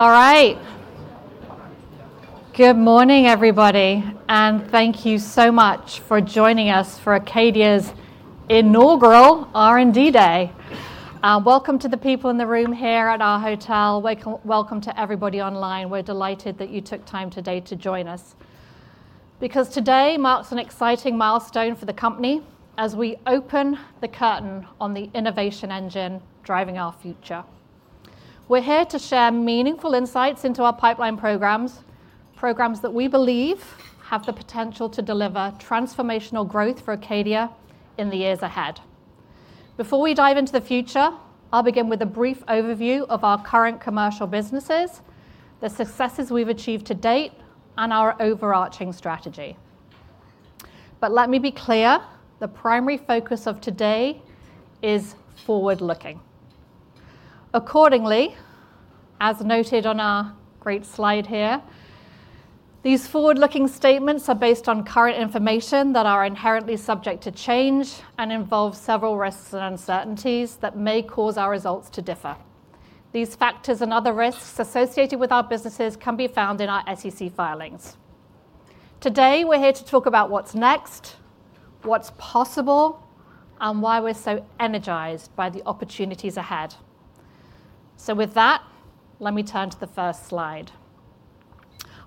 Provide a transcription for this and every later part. All right. Good morning, everybody, and thank you so much for joining us for Acadia's inaugural R&D Day. Welcome to the people in the room here at our hotel. Welcome to everybody online. We're delighted that you took time today to join us. Today marks an exciting milestone for the company as we open the curtain on the innovation engine driving our future. We're here to share meaningful insights into our pipeline programs, programs that we believe have the potential to deliver transformational growth for Acadia in the years ahead. Before we dive into the future, I'll begin with a brief overview of our current commercial businesses, the successes we've achieved to date, and our overarching strategy. Let me be clear, the primary focus of today is forward-looking. Accordingly, as noted on our great slide here, these forward-looking statements are based on current information that are inherently subject to change and involve several risks and uncertainties that may cause our results to differ. These factors and other risks associated with our businesses can be found in our SEC filings. Today, we're here to talk about what's next, what's possible, and why we're so energized by the opportunities ahead. With that, let me turn to the first slide.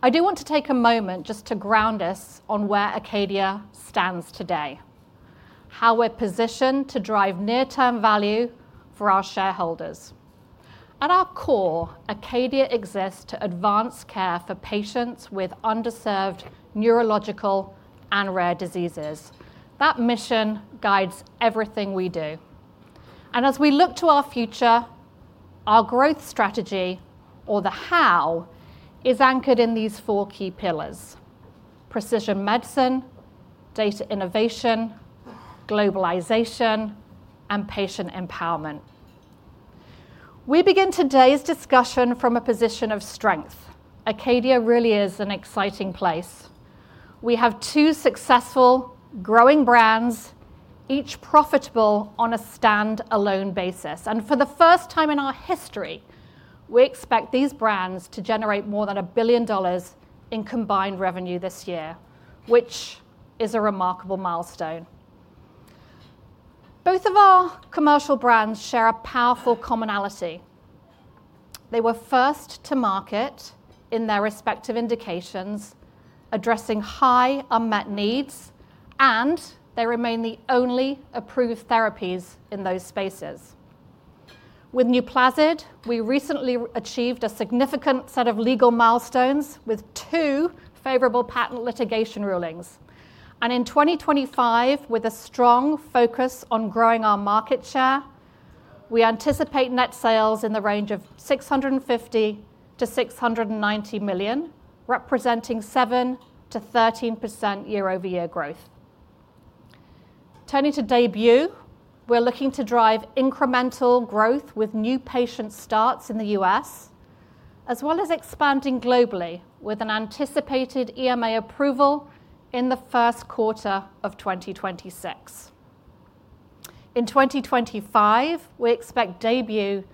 I do want to take a moment just to ground us on where Acadia stands today, how we're positioned to drive near-term value for our shareholders. At our core, Acadia exists to advance care for patients with underserved neurological and rare diseases. That mission guides everything we do. As we look to our future, our growth strategy, or the how, is anchored in these four key pillars: precision medicine, data innovation, globalization, and patient empowerment. We begin today's discussion from a position of strength. Acadia really is an exciting place. We have two successful, growing brands, each profitable on a standalone basis. For the first time in our history, we expect these brands to generate more than $1 billion in combined revenue this year, which is a remarkable milestone. Both of our commercial brands share a powerful commonality. They were first to market in their respective indications, addressing high unmet needs, and they remain the only approved therapies in those spaces. With NUPLAZID, we recently achieved a significant set of legal milestones with two favorable patent litigation rulings. In 2025, with a strong focus on growing our market share, we anticipate net sales in the range of $650 million-$690 million, representing 7%-13% year-over-year growth. Turning to DAYBUE, we're looking to drive incremental growth with new patient starts in the U.S., as well as expanding globally with an anticipated EMA approval in the first quarter of 2026. In 2025, we expect DAYBUE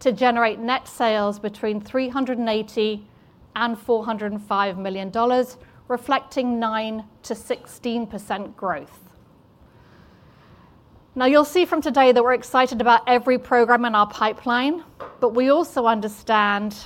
to generate net sales between $380 million and $405 million, reflecting 9%-16% growth. You'll see from today that we're excited about every program in our pipeline, but we also understand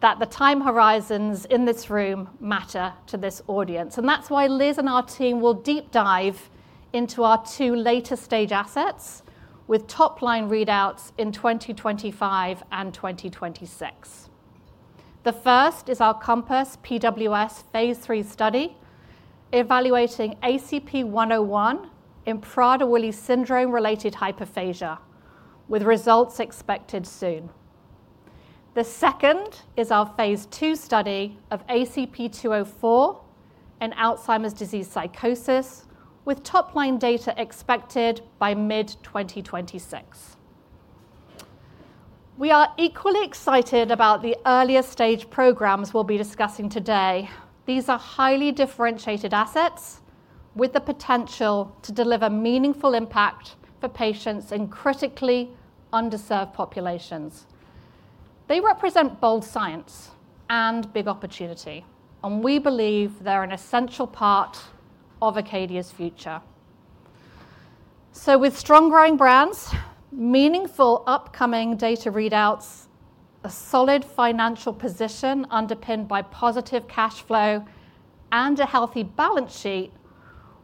that the time horizons in this room matter to this audience. That's why Liz and our team will deep dive into our two later-stage assets with top-line readouts in 2025 and 2026. The first is our COMPASS-PWS phase III study evaluating ACP-101 in Prader-Willi syndrome-related hyperphagia, with results expected soon. The second is our phase II study of ACP-204 in Alzheimer's disease psychosis, with top-line data expected by mid-2026. We are equally excited about the earlier-stage programs we'll be discussing today. These are highly differentiated assets with the potential to deliver meaningful impact for patients in critically underserved populations. They represent bold science and big opportunity, and we believe they're an essential part of Acadia's future. With strong growing brands, meaningful upcoming data readouts, a solid financial position underpinned by positive cash flow, and a healthy balance sheet,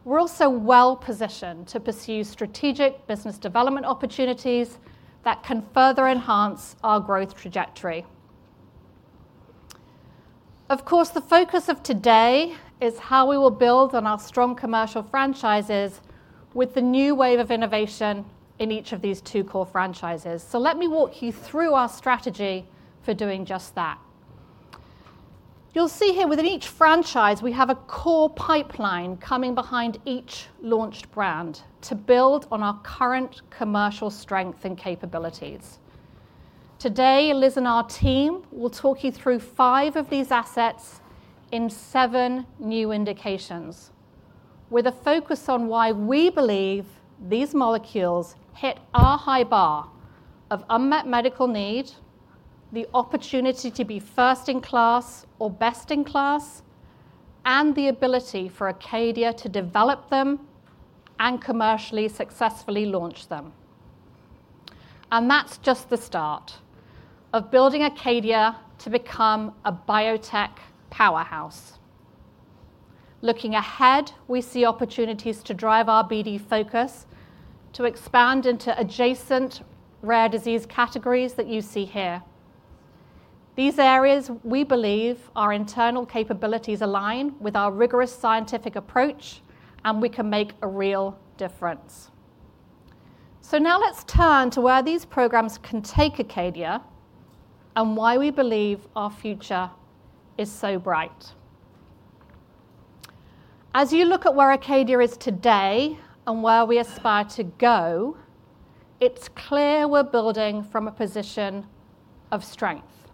we're also well-positioned to pursue strategic business development opportunities that can further enhance our growth trajectory. Of course, the focus of today is how we will build on our strong commercial franchises with the new wave of innovation in each of these two core franchises. Let me walk you through our strategy for doing just that. You'll see here within each franchise, we have a core pipeline coming behind each launched brand to build on our current commercial strength and capabilities. Today, Liz and our team will talk you through five of these assets in seven new indications, with a focus on why we believe these molecules hit our high bar of unmet medical need, the opportunity to be first in class or best in class, and the ability for Acadia to develop them and commercially successfully launch them. That's just the start of building Acadia to become a biotech powerhouse. Looking ahead, we see opportunities to drive our BD focus to expand into adjacent rare disease categories that you see here. These areas, we believe, our internal capabilities align with our rigorous scientific approach, and we can make a real difference. Now let's turn to where these programs can take Acadia and why we believe our future is so bright. As you look at where Acadia is today and where we aspire to go, it's clear we're building from a position of strength.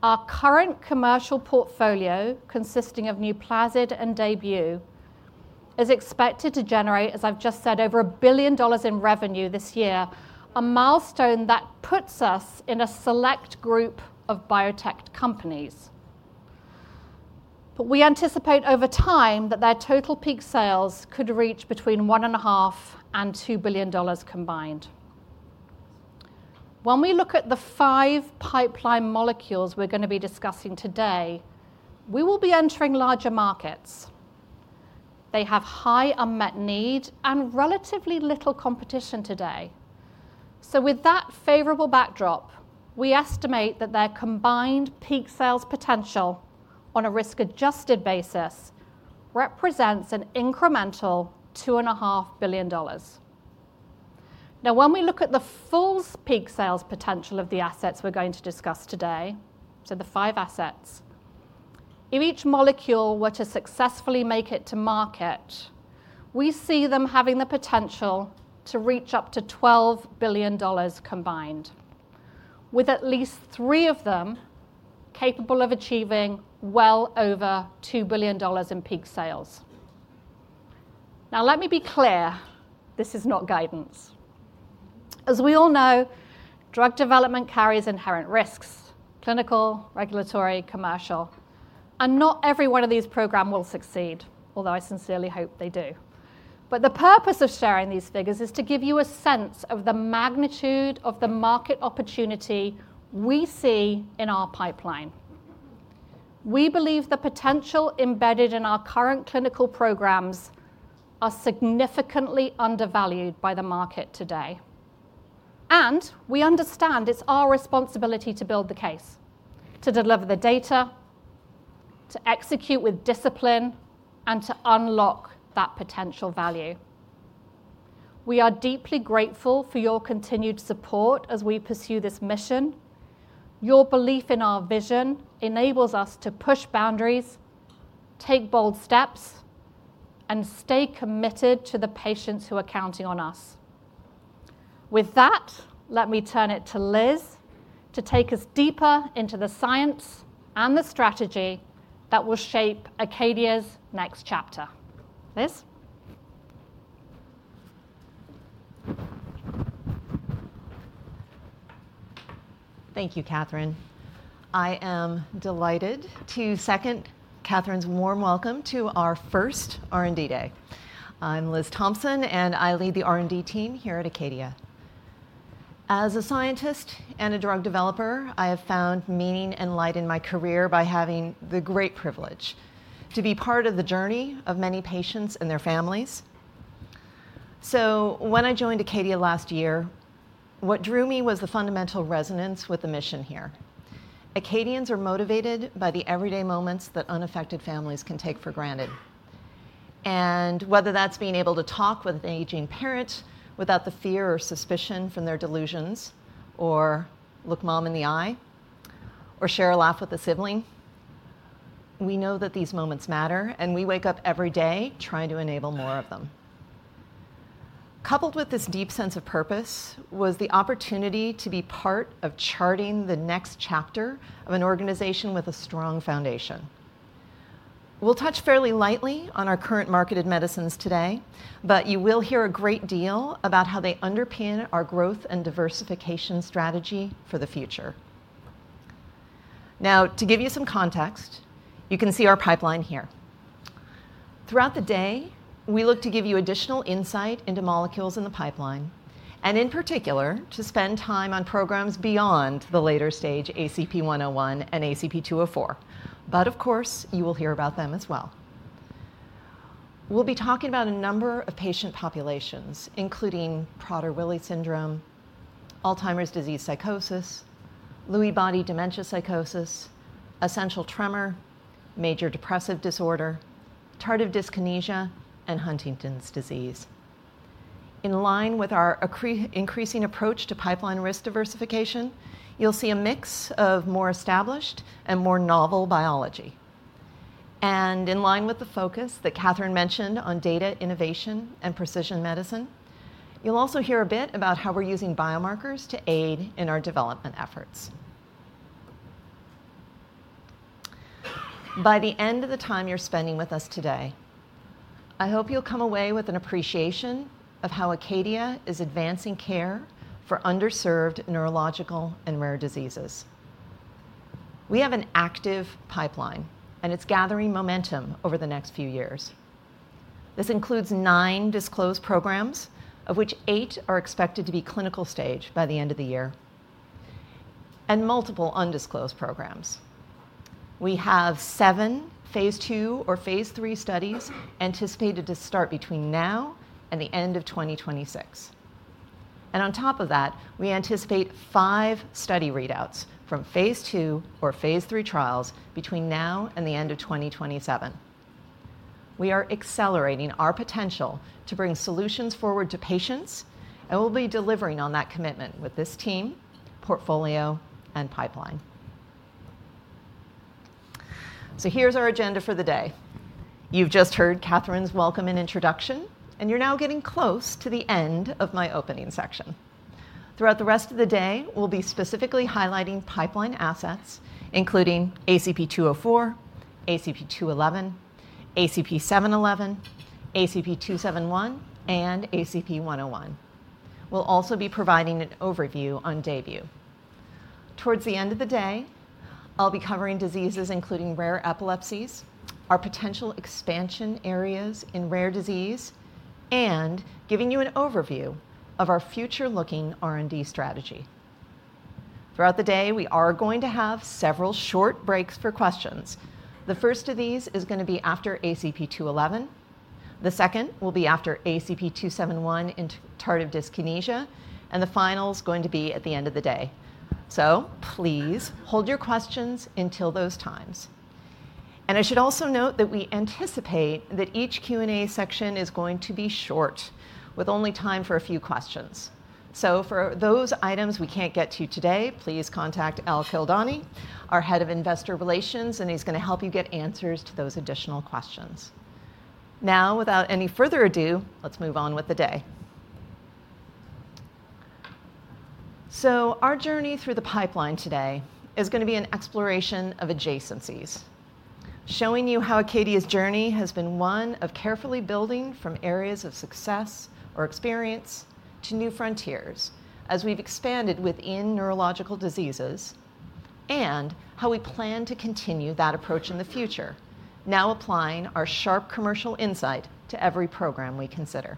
Our current commercial portfolio, consisting of NUPLAZID and DAYBUE, is expected to generate, as I've just said, over $1 billion in revenue this year, a milestone that puts us in a select group of biotech companies. We anticipate over time that their total peak sales could reach between $1.5 billion and $2 billion combined. When we look at the five pipeline molecules we're going to be discussing today, we will be entering larger markets. They have high unmet need and relatively little competition today. With that favorable backdrop, we estimate that their combined peak sales potential on a risk-adjusted basis represents an incremental $2.5 billion. Now, when we look at the full peak sales potential of the assets we're going to discuss today, so the five assets, if each molecule were to successfully make it to market, we see them having the potential to reach up to $12 billion combined, with at least three of them capable of achieving well over $2 billion in peak sales. Now, let me be clear, this is not guidance. As we all know, drug development carries inherent risks, clinical, regulatory, commercial, and not every one of these programs will succeed, although I sincerely hope they do. The purpose of sharing these figures is to give you a sense of the magnitude of the market opportunity we see in our pipeline. We believe the potential embedded in our current clinical programs is significantly undervalued by the market today. We understand it's our responsibility to build the case, to deliver the data, to execute with discipline, and to unlock that potential value. We are deeply grateful for your continued support as we pursue this mission. Your belief in our vision enables us to push boundaries, take bold steps, and stay committed to the patients who are counting on us. With that, let me turn it to Liz to take us deeper into the science and the strategy that will shape Acadia's next chapter. Liz? Thank you, Catherine. I am delighted to second Catherine's warm welcome to our first R&D Day. I'm Liz Thompson, and I lead the R&D team here at Acadia. As a scientist and a drug developer, I have found meaning and light in my career by having the great privilege to be part of the journey of many patients and their families. When I joined Acadia last year, what drew me was the fundamental resonance with the mission here. Acadians are motivated by the everyday moments that unaffected families can take for granted. Whether that's being able to talk with an aging parent without the fear or suspicion from their delusions, or look mom in the eye, or share a laugh with a sibling, we know that these moments matter, and we wake up every day trying to enable more of them. Coupled with this deep sense of purpose was the opportunity to be part of charting the next chapter of an organization with a strong foundation. We'll touch fairly lightly on our current marketed medicines today, but you will hear a great deal about how they underpin our growth and diversification strategy for the future. Now, to give you some context, you can see our pipeline here. Throughout the day, we look to give you additional insight into molecules in the pipeline, and in particular, to spend time on programs beyond the later-stage ACP-101 and ACP-204. Of course, you will hear about them as well. We'll be talking about a number of patient populations, including Prader-Willi syndrome, Alzheimer's disease psychosis, Lewy body dementia psychosis, essential tremor, major depressive disorder, tardive dyskinesia, and Huntington's disease. In line with our increasing approach to pipeline risk diversification, you'll see a mix of more established and more novel biology. In line with the focus that Catherine mentioned on data innovation and precision medicine, you'll also hear a bit about how we're using biomarkers to aid in our development efforts. By the end of the time you're spending with us today, I hope you'll come away with an appreciation of how Acadia is advancing care for underserved neurological and rare diseases. We have an active pipeline, and it's gathering momentum over the next few years. This includes nine disclosed programs, of which eight are expected to be clinical stage by the end of the year, and multiple undisclosed programs. We have seven phase II or phase III studies anticipated to start between now and the end of 2026. On top of that, we anticipate five study readouts from phase II or phase III trials between now and the end of 2027. We are accelerating our potential to bring solutions forward to patients, and we'll be delivering on that commitment with this team, portfolio, and pipeline. Here is our agenda for the day. You have just heard Catherine's welcome and introduction, and you are now getting close to the end of my opening section. Throughout the rest of the day, we will be specifically highlighting pipeline assets, including ACP-204, ACP-211, ACP-711, ACP-271, and ACP-101. We will also be providing an overview on DAYBUE. Towards the end of the day, I will be covering diseases including rare epilepsies, our potential expansion areas in rare disease, and giving you an overview of our future-looking R&D strategy. Throughout the day, we are going to have several short breaks for questions. The first of these is going to be after ACP-211. The second will be after ACP-271 into tardive dyskinesia, and the final is going to be at the end of the day. Please hold your questions until those times. I should also note that we anticipate that each Q&A section is going to be short, with only time for a few questions. For those items we can't get to today, please contact Al Kildani, our Head of Investor Relations, and he's going to help you get answers to those additional questions. Now, without any further ado, let's move on with the day. Our journey through the pipeline today is going to be an exploration of adjacencies, showing you how Acadia's journey has been one of carefully building from areas of success or experience to new frontiers as we've expanded within neurological diseases and how we plan to continue that approach in the future, now applying our sharp commercial insight to every program we consider.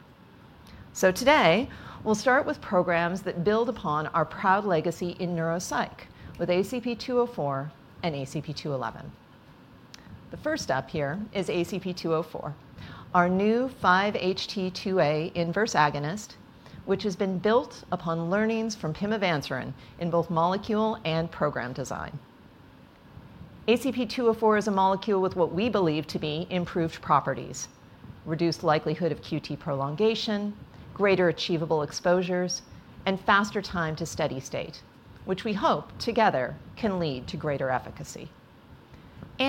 Today, we'll start with programs that build upon our proud legacy in neuropsych with ACP-204 and ACP-211. The first up here is ACP-204, our new 5-HT2A inverse agonist, which has been built upon learnings from pimavanserin in both molecule and program design. ACP-204 is a molecule with what we believe to be improved properties, reduced likelihood of QT prolongation, greater achievable exposures, and faster time to steady state, which we hope together can lead to greater efficacy. We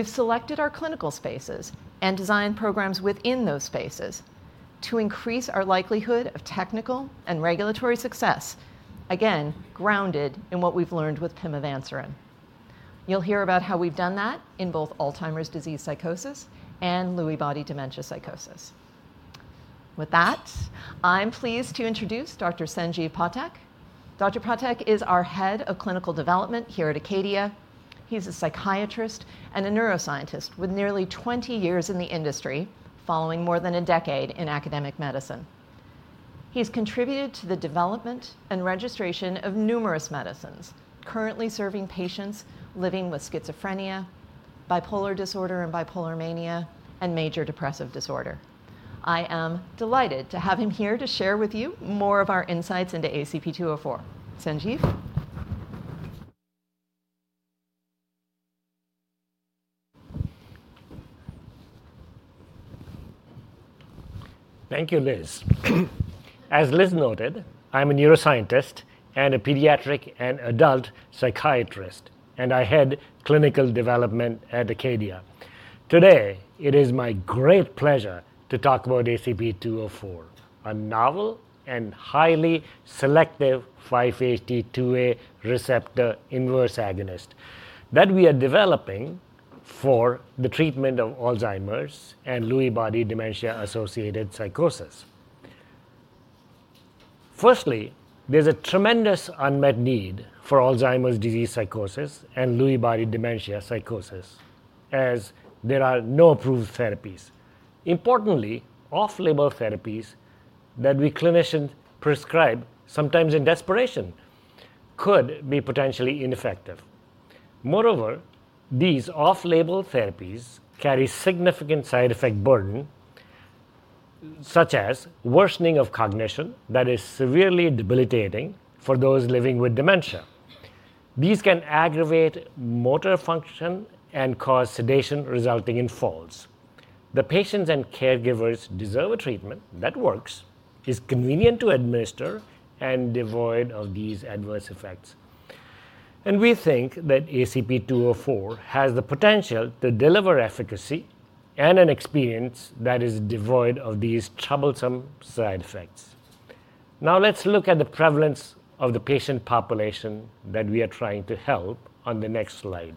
have selected our clinical spaces and designed programs within those spaces to increase our likelihood of technical and regulatory success, again, grounded in what we have learned with pimavanserin. You will hear about how we have done that in both Alzheimer's disease psychosis and Lewy body dementia psychosis. With that, I am pleased to introduce Dr. Sanjeev Pathak. Dr. Pathak is our Head of Clinical Development here at Acadia. He is a psychiatrist and a neuroscientist with nearly 20 years in the industry, following more than a decade in academic medicine. He has contributed to the development and registration of numerous medicines, currently serving patients living with schizophrenia, bipolar disorder and bipolar mania, and major depressive disorder. I am delighted to have him here to share with you more of our insights into ACP-204. Sanjeev? Thank you, Liz. As Liz noted, I'm a neuroscientist and a pediatric and adult psychiatrist, and I head clinical development at Acadia. Today, it is my great pleasure to talk about ACP-204, a novel and highly selective 5-HT2A receptor inverse agonist that we are developing for the treatment of Alzheimer's and Lewy body dementia-associated psychosis. Firstly, there's a tremendous unmet need for Alzheimer's disease psychosis and Lewy body dementia psychosis, as there are no approved therapies. Importantly, off-label therapies that we clinicians prescribe, sometimes in desperation, could be potentially ineffective. Moreover, these off-label therapies carry significant side effect burden, such as worsening of cognition that is severely debilitating for those living with dementia. These can aggravate motor function and cause sedation, resulting in falls. The patients and caregivers deserve a treatment that works, is convenient to administer, and devoid of these adverse effects. We think that ACP-204 has the potential to deliver efficacy and an experience that is devoid of these troublesome side effects. Now, let's look at the prevalence of the patient population that we are trying to help on the next slide.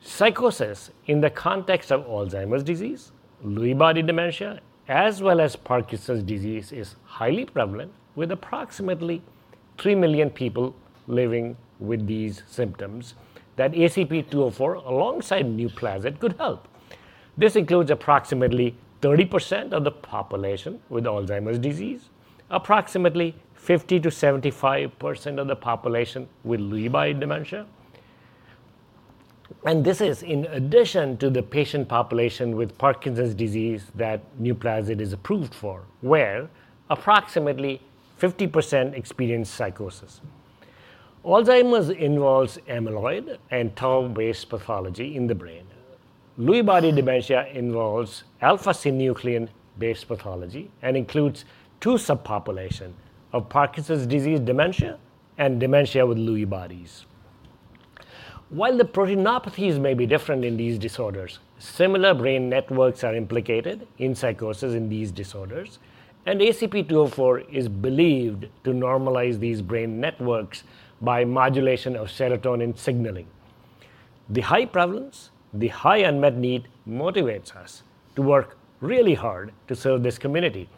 Psychosis in the context of Alzheimer's disease, Lewy body dementia, as well as Parkinson's disease, is highly prevalent with approximately 3 million people living with these symptoms that ACP-204, alongside NUPLAZID, could help. This includes approximately 30% of the population with Alzheimer's disease, approximately 50%-75% of the population with Lewy body dementia. This is in addition to the patient population with Parkinson's disease that NUPLAZID is approved for, where approximately 50% experience psychosis. Alzheimer's involves amyloid and tau-based pathology in the brain. Lewy body dementia involves alpha-synuclein-based pathology and includes two subpopulations of Parkinson's disease dementia and dementia with Lewy bodies. While the proteinopathies may be different in these disorders, similar brain networks are implicated in psychosis in these disorders, and ACP-204 is believed to normalize these brain networks by modulation of serotonin signaling. The high prevalence, the high unmet need motivates us to work really hard to serve this community.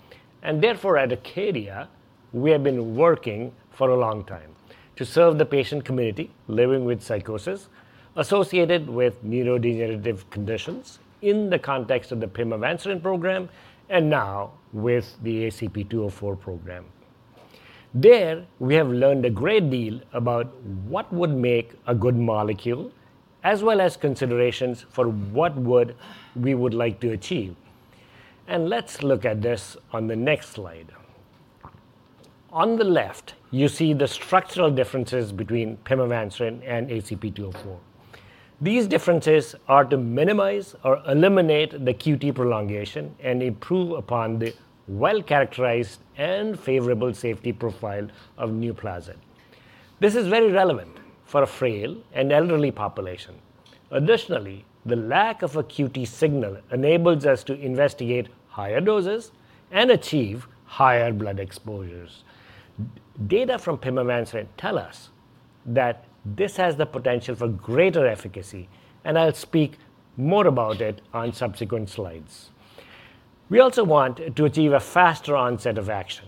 Therefore, at Acadia, we have been working for a long time to serve the patient community living with psychosis associated with neurodegenerative conditions in the context of the pimavanserin program and now with the ACP-204 program. There, we have learned a great deal about what would make a good molecule, as well as considerations for what we would like to achieve. Let's look at this on the next slide. On the left, you see the structural differences between pimavanserin and ACP-204. These differences are to minimize or eliminate the QT prolongation and improve upon the well-characterized and favorable safety profile of NUPLAZID. This is very relevant for a frail and elderly population. Additionally, the lack of a QT signal enables us to investigate higher doses and achieve higher blood exposures. Data from pimavanserin tell us that this has the potential for greater efficacy, and I'll speak more about it on subsequent slides. We also want to achieve a faster onset of action,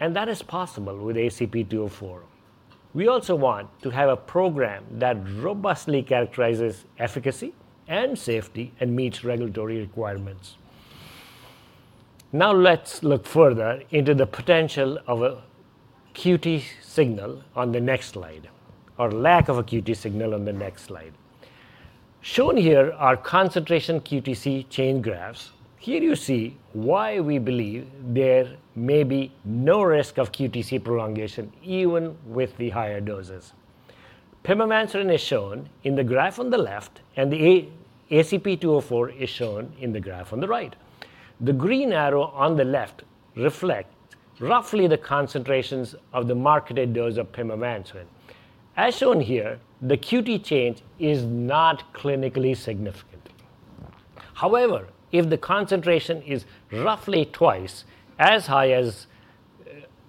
and that is possible with ACP-204. We also want to have a program that robustly characterizes efficacy and safety and meets regulatory requirements. Now, let's look further into the potential of a QT signal on the next slide, or lack of a QT signal on the next slide. Shown here are concentration QTc change graphs. Here you see why we believe there may be no risk of QTc prolongation, even with the higher doses. Pimavanserin is shown in the graph on the left, and the ACP-204 is shown in the graph on the right. The green arrow on the left reflects roughly the concentrations of the marketed dose of pimavanserin. As shown here, the QT change is not clinically significant. However, if the concentration is roughly twice as high as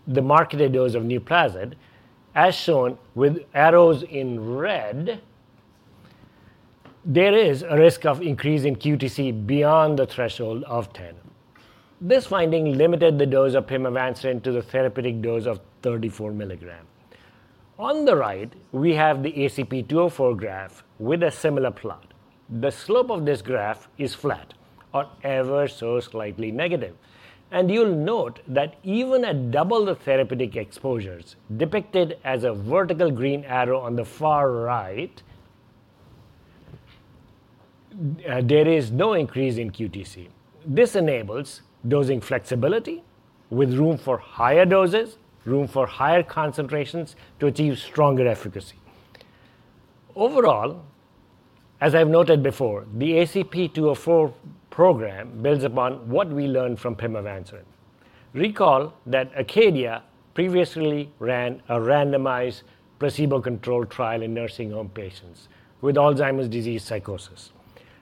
the marketed dose of NUPLAZID, as shown with arrows in red, there is a risk of increasing QTc beyond the threshold of 10. This finding limited the dose of pimavanserin to the therapeutic dose of 34 mg. On the right, we have the ACP-204 graph with a similar plot. The slope of this graph is flat or ever so slightly negative. You will note that even at double the therapeutic exposures depicted as a vertical green arrow on the far right, there is no increase in QTc. This enables dosing flexibility with room for higher doses, room for higher concentrations to achieve stronger efficacy. Overall, as I have noted before, the ACP-204 program builds upon what we learned from pimavanserin. Recall that Acadia previously ran a randomized placebo-controlled trial in nursing home patients with Alzheimer's disease psychosis.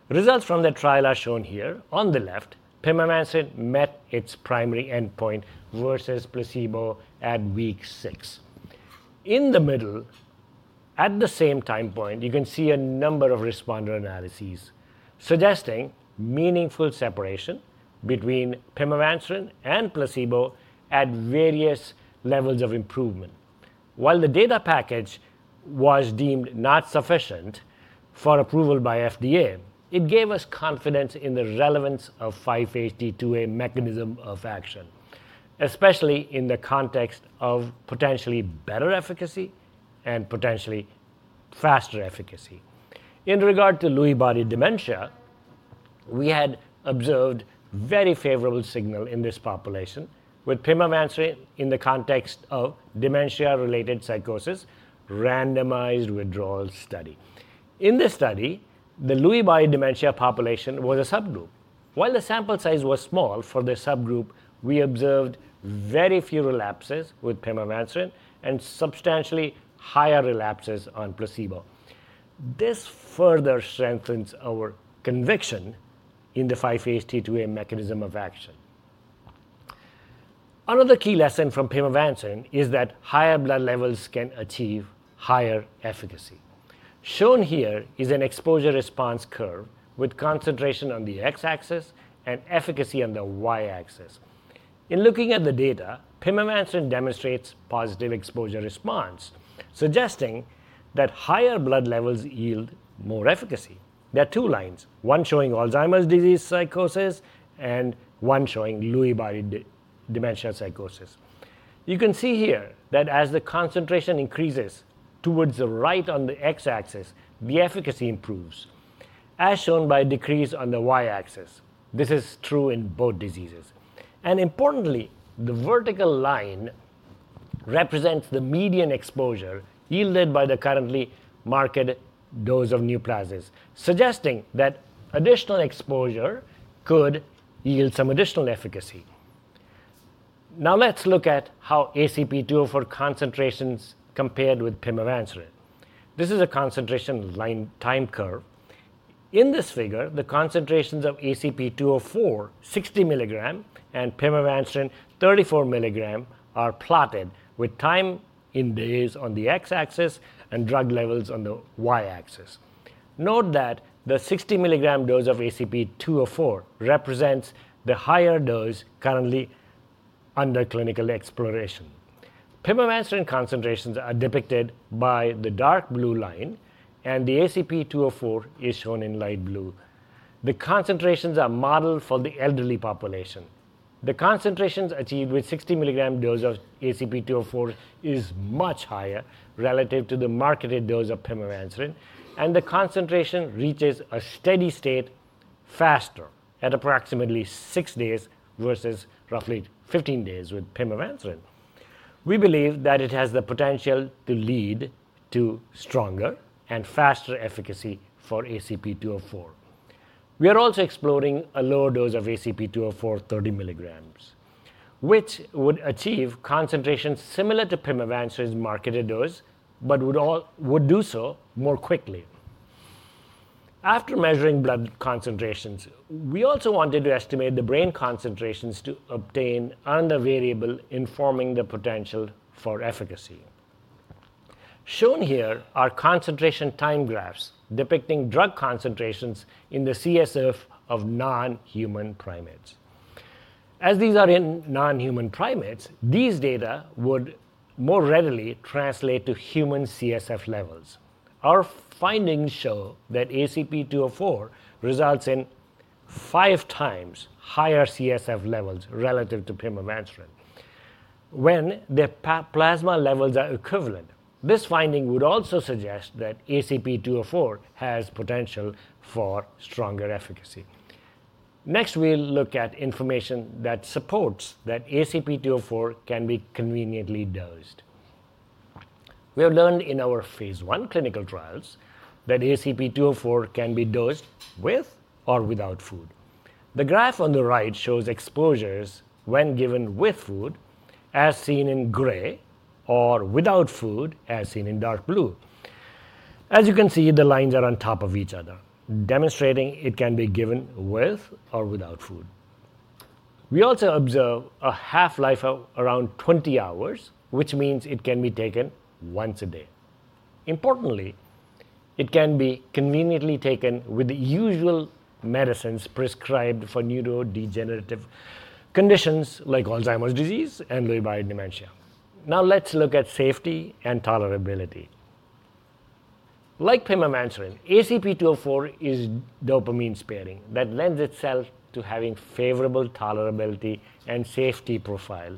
Results from that trial are shown here. On the left, pimavanserin met its primary endpoint versus placebo at week six. In the middle, at the same time point, you can see a number of responder analyses suggesting meaningful separation between pimavanserin and placebo at various levels of improvement. While the data package was deemed not sufficient for approval by FDA, it gave us confidence in the relevance of 5-HT2A mechanism of action, especially in the context of potentially better efficacy and potentially faster efficacy. In regard to Lewy body dementia, we had observed very favorable signal in this population with pimavanserin in the context of dementia-related psychosis randomized withdrawal study. In this study, the Lewy body dementia population was a subgroup. While the sample size was small for the subgroup, we observed very few relapses with pimavanserin and substantially higher relapses on placebo. This further strengthens our conviction in the 5-HT2A mechanism of action. Another key lesson from pimavanserin is that higher blood levels can achieve higher efficacy. Shown here is an exposure response curve with concentration on the X-axis and efficacy on the Y-axis. In looking at the data, pimavanserin demonstrates positive exposure response, suggesting that higher blood levels yield more efficacy. There are two lines, one showing Alzheimer's disease psychosis and one showing Lewy body dementia psychosis. You can see here that as the concentration increases towards the right on the X-axis, the efficacy improves, as shown by a decrease on the Y-axis. This is true in both diseases. Importantly, the vertical line represents the median exposure yielded by the currently marketed dose of NUPLAZID, suggesting that additional exposure could yield some additional efficacy. Now, let's look at how ACP-204 concentrations compared with pimavanserin. This is a concentration line time curve. In this figure, the concentrations of ACP-204, 60 mg, and pimavanserin, 34 mg, are plotted with time in days on the X-axis and drug levels on the Y-axis. Note that the 60 mg dose of ACP-204 represents the higher dose currently under clinical exploration. Pimavanserin concentrations are depicted by the dark blue line, and the ACP-204 is shown in light blue. The concentrations are modeled for the elderly population. The concentrations achieved with 60 mg dose of ACP-204 is much higher relative to the marketed dose of pimavanserin, and the concentration reaches a steady state faster at approximately six days versus roughly 15 days with pimavanserin. We believe that it has the potential to lead to stronger and faster efficacy for ACP-204. We are also exploring a lower dose of ACP-204, 30 mg, which would achieve concentrations similar to pimavanserin's marketed dose, but would do so more quickly. After measuring blood concentrations, we also wanted to estimate the brain concentrations to obtain on the variable informing the potential for efficacy. Shown here are concentration time graphs depicting drug concentrations in the CSF of non-human primates. As these are in non-human primates, these data would more readily translate to human CSF levels. Our findings show that ACP-204 results in five times higher CSF levels relative to pimavanserin. When the plasma levels are equivalent, this finding would also suggest that ACP-204 has potential for stronger efficacy. Next, we'll look at information that supports that ACP-204 can be conveniently dosed. We have learned in our phase I clinical trials that ACP-204 can be dosed with or without food. The graph on the right shows exposures when given with food, as seen in gray, or without food, as seen in dark blue. As you can see, the lines are on top of each other, demonstrating it can be given with or without food. We also observe a half-life of around 20 hours, which means it can be taken once a day. Importantly, it can be conveniently taken with the usual medicines prescribed for neurodegenerative conditions like Alzheimer's disease and Lewy body dementia. Now, let's look at safety and tolerability. Like pimavanserin, ACP-204 is dopamine-sparing that lends itself to having favorable tolerability and safety profile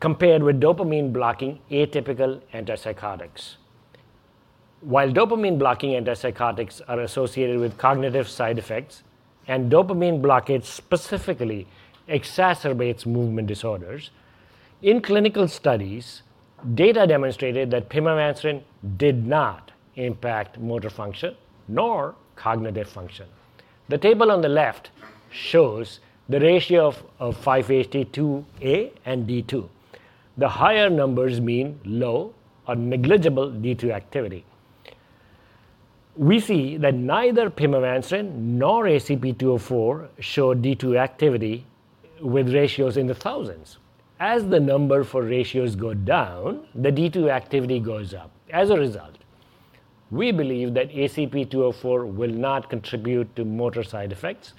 compared with dopamine-blocking atypical antipsychotics. While dopamine-blocking antipsychotics are associated with cognitive side effects and dopamine blockade specifically exacerbates movement disorders, in clinical studies, data demonstrated that pimavanserin did not impact motor function nor cognitive function. The table on the left shows the ratio of 5-HT2A and D2. The higher numbers mean low or negligible D2 activity. We see that neither pimavanserin nor ACP-204 show D2 activity with ratios in the thousands. As the number for ratios goes down, the D2 activity goes up. As a result, we believe that ACP-204 will not contribute to motor side effects,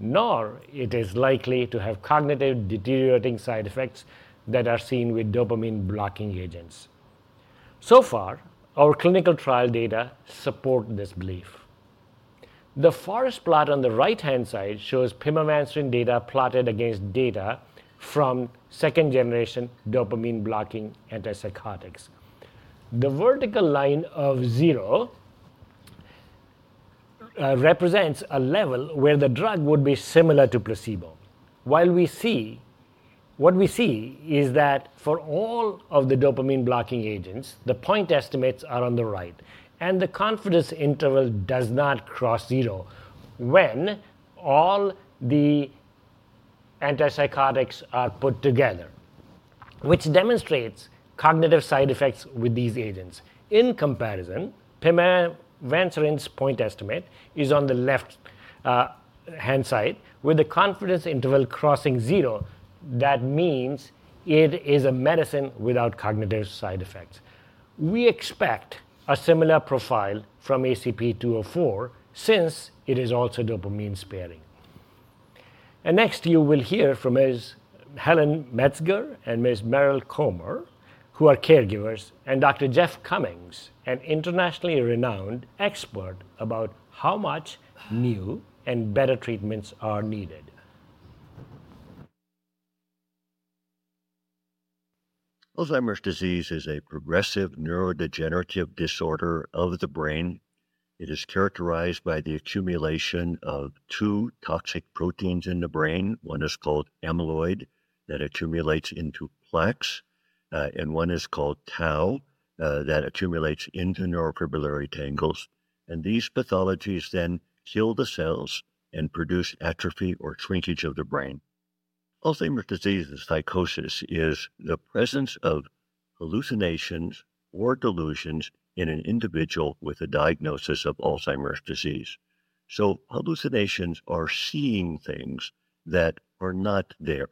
nor is it likely to have cognitive deteriorating side effects that are seen with dopamine-blocking agents. So far, our clinical trial data support this belief. The forest plot on the right-hand side shows pimavanserin data plotted against data from second-generation dopamine-blocking antipsychotics. The vertical line of zero represents a level where the drug would be similar to placebo. What we see is that for all of the dopamine-blocking agents, the point estimates are on the right, and the confidence interval does not cross zero when all the antipsychotics are put together, which demonstrates cognitive side effects with these agents. In comparison, pimavanserin's point estimate is on the left-hand side with the confidence interval crossing zero. That means it is a medicine without cognitive side effects. We expect a similar profile from ACP-204 since it is also dopamine-sparing. Next, you will hear from Ms. Helen Metzger and Ms. Meryl Comer, who are caregivers, and Dr. Jeff Cummings, an internationally renowned expert, about how much new and better treatments are needed. Alzheimer's disease is a progressive neurodegenerative disorder of the brain. It is characterized by the accumulation of two toxic proteins in the brain. One is called amyloid that accumulates into plaques, and one is called tau that accumulates into neurofibrillary tangles. These pathologies then kill the cells and produce atrophy or shrinkage of the brain. Alzheimer's disease and psychosis is the presence of hallucinations or delusions in an individual with a diagnosis of Alzheimer's disease. Hallucinations are seeing things that are not there.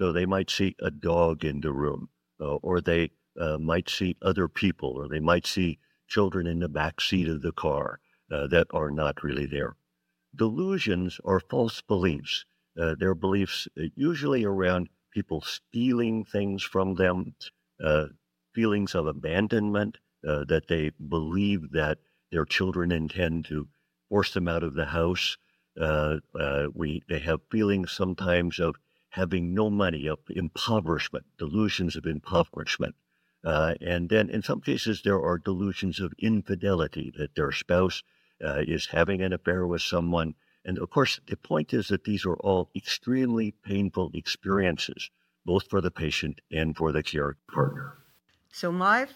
They might see a dog in the room, or they might see other people, or they might see children in the back seat of the car that are not really there. Delusions are false beliefs. They're beliefs usually around people stealing things from them, feelings of abandonment, that they believe that their children intend to force them out of the house. They have feelings sometimes of having no money, of impoverishment, delusions of impoverishment. In some cases, there are delusions of infidelity, that their spouse is having an affair with someone. Of course, the point is that these are all extremely painful experiences, both for the patient and for the care partner. My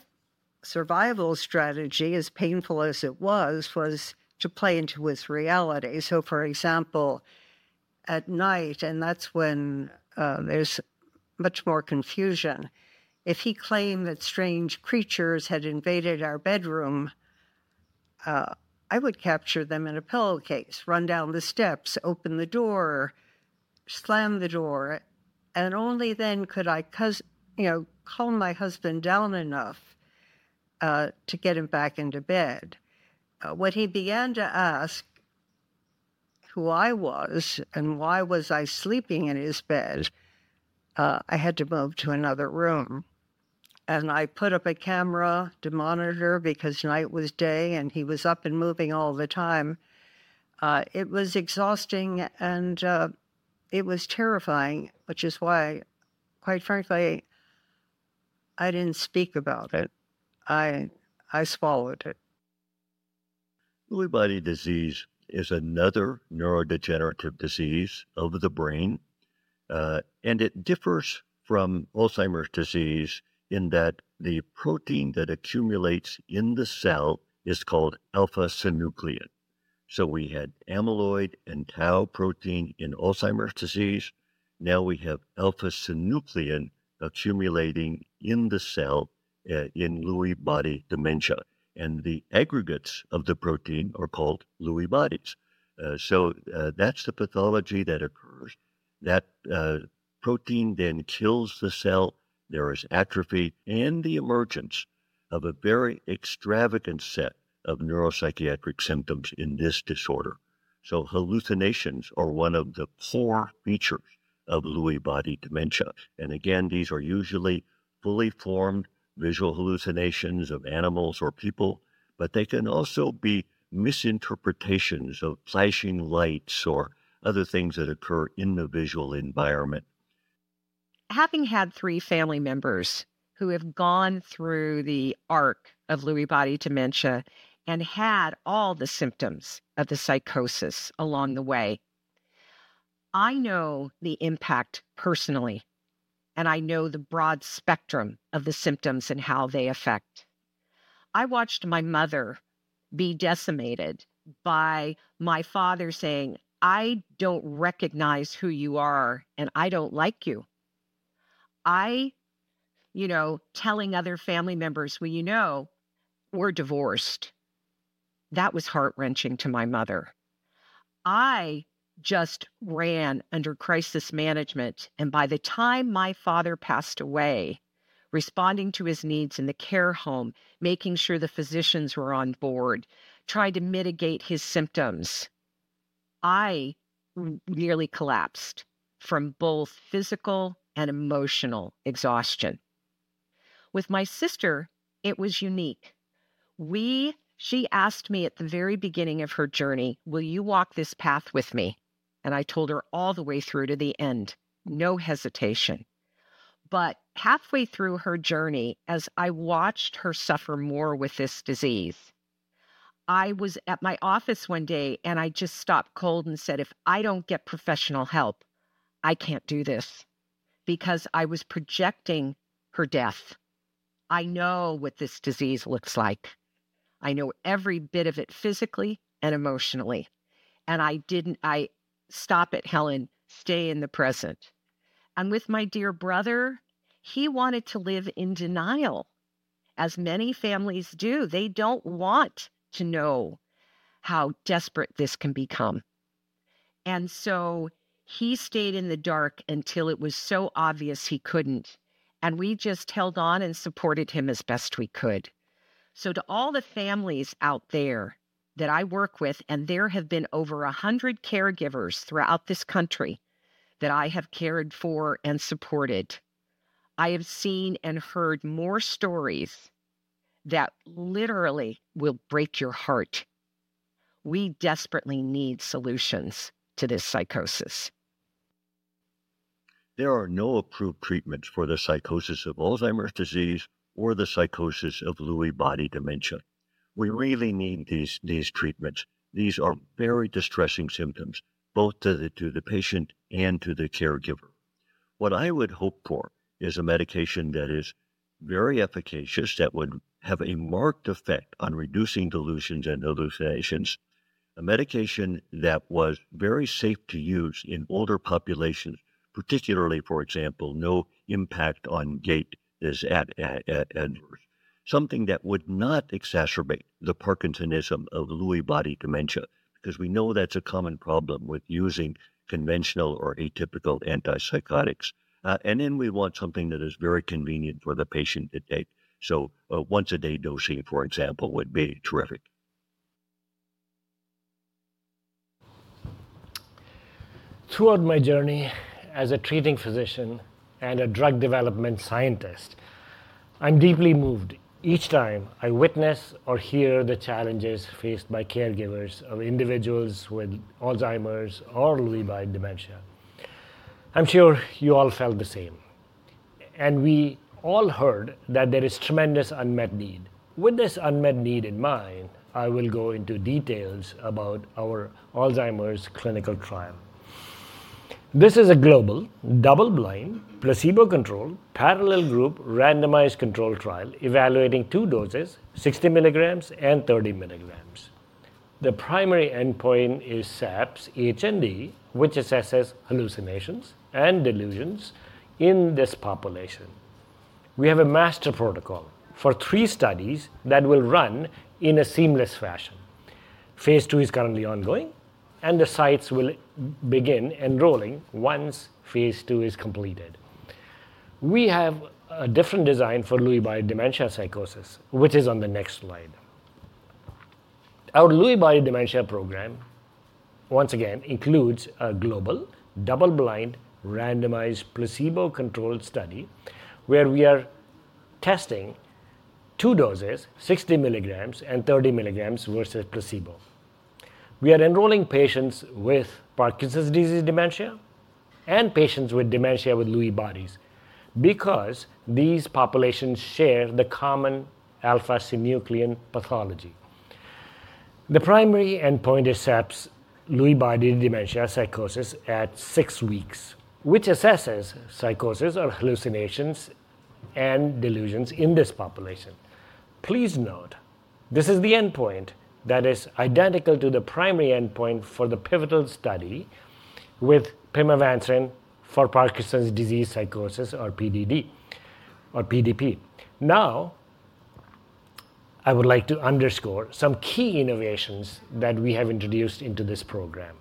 survival strategy, as painful as it was, was to play into his reality. For example, at night, and that's when there's much more confusion, if he claimed that strange creatures had invaded our bedroom, I would capture them in a pillowcase, run down the steps, open the door, slam the door, and only then could I calm my husband down enough to get him back into bed. When he began to ask who I was and why was I sleeping in his bed, I had to move to another room. I put up a camera to monitor because night was day and he was up and moving all the time. It was exhausting, and it was terrifying, which is why, quite frankly, I didn't speak about it. I swallowed it. Lewy body disease is another neurodegenerative disease of the brain, and it differs from Alzheimer's disease in that the protein that accumulates in the cell is called alpha-synuclein. We had amyloid and tau protein in Alzheimer's disease. Now we have alpha-synuclein accumulating in the cell in Lewy body dementia. The aggregates of the protein are called Lewy bodies. That is the pathology that occurs. That protein then kills the cell. There is atrophy and the emergence of a very extravagant set of neuropsychiatric symptoms in this disorder. Hallucinations are one of the core features of Lewy body dementia. Again, these are usually fully formed visual hallucinations of animals or people, but they can also be misinterpretations of flashing lights or other things that occur in the visual environment. Having had three family members who have gone through the arc of Lewy body dementia and had all the symptoms of the psychosis along the way, I know the impact personally, and I know the broad spectrum of the symptoms and how they affect. I watched my mother be decimated by my father saying, "I don't recognize who you are, and I don't like you." Telling other family members, "Well, you know, we're divorced." That was heart-wrenching to my mother. I just ran under crisis management, and by the time my father passed away, responding to his needs in the care home, making sure the physicians were on board, trying to mitigate his symptoms, I nearly collapsed from both physical and emotional exhaustion. With my sister, it was unique. She asked me at the very beginning of her journey, "Will you walk this path with me?" I told her all the way through to the end, no hesitation. Halfway through her journey, as I watched her suffer more with this disease, I was at my office one day, and I just stopped cold and said, "If I don't get professional help, I can't do this because I was projecting her death. I know what this disease looks like. I know every bit of it physically and emotionally." I stopped at Helen, "Stay in the present." With my dear brother, he wanted to live in denial, as many families do. They don't want to know how desperate this can become. He stayed in the dark until it was so obvious he couldn't. We just held on and supported him as best we could. To all the families out there that I work with, and there have been over 100 caregivers throughout this country that I have cared for and supported, I have seen and heard more stories that literally will break your heart. We desperately need solutions to this psychosis. There are no approved treatments for the psychosis of Alzheimer's disease or the psychosis of Lewy body dementia. We really need these treatments. These are very distressing symptoms, both to the patient and to the caregiver. What I would hope for is a medication that is very efficacious, that would have a marked effect on reducing delusions and hallucinations, a medication that was very safe to use in older populations, particularly, for example, no impact on gait as an adverse, something that would not exacerbate the Parkinsonism of Lewy body dementia, because we know that's a common problem with using conventional or atypical antipsychotics. We want something that is very convenient for the patient to take. Once-a-day dosing, for example, would be terrific. Throughout my journey as a treating physician and a drug development scientist, I'm deeply moved each time I witness or hear the challenges faced by caregivers of individuals with Alzheimer's or Lewy body dementia. I'm sure you all felt the same. We all heard that there is tremendous unmet need. With this unmet need in mind, I will go into details about our Alzheimer's clinical trial. This is a global, double-blind, placebo-controlled, parallel group, randomized control trial evaluating two doses, 60 mg and 30 mg. The primary endpoint is SAPS-H+D, which assesses hallucinations and delusions in this population. We have a master protocol for three studies that will run in a seamless fashion. phase II is currently ongoing, and the sites will begin enrolling once phase II is completed. We have a different design for Lewy body dementia psychosis, which is on the next slide. Our Lewy body dementia program, once again, includes a global, double-blind, randomized placebo-controlled study where we are testing two doses, 60 mg and 30 mg versus placebo. We are enrolling patients with Parkinson's disease dementia and patients with dementia with Lewy bodies because these populations share the common alpha-synuclein pathology. The primary endpoint is SAPS Lewy body dementia psychosis at six weeks, which assesses psychosis or hallucinations and delusions in this population. Please note, this is the endpoint that is identical to the primary endpoint for the pivotal study with pimavanserin for Parkinson's disease psychosis or PDP. Now, I would like to underscore some key innovations that we have introduced into this program.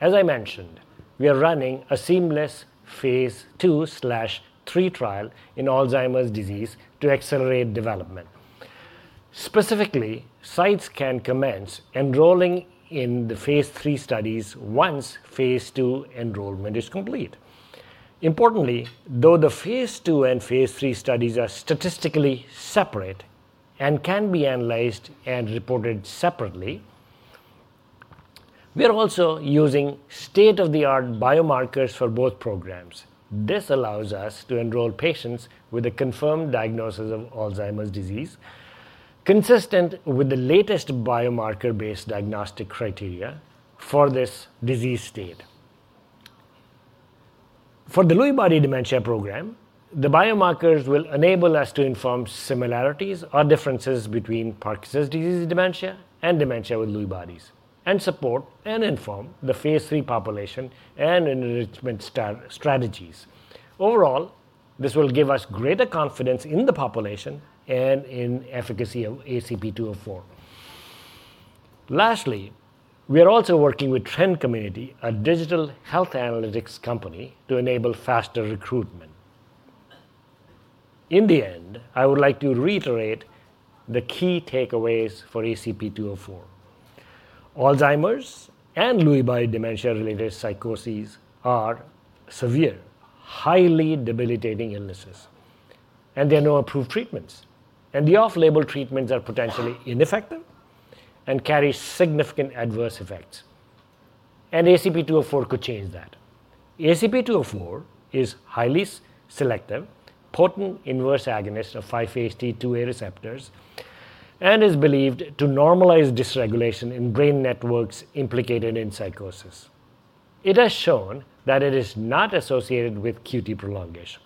As I mentioned, we are running a seamless phase II/III trial in Alzheimer's disease to accelerate development. Specifically, sites can commence enrolling in the phase III studies once phase II enrollment is complete. Importantly, though the phase II and phase III studies are statistically separate and can be analyzed and reported separately, we are also using state-of-the-art biomarkers for both programs. This allows us to enroll patients with a confirmed diagnosis of Alzheimer's disease consistent with the latest biomarker-based diagnostic criteria for this disease state. For the Lewy body dementia program, the biomarkers will enable us to inform similarities or differences between Parkinson's disease dementia and dementia with Lewy bodies and support and inform the phase III population and enrichment strategies. Overall, this will give us greater confidence in the population and in efficacy of ACP-204. Lastly, we are also working with TREND Community, a digital health analytics company, to enable faster recruitment. In the end, I would like to reiterate the key takeaways for ACP-204. Alzheimer's and Lewy body dementia-related psychoses are severe, highly debilitating illnesses, and there are no approved treatments. The off-label treatments are potentially ineffective and carry significant adverse effects. ACP-204 could change that. ACP-204 is a highly selective, potent inverse agonist of 5-HT2A receptors, and is believed to normalize dysregulation in brain networks implicated in psychosis. It has shown that it is not associated with QT prolongation,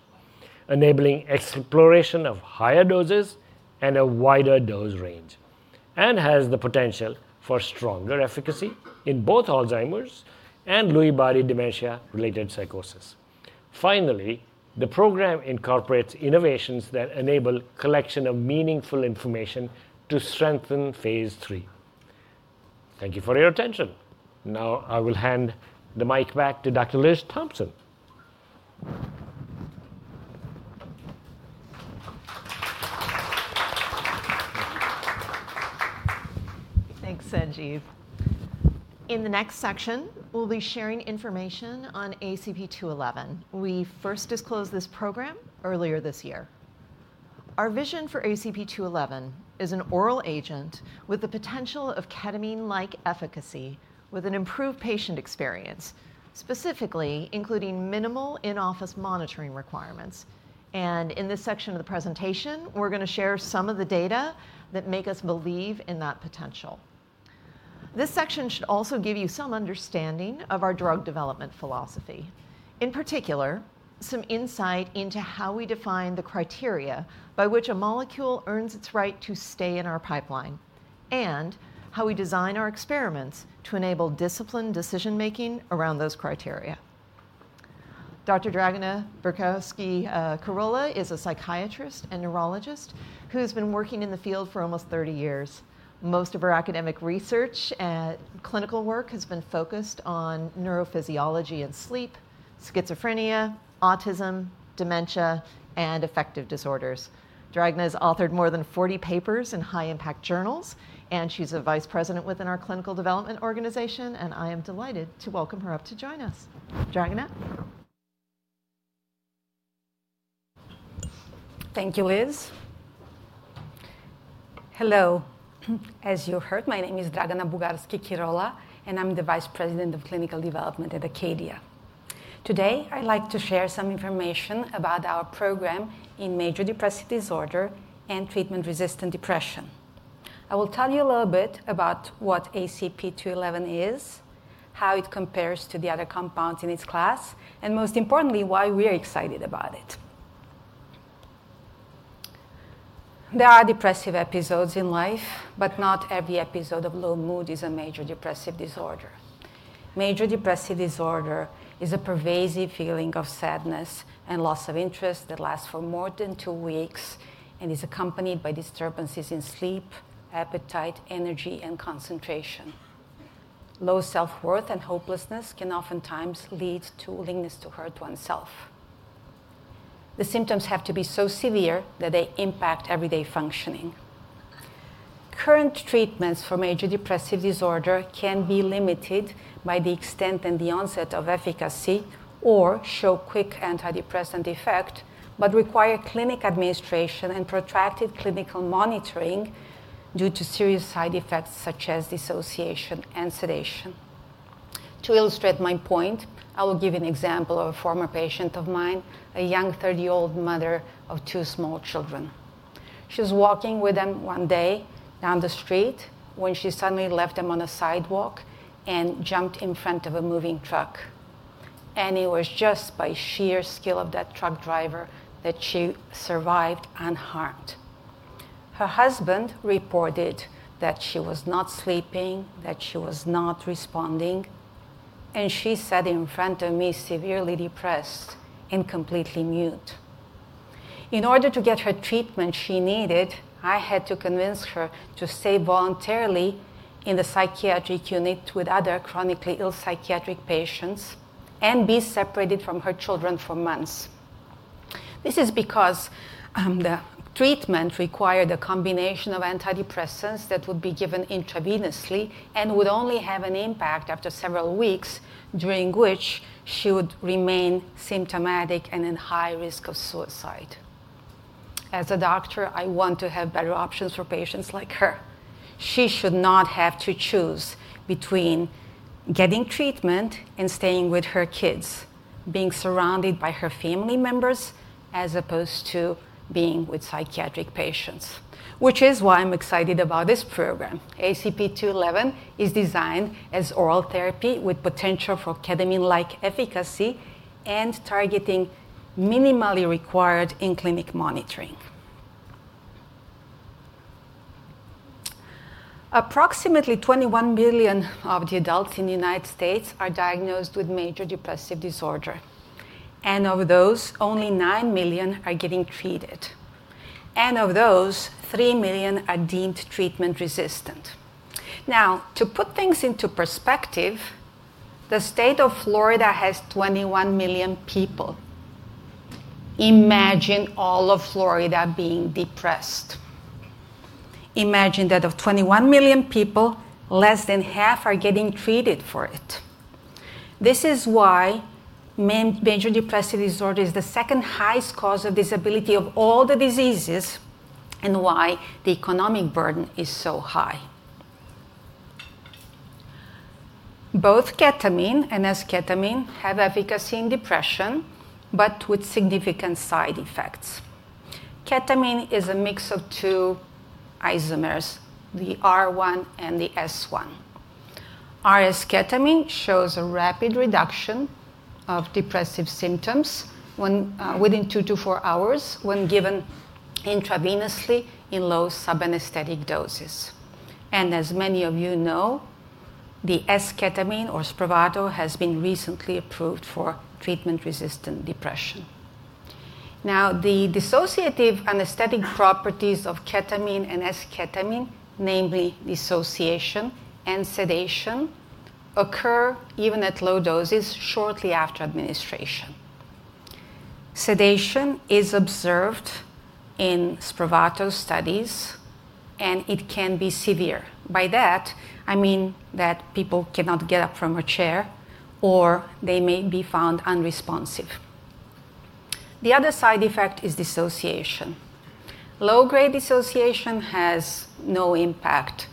enabling exploration of higher doses and a wider dose range, and has the potential for stronger efficacy in both Alzheimer's and Lewy body dementia-related psychosis. Finally, the program incorporates innovations that enable collection of meaningful information to strengthen phase III. Thank you for your attention. Now, I will hand the mic back to Dr. Liz Thompson. Thanks, Sanjeev. In the next section, we'll be sharing information on ACP-211. We first disclosed this program earlier this year. Our vision for ACP-211 is an oral agent with the potential of ketamine-like efficacy with an improved patient experience, specifically including minimal in-office monitoring requirements. In this section of the presentation, we're going to share some of the data that make us believe in that potential. This section should also give you some understanding of our drug development philosophy, in particular, some insight into how we define the criteria by which a molecule earns its right to stay in our pipeline, and how we design our experiments to enable disciplined decision-making around those criteria. Dr. Dragana Bugarski Kirola is a psychiatrist and neurologist who has been working in the field for almost 30 years. Most of her academic research and clinical work has been focused on neurophysiology and sleep, schizophrenia, autism, dementia, and affective disorders. Dragana has authored more than 40 papers in high-impact journals, and she's a vice president within our clinical development organization. I am delighted to welcome her up to join us. Dragana? Thank you, Liz. Hello. As you heard, my name is Dragana Bugarski Kirola, and I'm the vice president of clinical development at Acadia. Today, I'd like to share some information about our program in major depressive disorder and treatment-resistant depression. I will tell you a little bit about what ACP-211 is, how it compares to the other compounds in its class, and most importantly, why we are excited about it. There are depressive episodes in life, but not every episode of low mood is a major depressive disorder. Major depressive disorder is a pervasive feeling of sadness and loss of interest that lasts for more than two weeks and is accompanied by disturbances in sleep, appetite, energy, and concentration. Low self-worth and hopelessness can oftentimes lead to willingness to hurt oneself. The symptoms have to be so severe that they impact everyday functioning. Current treatments for major depressive disorder can be limited by the extent and the onset of efficacy or show quick antidepressant effect, but require clinic administration and protracted clinical monitoring due to serious side effects such as dissociation and sedation. To illustrate my point, I will give an example of a former patient of mine, a young 30-year-old mother of two small children. She was walking with them one day down the street when she suddenly left them on a sidewalk and jumped in front of a moving truck. It was just by sheer skill of that truck driver that she survived unharmed. Her husband reported that she was not sleeping, that she was not responding, and she sat in front of me, severely depressed and completely mute. In order to get her treatment she needed, I had to convince her to stay voluntarily in the psychiatric unit with other chronically ill psychiatric patients and be separated from her children for months. This is because the treatment required a combination of antidepressants that would be given intravenously and would only have an impact after several weeks, during which she would remain symptomatic and in high risk of suicide. As a doctor, I want to have better options for patients like her. She should not have to choose between getting treatment and staying with her kids, being surrounded by her family members as opposed to being with psychiatric patients, which is why I'm excited about this program. ACP-211 is designed as oral therapy with potential for ketamine-like efficacy and targeting minimally required in clinic monitoring. Approximately 21 million of the adults in the United States are diagnosed with major depressive disorder. Of those, only 9 million are getting treated. Of those, 3 million are deemed treatment-resistant. To put things into perspective, the state of Florida has 21 million people. Imagine all of Florida being depressed. Imagine that of 21 million people, less than half are getting treated for it. This is why major depressive disorder is the second highest cause of disability of all the diseases and why the economic burden is so high. Both ketamine and esketamine have efficacy in depression, but with significant side effects. Ketamine is a mix of two isomers, the R one and the S one. RS ketamine shows a rapid reduction of depressive symptoms within two to four hours when given intravenously in low subanesthetic doses. As many of you know, esketamine or SPRAVATO has been recently approved for treatment-resistant depression. Now, the dissociative anesthetic properties of ketamine and esketamine, namely dissociation and sedation, occur even at low doses shortly after administration. Sedation is observed in SPRAVATO studies, and it can be severe. By that, I mean that people cannot get up from a chair or they may be found unresponsive. The other side effect is dissociation. Low-grade dissociation has no impact.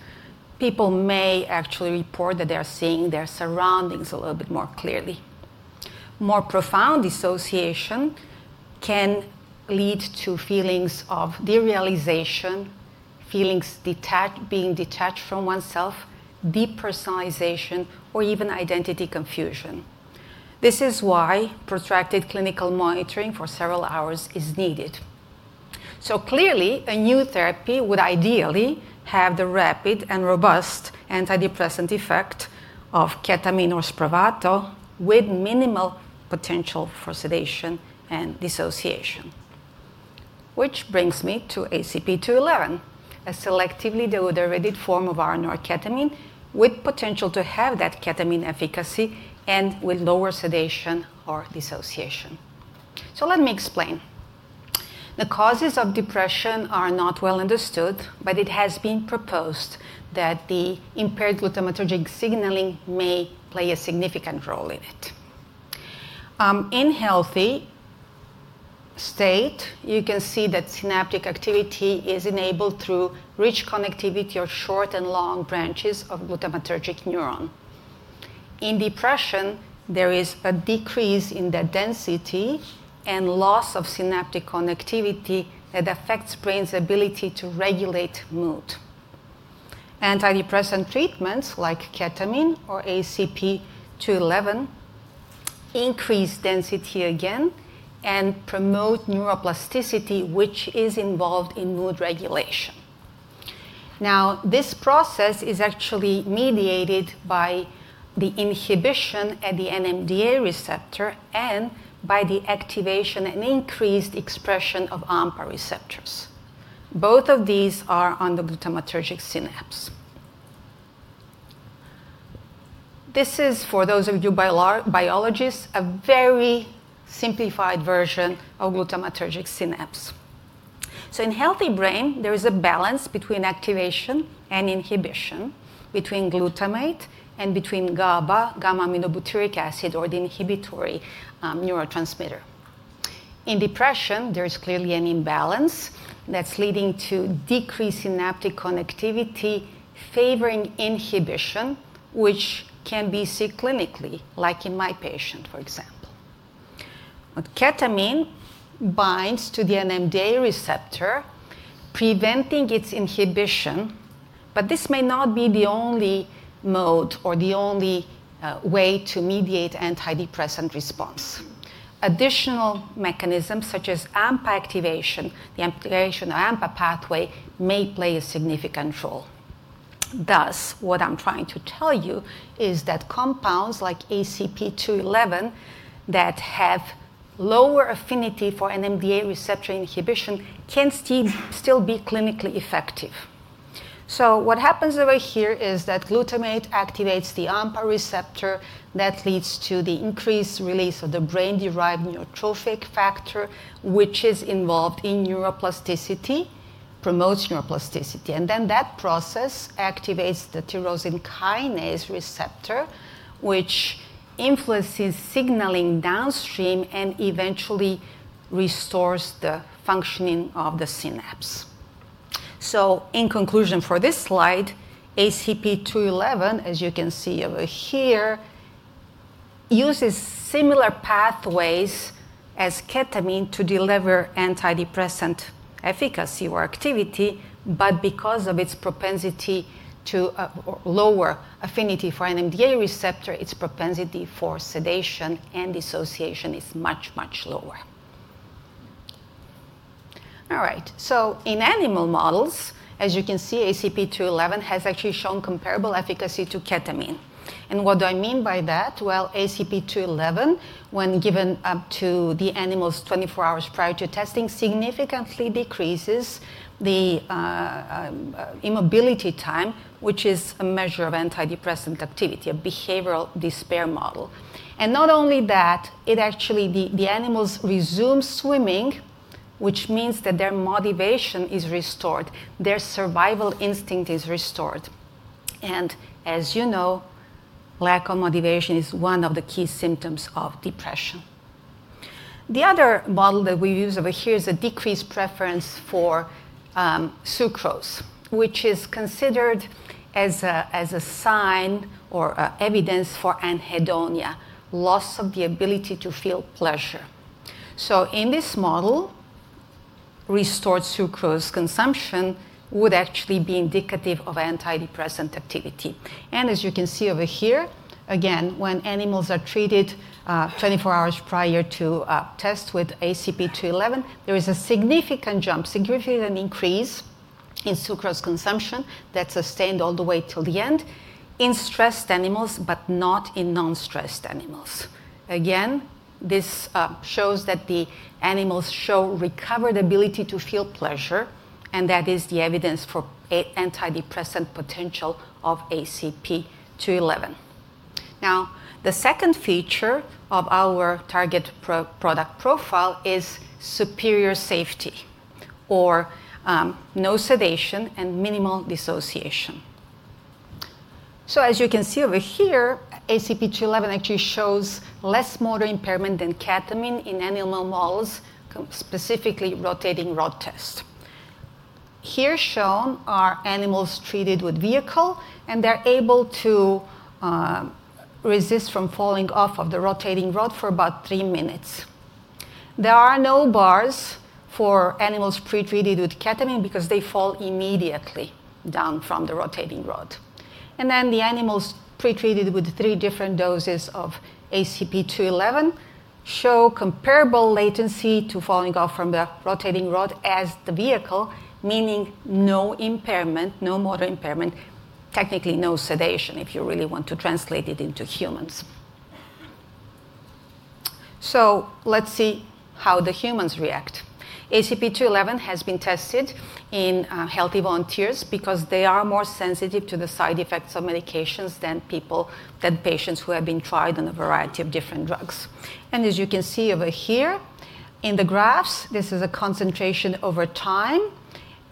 People may actually report that they are seeing their surroundings a little bit more clearly. More profound dissociation can lead to feelings of derealization, feelings of being detached from oneself, depersonalization, or even identity confusion. This is why protracted clinical monitoring for several hours is needed. Clearly, a new therapy would ideally have the rapid and robust antidepressant effect of ketamine or SPRAVATO with minimal potential for sedation and dissociation, which brings me to ACP-211, a selectively deuterated form of R-norketamine with potential to have that ketamine efficacy and with lower sedation or dissociation. Let me explain. The causes of depression are not well understood, but it has been proposed that impaired glutamatergic signaling may play a significant role in it. In a healthy state, you can see that synaptic activity is enabled through rich connectivity of short and long branches of glutamatergic neuron. In depression, there is a decrease in the density and loss of synaptic connectivity that affects the brain's ability to regulate mood. Antidepressant treatments like ketamine or ACP-211 increase density again and promote neuroplasticity, which is involved in mood regulation. Now, this process is actually mediated by the inhibition at the NMDA receptor and by the activation and increased expression of AMPA receptors. Both of these are on the glutamatergic synapse. This is, for those of you biologists, a very simplified version of glutamatergic synapse. In a healthy brain, there is a balance between activation and inhibition, between glutamate and between GABA, gamma-aminobutyric acid, or the inhibitory neurotransmitter. In depression, there is clearly an imbalance that's leading to decreased synaptic connectivity favoring inhibition, which can be seen clinically, like in my patient, for example. Ketamine binds to the NMDA receptor, preventing its inhibition, but this may not be the only mode or the only way to mediate antidepressant response. Additional mechanisms such as AMPA activation, the amplification of AMPA pathway, may play a significant role. Thus, what I'm trying to tell you is that compounds like ACP-211 that have lower affinity for NMDA receptor inhibition can still be clinically effective. What happens over here is that glutamate activates the AMPA receptor that leads to the increased release of the brain-derived neurotrophic factor, which is involved in neuroplasticity, promotes neuroplasticity. That process activates the tyrosine kinase receptor, which influences signaling downstream and eventually restores the functioning of the synapse. In conclusion for this slide, ACP-211, as you can see over here, uses similar pathways as ketamine to deliver antidepressant efficacy or activity, but because of its propensity to lower affinity for NMDA receptor, its propensity for sedation and dissociation is much, much lower. All right. In animal models, as you can see, ACP-211 has actually shown comparable efficacy to ketamine. What do I mean by that? ACP-211, when given up to the animals 24 hours prior to testing, significantly decreases the immobility time, which is a measure of antidepressant activity, a behavioral despair model. Not only that, it actually the animals resume swimming, which means that their motivation is restored. Their survival instinct is restored. As you know, lack of motivation is one of the key symptoms of depression. The other model that we use over here is a decreased preference for sucrose, which is considered as a sign or evidence for anhedonia, loss of the ability to feel pleasure. In this model, restored sucrose consumption would actually be indicative of antidepressant activity. As you can see over here, again, when animals are treated 24 hours prior to test with ACP-211, there is a significant jump, significant increase in sucrose consumption that's sustained all the way till the end in stressed animals, but not in non-stressed animals. Again, this shows that the animals show recovered ability to feel pleasure, and that is the evidence for antidepressant potential of ACP-211. Now, the second feature of our target product profile is superior safety or no sedation and minimal dissociation. As you can see over here, ACP-211 actually shows less motor impairment than ketamine in animal models, specifically rotating rod test. Here shown are animals treated with vehicle, and they're able to resist from falling off of the rotating rod for about three minutes. There are no bars for animals pre-treated with ketamine because they fall immediately down from the rotating rod. The animals pre-treated with three different doses of ACP-211 show comparable latency to falling off from the rotating rod as the vehicle, meaning no impairment, no motor impairment, technically no sedation if you really want to translate it into humans. Let's see how the humans react. ACP-211 has been tested in healthy volunteers because they are more sensitive to the side effects of medications than patients who have been tried on a variety of different drugs. As you can see over here in the graphs, this is a concentration over time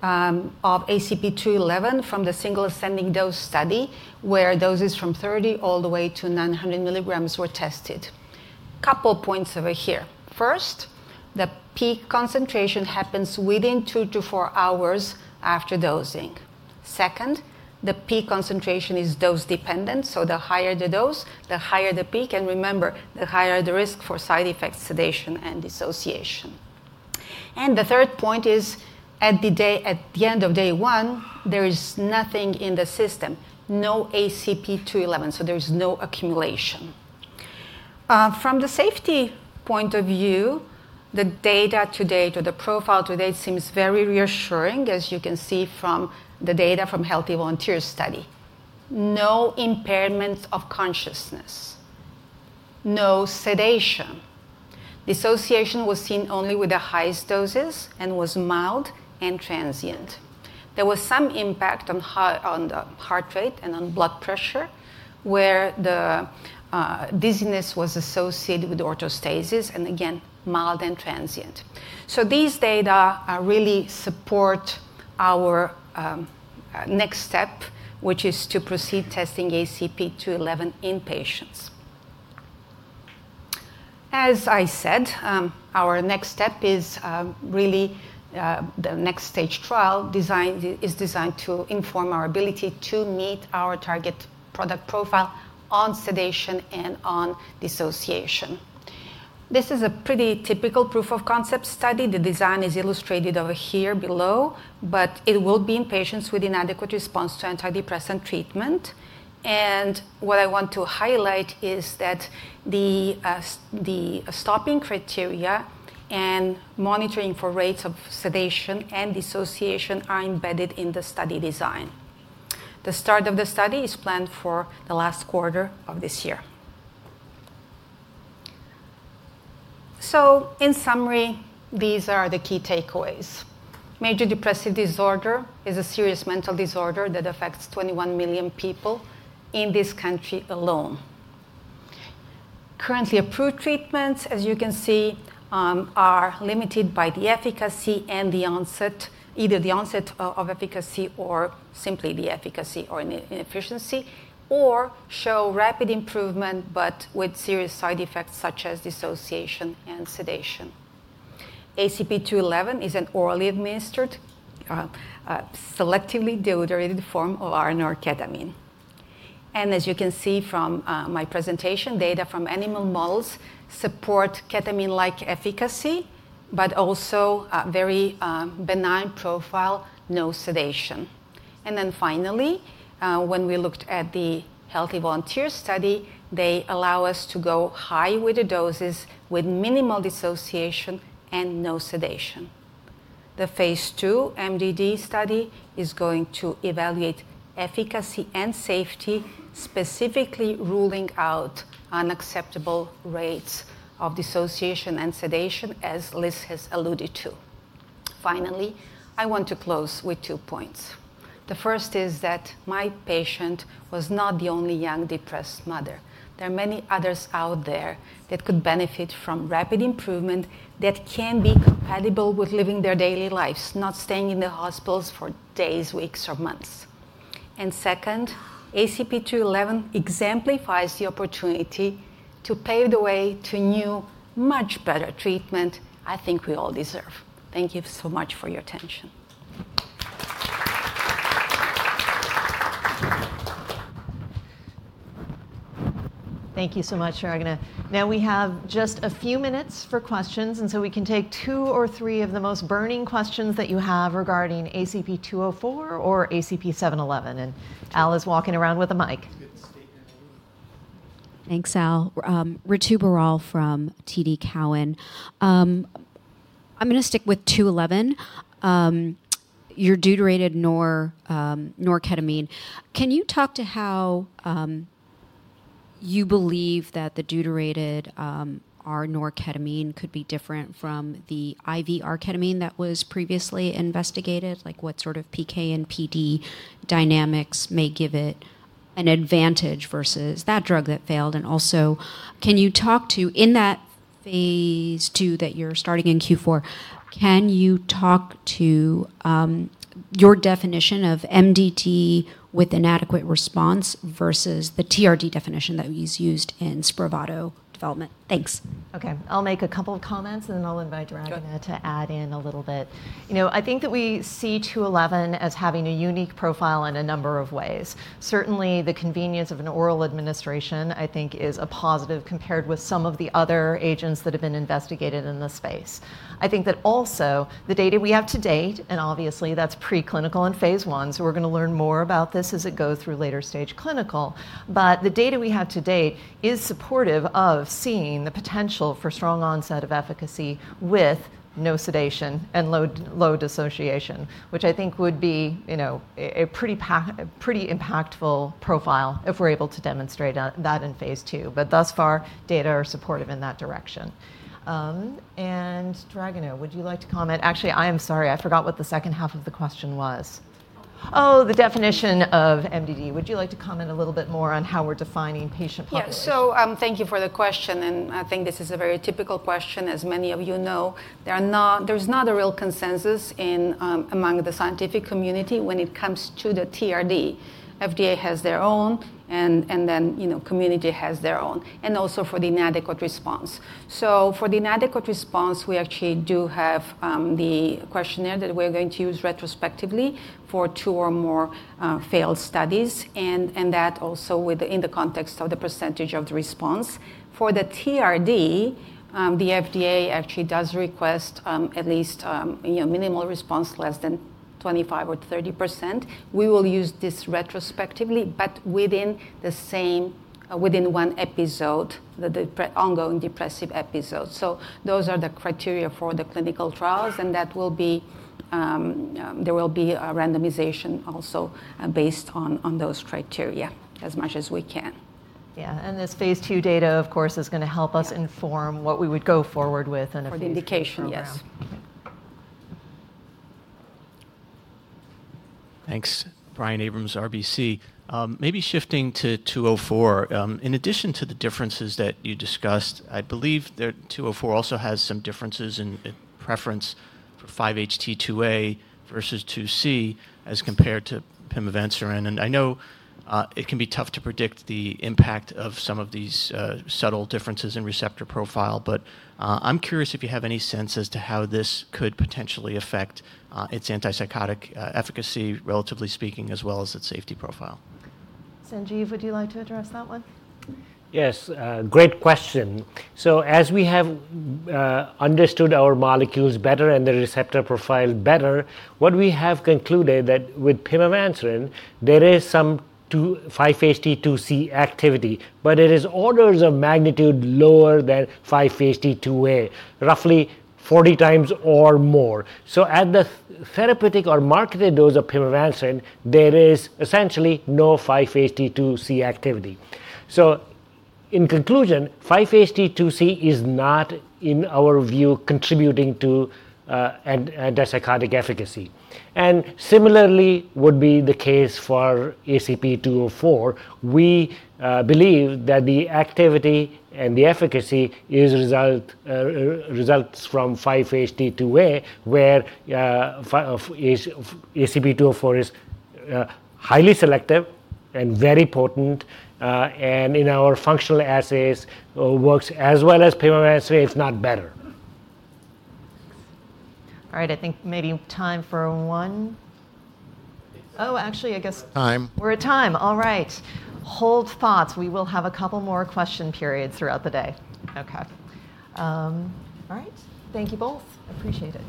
of ACP-211 from the single ascending dose study where doses from 30 mg all the way to 900 mg were tested. A couple of points over here. First, the peak concentration happens within two to four hours after dosing. Second, the peak concentration is dose-dependent. The higher the dose, the higher the peak, and remember, the higher the risk for side effects, sedation, and dissociation. The third point is at the end of day one, there is nothing in the system, no ACP-211, so there is no accumulation. From the safety point of view, the data to date, or the profile to date, seems very reassuring, as you can see from the data from healthy volunteer study. No impairment of consciousness, no sedation. Dissociation was seen only with the highest doses and was mild and transient. There was some impact on the heart rate and on blood pressure where the dizziness was associated with orthostasis and again, mild and transient. These data really support our next step, which is to proceed testing ACP-211 in patients. As I said, our next step is really the next stage trial is designed to inform our ability to meet our target product profile on sedation and on dissociation. This is a pretty typical proof of concept study. The design is illustrated over here below, but it will be in patients with inadequate response to antidepressant treatment. What I want to highlight is that the stopping criteria and monitoring for rates of sedation and dissociation are embedded in the study design. The start of the study is planned for the last quarter of this year. In summary, these are the key takeaways. Major depressive disorder is a serious mental disorder that affects 21 million people in this country alone. Currently approved treatments, as you can see, are limited by the efficacy and the onset, either the onset of efficacy or simply the efficacy or inefficiency, or show rapid improvement, but with serious side effects such as dissociation and sedation. ACP-211 is an orally administered, selectively deuterated form of R-norketamine. As you can see from my presentation, data from animal models support ketamine-like efficacy, but also very benign profile, no sedation. Finally, when we looked at the healthy volunteer study, they allow us to go high with the doses with minimal dissociation and no sedation. The phase II MDD study is going to evaluate efficacy and safety, specifically ruling out unacceptable rates of dissociation and sedation, as Liz has alluded to. Finally, I want to close with two points. The first is that my patient was not the only young depressed mother. There are many others out there that could benefit from rapid improvement that can be compatible with living their daily lives, not staying in the hospitals for days, weeks, or months. Second, ACP-211 exemplifies the opportunity to pave the way to new, much better treatment I think we all deserve. Thank you so much for your attention. Thank you so much, Dragana. Now we have just a few minutes for questions, and we can take two or three of the most burning questions that you have regarding ACP-204 or ACP-711. Al is walking around with a mic. Thanks, Al. Ritu Baral from TD Cowen. I'm going to stick with 211. Your deuterated norketamine. Can you talk to how you believe that the deuterated R-norketamine could be different from the IV R-ketamine that was previously investigated? Like what sort of PK and PD dynamics may give it an advantage versus that drug that failed. Also, can you talk to, in that phase II that you're starting in Q4, can you talk to your definition of MDD with inadequate response versus the TRD definition that is used in SPRAVATO development? Thanks. Okay. I'll make a couple of comments, and then I'll invite Dragana to add in a little bit. I think that we see 211 as having a unique profile in a number of ways. Certainly, the convenience of an oral administration, I think, is a positive compared with some of the other agents that have been investigated in the space. I think that also the data we have to date, and obviously that's preclinical in phase I, so we're going to learn more about this as it goes through later stage clinical, but the data we have to date is supportive of seeing the potential for strong onset of efficacy with no sedation and low dissociation, which I think would be a pretty impactful profile if we're able to demonstrate that in phase II. Thus far, data are supportive in that direction. Dragana, would you like to comment? Actually, I am sorry, I forgot what the second half of the question was. Oh, the definition of MDD. Would you like to comment a little bit more on how we're defining patient populations? Yeah. Thank you for the question. I think this is a very typical question, as many of you know. There's not a real consensus among the scientific community when it comes to the TRD. FDA has their own, and then community has their own, and also for the inadequate response. For the inadequate response, we actually do have the questionnaire that we're going to use retrospectively for two or more failed studies, and that also in the context of the percentage of the response. For the TRD, the FDA actually does request at least minimal response, less than 25% or 30%. We will use this retrospectively, but within one episode, the ongoing depressive episode. Those are the criteria for the clinical trials, and there will be a randomization also based on those criteria as much as we can. Yeah. This phase II data, of course, is going to help us inform what we would go forward with and if we're going to. For the indication, yes. Thanks. Brian Abrahams, RBC. Maybe shifting to 204. In addition to the differences that you discussed, I believe that 204 also has some differences in preference for 5-HT2A versus 2C as compared to pimavanserin. And I know it can be tough to predict the impact of some of these subtle differences in receptor profile, but I'm curious if you have any sense as to how this could potentially affect its antipsychotic efficacy, relatively speaking, as well as its safety profile. Sanjeev, would you like to address that one? Yes. Great question. So as we have understood our molecules better and the receptor profile better, what we have concluded that with pimavanserin, there is some 5-HT2C activity, but it is orders of magnitude lower than 5-HT2A, roughly 40x or more. So at the therapeutic or marketed dose of pimavanserin, there is essentially no 5-HT2C activity. In conclusion, 5-HT2C is not, in our view, contributing to antipsychotic efficacy. Similarly, that would be the case for ACP-204. We believe that the activity and the efficacy result from 5-HT2A, where ACP-204 is highly selective and very potent, and in our functional assays, works as well as pimavanserin, if not better. All right. I think maybe time for one. Oh, actually, I guess. Time. We're at time. All right. Hold thoughts. We will have a couple more question periods throughout the day. Okay. All right. Thank you both. Appreciate it.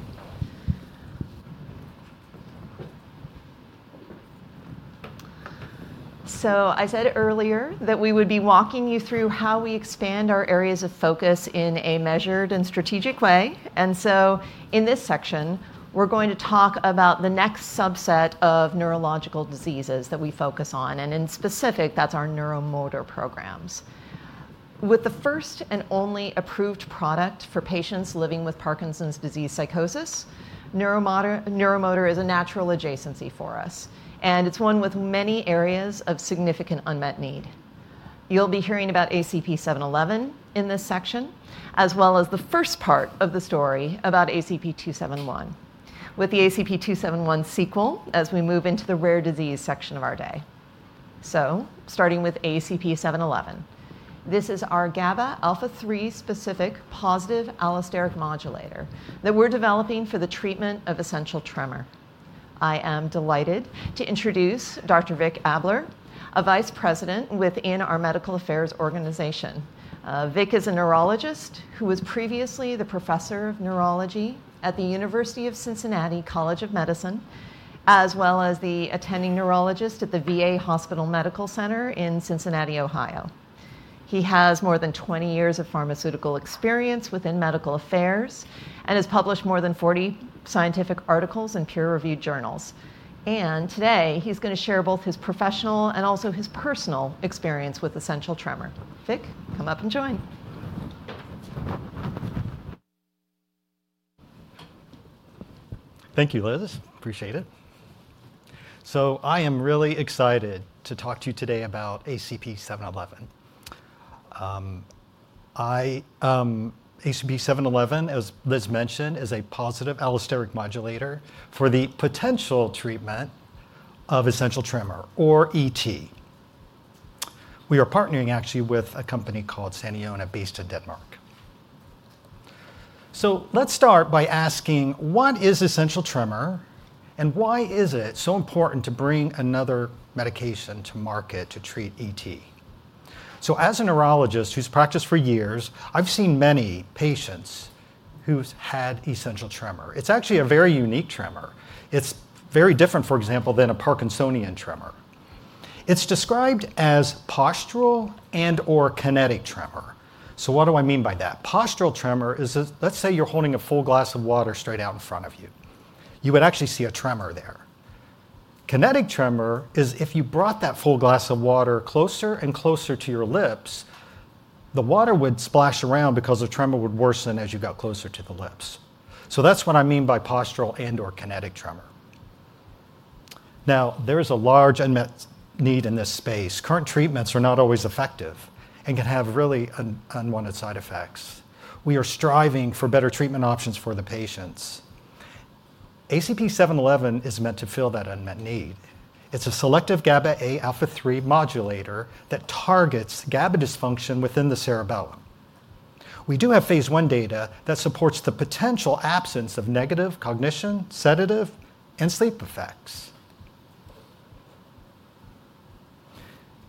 I said earlier that we would be walking you through how we expand our areas of focus in a measured and strategic way. In this section, we're going to talk about the next subset of neurological diseases that we focus on. In specific, that's our neuromotor programs. With the first and only approved product for patients living with Parkinson's disease psychosis, neuromotor is a natural adjacency for us, and it's one with many areas of significant unmet need. You'll be hearing about ACP-711 in this section, as well as the first part of the story about ACP-271, with the ACP-271 sequel as we move into the rare disease section of our day. Starting with ACP-711, this is our GABA alpha-3 specific positive allosteric modulator that we're developing for the treatment of essential tremor. I am delighted to introduce Dr. Vic Abler, a Vice President within our Medical Affairs organization. Vic is a neurologist who was previously the Professor of Neurology at the University of Cincinnati College of Medicine, as well as the attending neurologist at the VA Hospital Medical Center in Cincinnati, Ohio. He has more than 20 years of pharmaceutical experience within medical affairs and has published more than 40 scientific articles in peer-reviewed journals. Today, he's going to share both his professional and also his personal experience with essential tremor. Vic, come up and join. Thank you, Liz. Appreciate it. I am really excited to talk to you today about ACP-711. ACP-711, as Liz mentioned, is a positive allosteric modulator for the potential treatment of essential tremor, or ET. We are partnering actually with a company called Saniona based in Denmark. Let's start by asking, what is essential tremor, and why is it so important to bring another medication to market to treat ET? As a neurologist who's practiced for years, I've seen many patients who've had essential tremor. It's actually a very unique tremor. It's very different, for example, than a Parkinsonian tremor. It's described as postural and/or kinetic tremor. What do I mean by that? Postural tremor is, let's say you're holding a full glass of water straight out in front of you. You would actually see a tremor there. Kinetic tremor is if you brought that full glass of water closer and closer to your lips, the water would splash around because the tremor would worsen as you got closer to the lips. That's what I mean by postural and/or kinetic tremor. There is a large unmet need in this space. Current treatments are not always effective and can have really unwanted side effects. We are striving for better treatment options for the patients. ACP-711 is meant to fill that unmet need. It's a selective GABA A alpha-3 modulator that targets GABA dysfunction within the cerebellum. We do have phase I data that supports the potential absence of negative cognition, sedative, and sleep effects.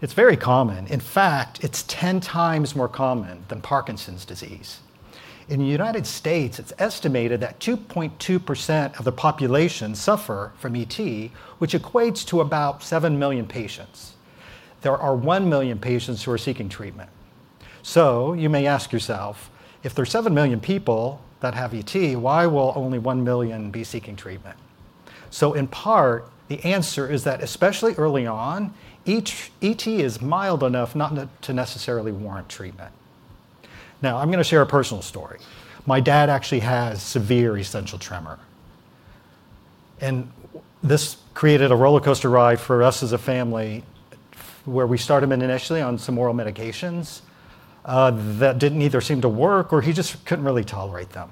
It's very common. In fact, it's 10x more common than Parkinson's disease. In the United States., it's estimated that 2.2% of the population suffer from ET, which equates to about 7 million patients. There are 1 million patients who are seeking treatment. You may ask yourself, if there are 7 million people that have ET, why will only 1 million be seeking treatment? In part, the answer is that especially early on, ET is mild enough not to necessarily warrant treatment. Now, I'm going to share a personal story. My dad actually has severe essential tremor. This created a roller coaster ride for us as a family where we started him initially on some oral medications that did not either seem to work or he just could not really tolerate them.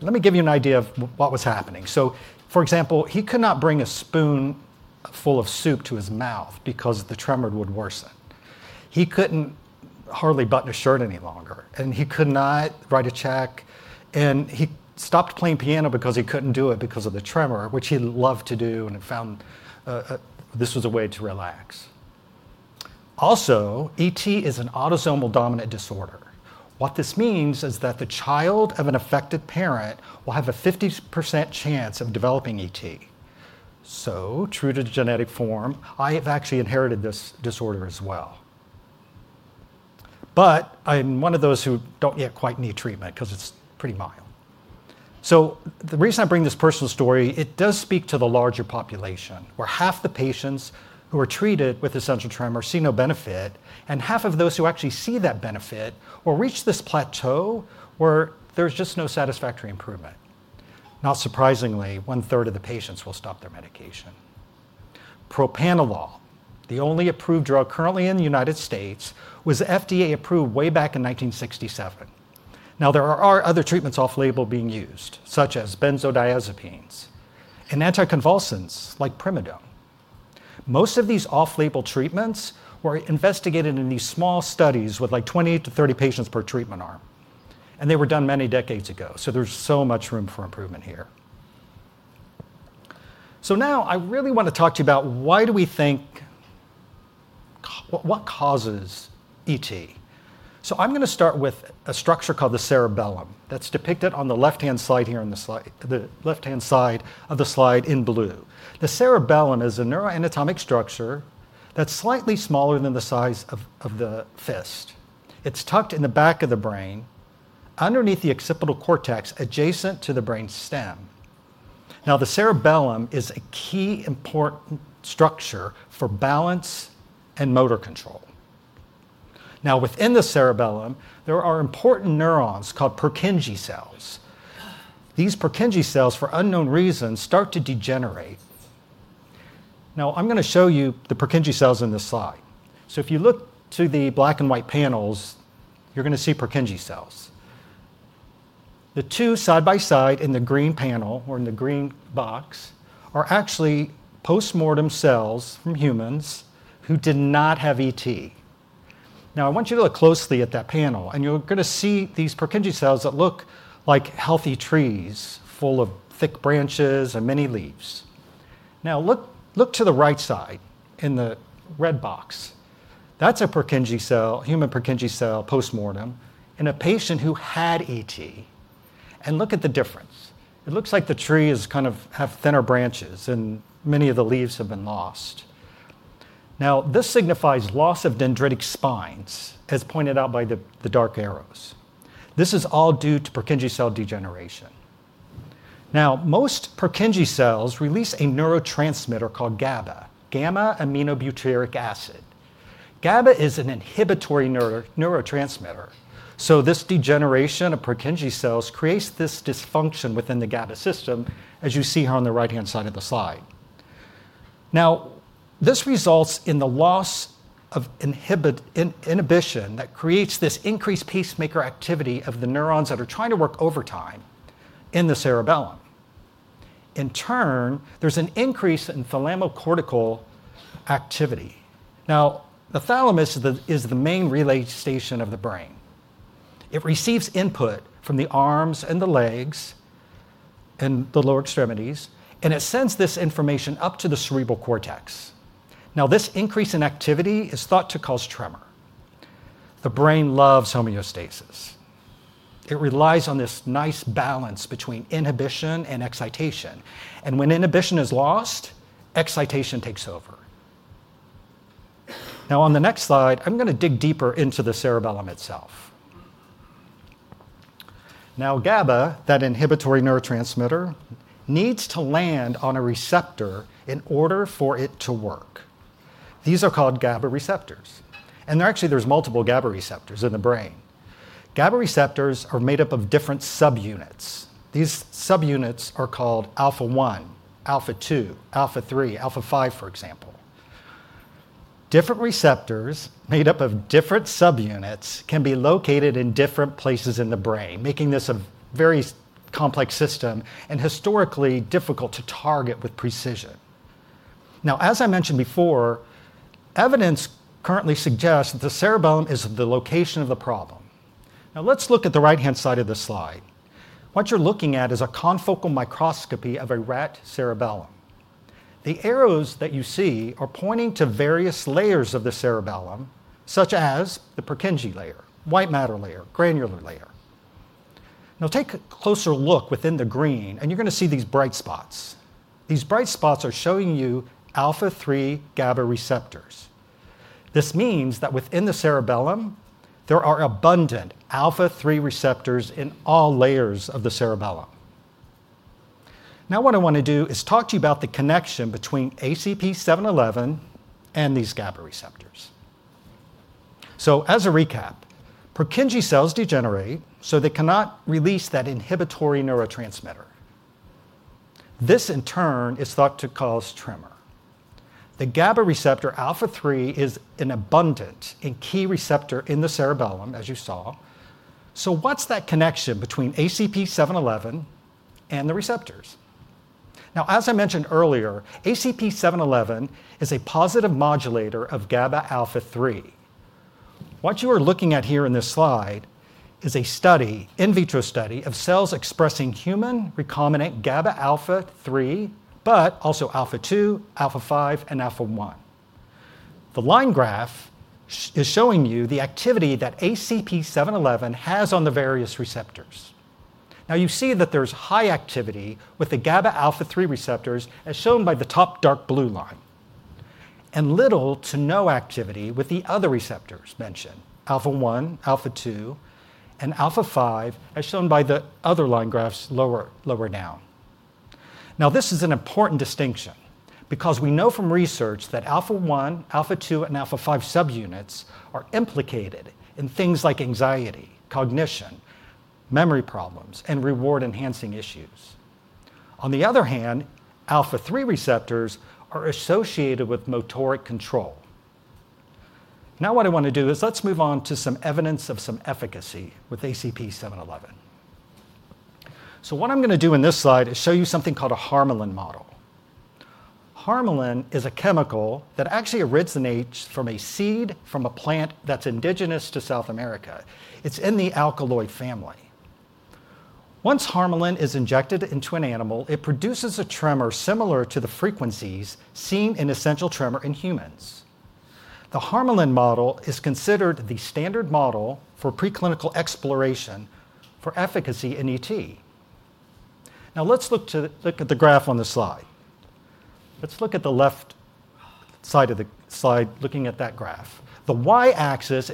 Let me give you an idea of what was happening. For example, he could not bring a spoon full of soup to his mouth because the tremor would worsen. He could hardly button a shirt any longer, and he could not write a check. He stopped playing piano because he could not do it because of the tremor, which he loved to do and found this was a way to relax. Also, ET is an autosomal dominant disorder. What this means is that the child of an affected parent will have a 50% chance of developing ET. True to the genetic form, I have actually inherited this disorder as well. I'm one of those who do not yet quite need treatment because it is pretty mild. The reason I bring this personal story, it does speak to the larger population where half the patients who are treated with essential tremor see no benefit, and half of those who actually see that benefit will reach this plateau where there is just no satisfactory improvement. Not surprisingly, one-third of the patients will stop their medication. Propranolol, the only approved drug currently in the United States, was FDA approved way back in 1967. There are other treatments off-label being used, such as benzodiazepines and anticonvulsants like primidone. Most of these off-label treatments were investigated in these small studies with like 20-30 patients per treatment arm. They were done many decades ago. There is so much room for improvement here. Now I really want to talk to you about why do we think what causes ET? I'm going to start with a structure called the cerebellum that's depicted on the left-hand side here on the left-hand side of the slide in blue. The cerebellum is a neuroanatomic structure that's slightly smaller than the size of the fist. It's tucked in the back of the brain underneath the occipital cortex adjacent to the brain stem. Now, the cerebellum is a key important structure for balance and motor control. Now, within the cerebellum, there are important neurons called Purkinje cells. These Purkinje cells, for unknown reasons, start to degenerate. Now, I'm going to show you the Purkinje cells in this slide. If you look to the black and white panels, you're going to see Purkinje cells. The two side by side in the green panel or in the green box are actually postmortem cells from humans who did not have ET. Now, I want you to look closely at that panel, and you're going to see these Purkinje cells that look like healthy trees full of thick branches and many leaves. Now, look to the right side in the red box. That's a Purkinje cell, human Purkinje cell postmortem in a patient who had ET. And look at the difference. It looks like the tree has kind of thinner branches, and many of the leaves have been lost. Now, this signifies loss of dendritic spines, as pointed out by the dark arrows. This is all due to Purkinje cell degeneration. Now, most Purkinje cells release a neurotransmitter called GABA, gamma-aminobutyric acid. GABA is an inhibitory neurotransmitter. This degeneration of Purkinje cells creates this dysfunction within the GABA system, as you see here on the right-hand side of the slide. This results in the loss of inhibition that creates this increased pacemaker activity of the neurons that are trying to work overtime in the cerebellum. In turn, there is an increase in thalamocortical activity. The thalamus is the main relay station of the brain. It receives input from the arms and the legs and the lower extremities, and it sends this information up to the cerebral cortex. This increase in activity is thought to cause tremor. The brain loves homeostasis. It relies on this nice balance between inhibition and excitation. When inhibition is lost, excitation takes over. On the next slide, I am going to dig deeper into the cerebellum itself. Now, GABA, that inhibitory neurotransmitter, needs to land on a receptor in order for it to work. These are called GABA receptors. Actually, there are multiple GABA receptors in the brain. GABA receptors are made up of different subunits. These subunits are called alpha-1, alpha-2, alpha-3, alpha-5, for example. Different receptors made up of different subunits can be located in different places in the brain, making this a very complex system and historically difficult to target with precision. As I mentioned before, evidence currently suggests that the cerebellum is the location of the problem. Now, let's look at the right-hand side of the slide. What you're looking at is a confocal microscopy of a rat cerebellum. The arrows that you see are pointing to various layers of the cerebellum, such as the Purkinje layer, white matter layer, granular layer. Now, take a closer look within the green, and you're going to see these bright spots. These bright spots are showing you alpha-3 GABA receptors. This means that within the cerebellum, there are abundant alpha-3 receptors in all layers of the cerebellum. Now, what I want to do is talk to you about the connection between ACP-711 and these GABA receptors. As a recap, Purkinje cells degenerate, so they cannot release that inhibitory neurotransmitter. This, in turn, is thought to cause tremor. The GABA receptor alpha-3 is an abundant and key receptor in the cerebellum, as you saw. What's that connection between ACP-711 and the receptors? As I mentioned earlier, ACP-711 is a positive modulator of GABA alpha-3. What you are looking at here in this slide is a study, in vitro study, of cells expressing human recombinant GABA alpha-3, but also alpha-2, alpha-5, and alpha-1. The line graph is showing you the activity that ACP-711 has on the various receptors. Now, you see that there's high activity with the GABA alpha-3 receptors, as shown by the top dark blue line, and little to no activity with the other receptors mentioned, alpha-1, alpha-2, and alpha-5, as shown by the other line graphs lower down. Now, this is an important distinction because we know from research that alpha-1, alpha-2, and alpha-5 subunits are implicated in things like anxiety, cognition, memory problems, and reward-enhancing issues. On the other hand, alpha-3 receptors are associated with motoric control. Now, what I want to do is let's move on to some evidence of some efficacy with ACP-711. So what I'm going to do in this slide is show you something called a Harmaline model. Harmaline is a chemical that actually originates from a seed from a plant that's indigenous to South America. It's in the alkaloid family. Once Harmaline is injected into an animal, it produces a tremor similar to the frequencies seen in essential tremor in humans. The Harmaline model is considered the standard model for preclinical exploration for efficacy in ET. Now, let's look at the graph on the slide. Let's look at the left side of the slide looking at that graph. The Y-axis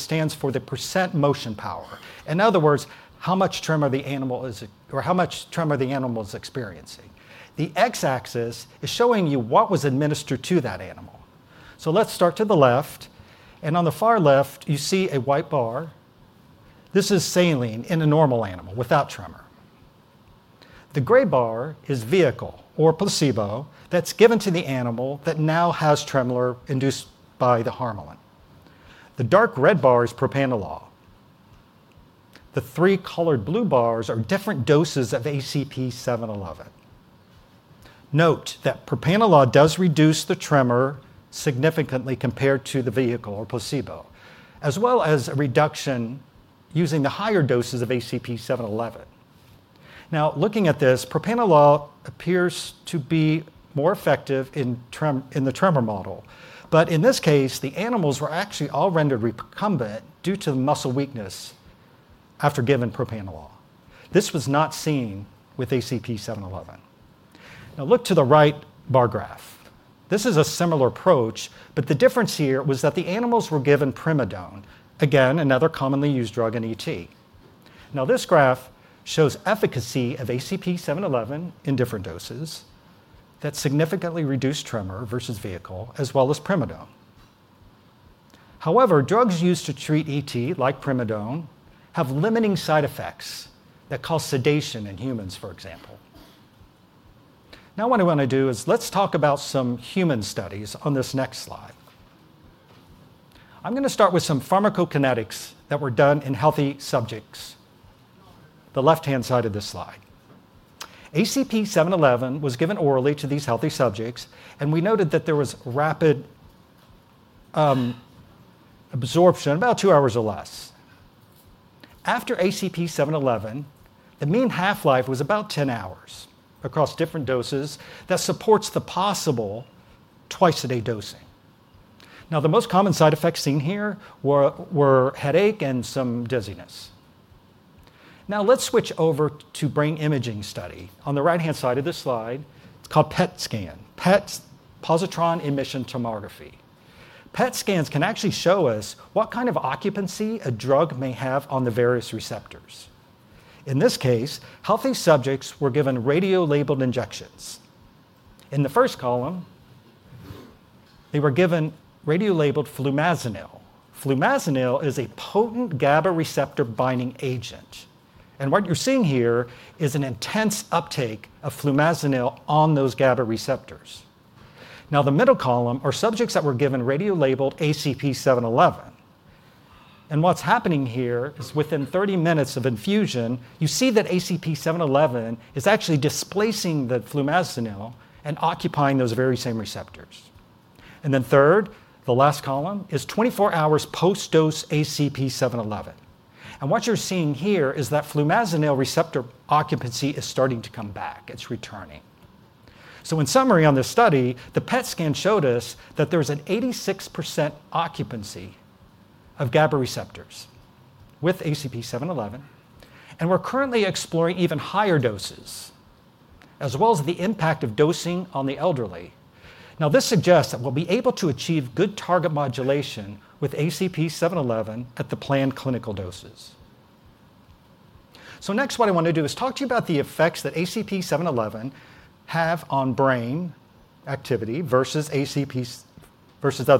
stands for the percent motion power. In other words, how much tremor the animal is or how much tremor the animal is experiencing. The X-axis is showing you what was administered to that animal. Let's start to the left. On the far left, you see a white bar. This is saline in a normal animal without tremor. The gray bar is vehicle or placebo that's given to the animal that now has tremor induced by the Harmaline. The dark red bar is propranolol. The three colored blue bars are different doses of ACP-711. Note that propranolol does reduce the tremor significantly compared to the vehicle or placebo, as well as a reduction using the higher doses of ACP-711. Now, looking at this, propranolol appears to be more effective in the tremor model. In this case, the animals were actually all rendered recumbent due to the muscle weakness after given propranolol. This was not seen with ACP-711. Now, look to the right bar graph. This is a similar approach, but the difference here was that the animals were given primidone, again, another commonly used drug in ET. This graph shows efficacy of ACP-711 in different doses that significantly reduce tremor versus vehicle, as well as primidone. However, drugs used to treat ET, like primidone, have limiting side effects that cause sedation in humans, for example. Now, what I want to do is let's talk about some human studies on this next slide. I'm going to start with some pharmacokinetics that were done in healthy subjects, the left-hand side of this slide. ACP-711 was given orally to these healthy subjects, and we noted that there was rapid absorption, about two hours or less. After ACP-711, the mean half-life was about 10 hours across different doses that supports the possible twice-a-day dosing. Now, the most common side effects seen here were headache and some dizziness. Now, let's switch over to brain imaging study. On the right-hand side of this slide, it's called PET scan, PET, positron emission tomography. PET scans can actually show us what kind of occupancy a drug may have on the various receptors. In this case, healthy subjects were given radio-labeled injections. In the first column, they were given radio-labeled flumazenil. Flumazenil is a potent GABA receptor-binding agent. What you're seeing here is an intense uptake of flumazenil on those GABA receptors. The middle column are subjects that were given radio-labeled ACP-711. What's happening here is within 30 minutes of infusion, you see that ACP-711 is actually displacing the flumazenil and occupying those very same receptors. Third, the last column is 24 hours post-dose ACP-711. What you're seeing here is that flumazenil receptor occupancy is starting to come back. It's returning. In summary on this study, the PET scan showed us that there's an 86% occupancy of GABA receptors with ACP-711. We're currently exploring even higher doses, as well as the impact of dosing on the elderly. Now, this suggests that we'll be able to achieve good target modulation with ACP-711 at the planned clinical doses. Next, what I want to do is talk to you about the effects that ACP-711 has on brain activity versus other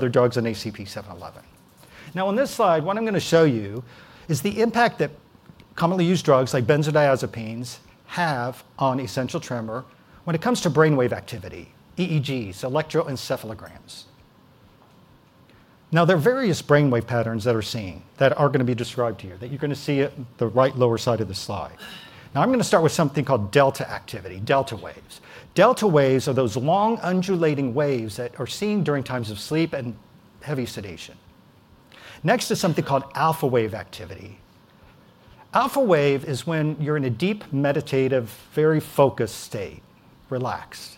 drugs in ACP-711. On this slide, what I'm going to show you is the impact that commonly used drugs like benzodiazepines have on essential tremor when it comes to brainwave activity, EEGs, electroencephalograms. There are various brainwave patterns that are seen that are going to be described to you that you're going to see at the right lower side of the slide. I'm going to start with something called delta activity, delta waves. Delta waves are those long undulating waves that are seen during times of sleep and heavy sedation. Next is something called alpha wave activity. Alpha wave is when you're in a deep meditative, very focused state, relaxed.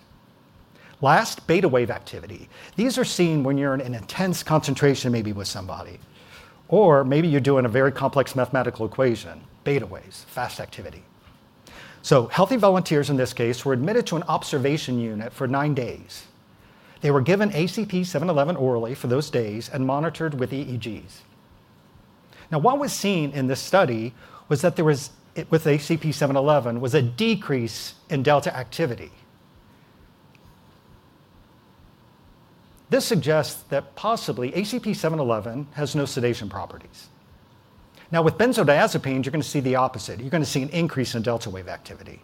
Last, beta wave activity. These are seen when you're in an intense concentration maybe with somebody, or maybe you're doing a very complex mathematical equation, beta waves, fast activity. Healthy volunteers in this case were admitted to an observation unit for nine days. They were given ACP-711 orally for those days and monitored with EEGs. Now, what was seen in this study was that there was, with ACP-711, a decrease in delta activity. This suggests that possibly ACP-711 has no sedation properties. Now, with benzodiazepines, you're going to see the opposite. You're going to see an increase in delta wave activity,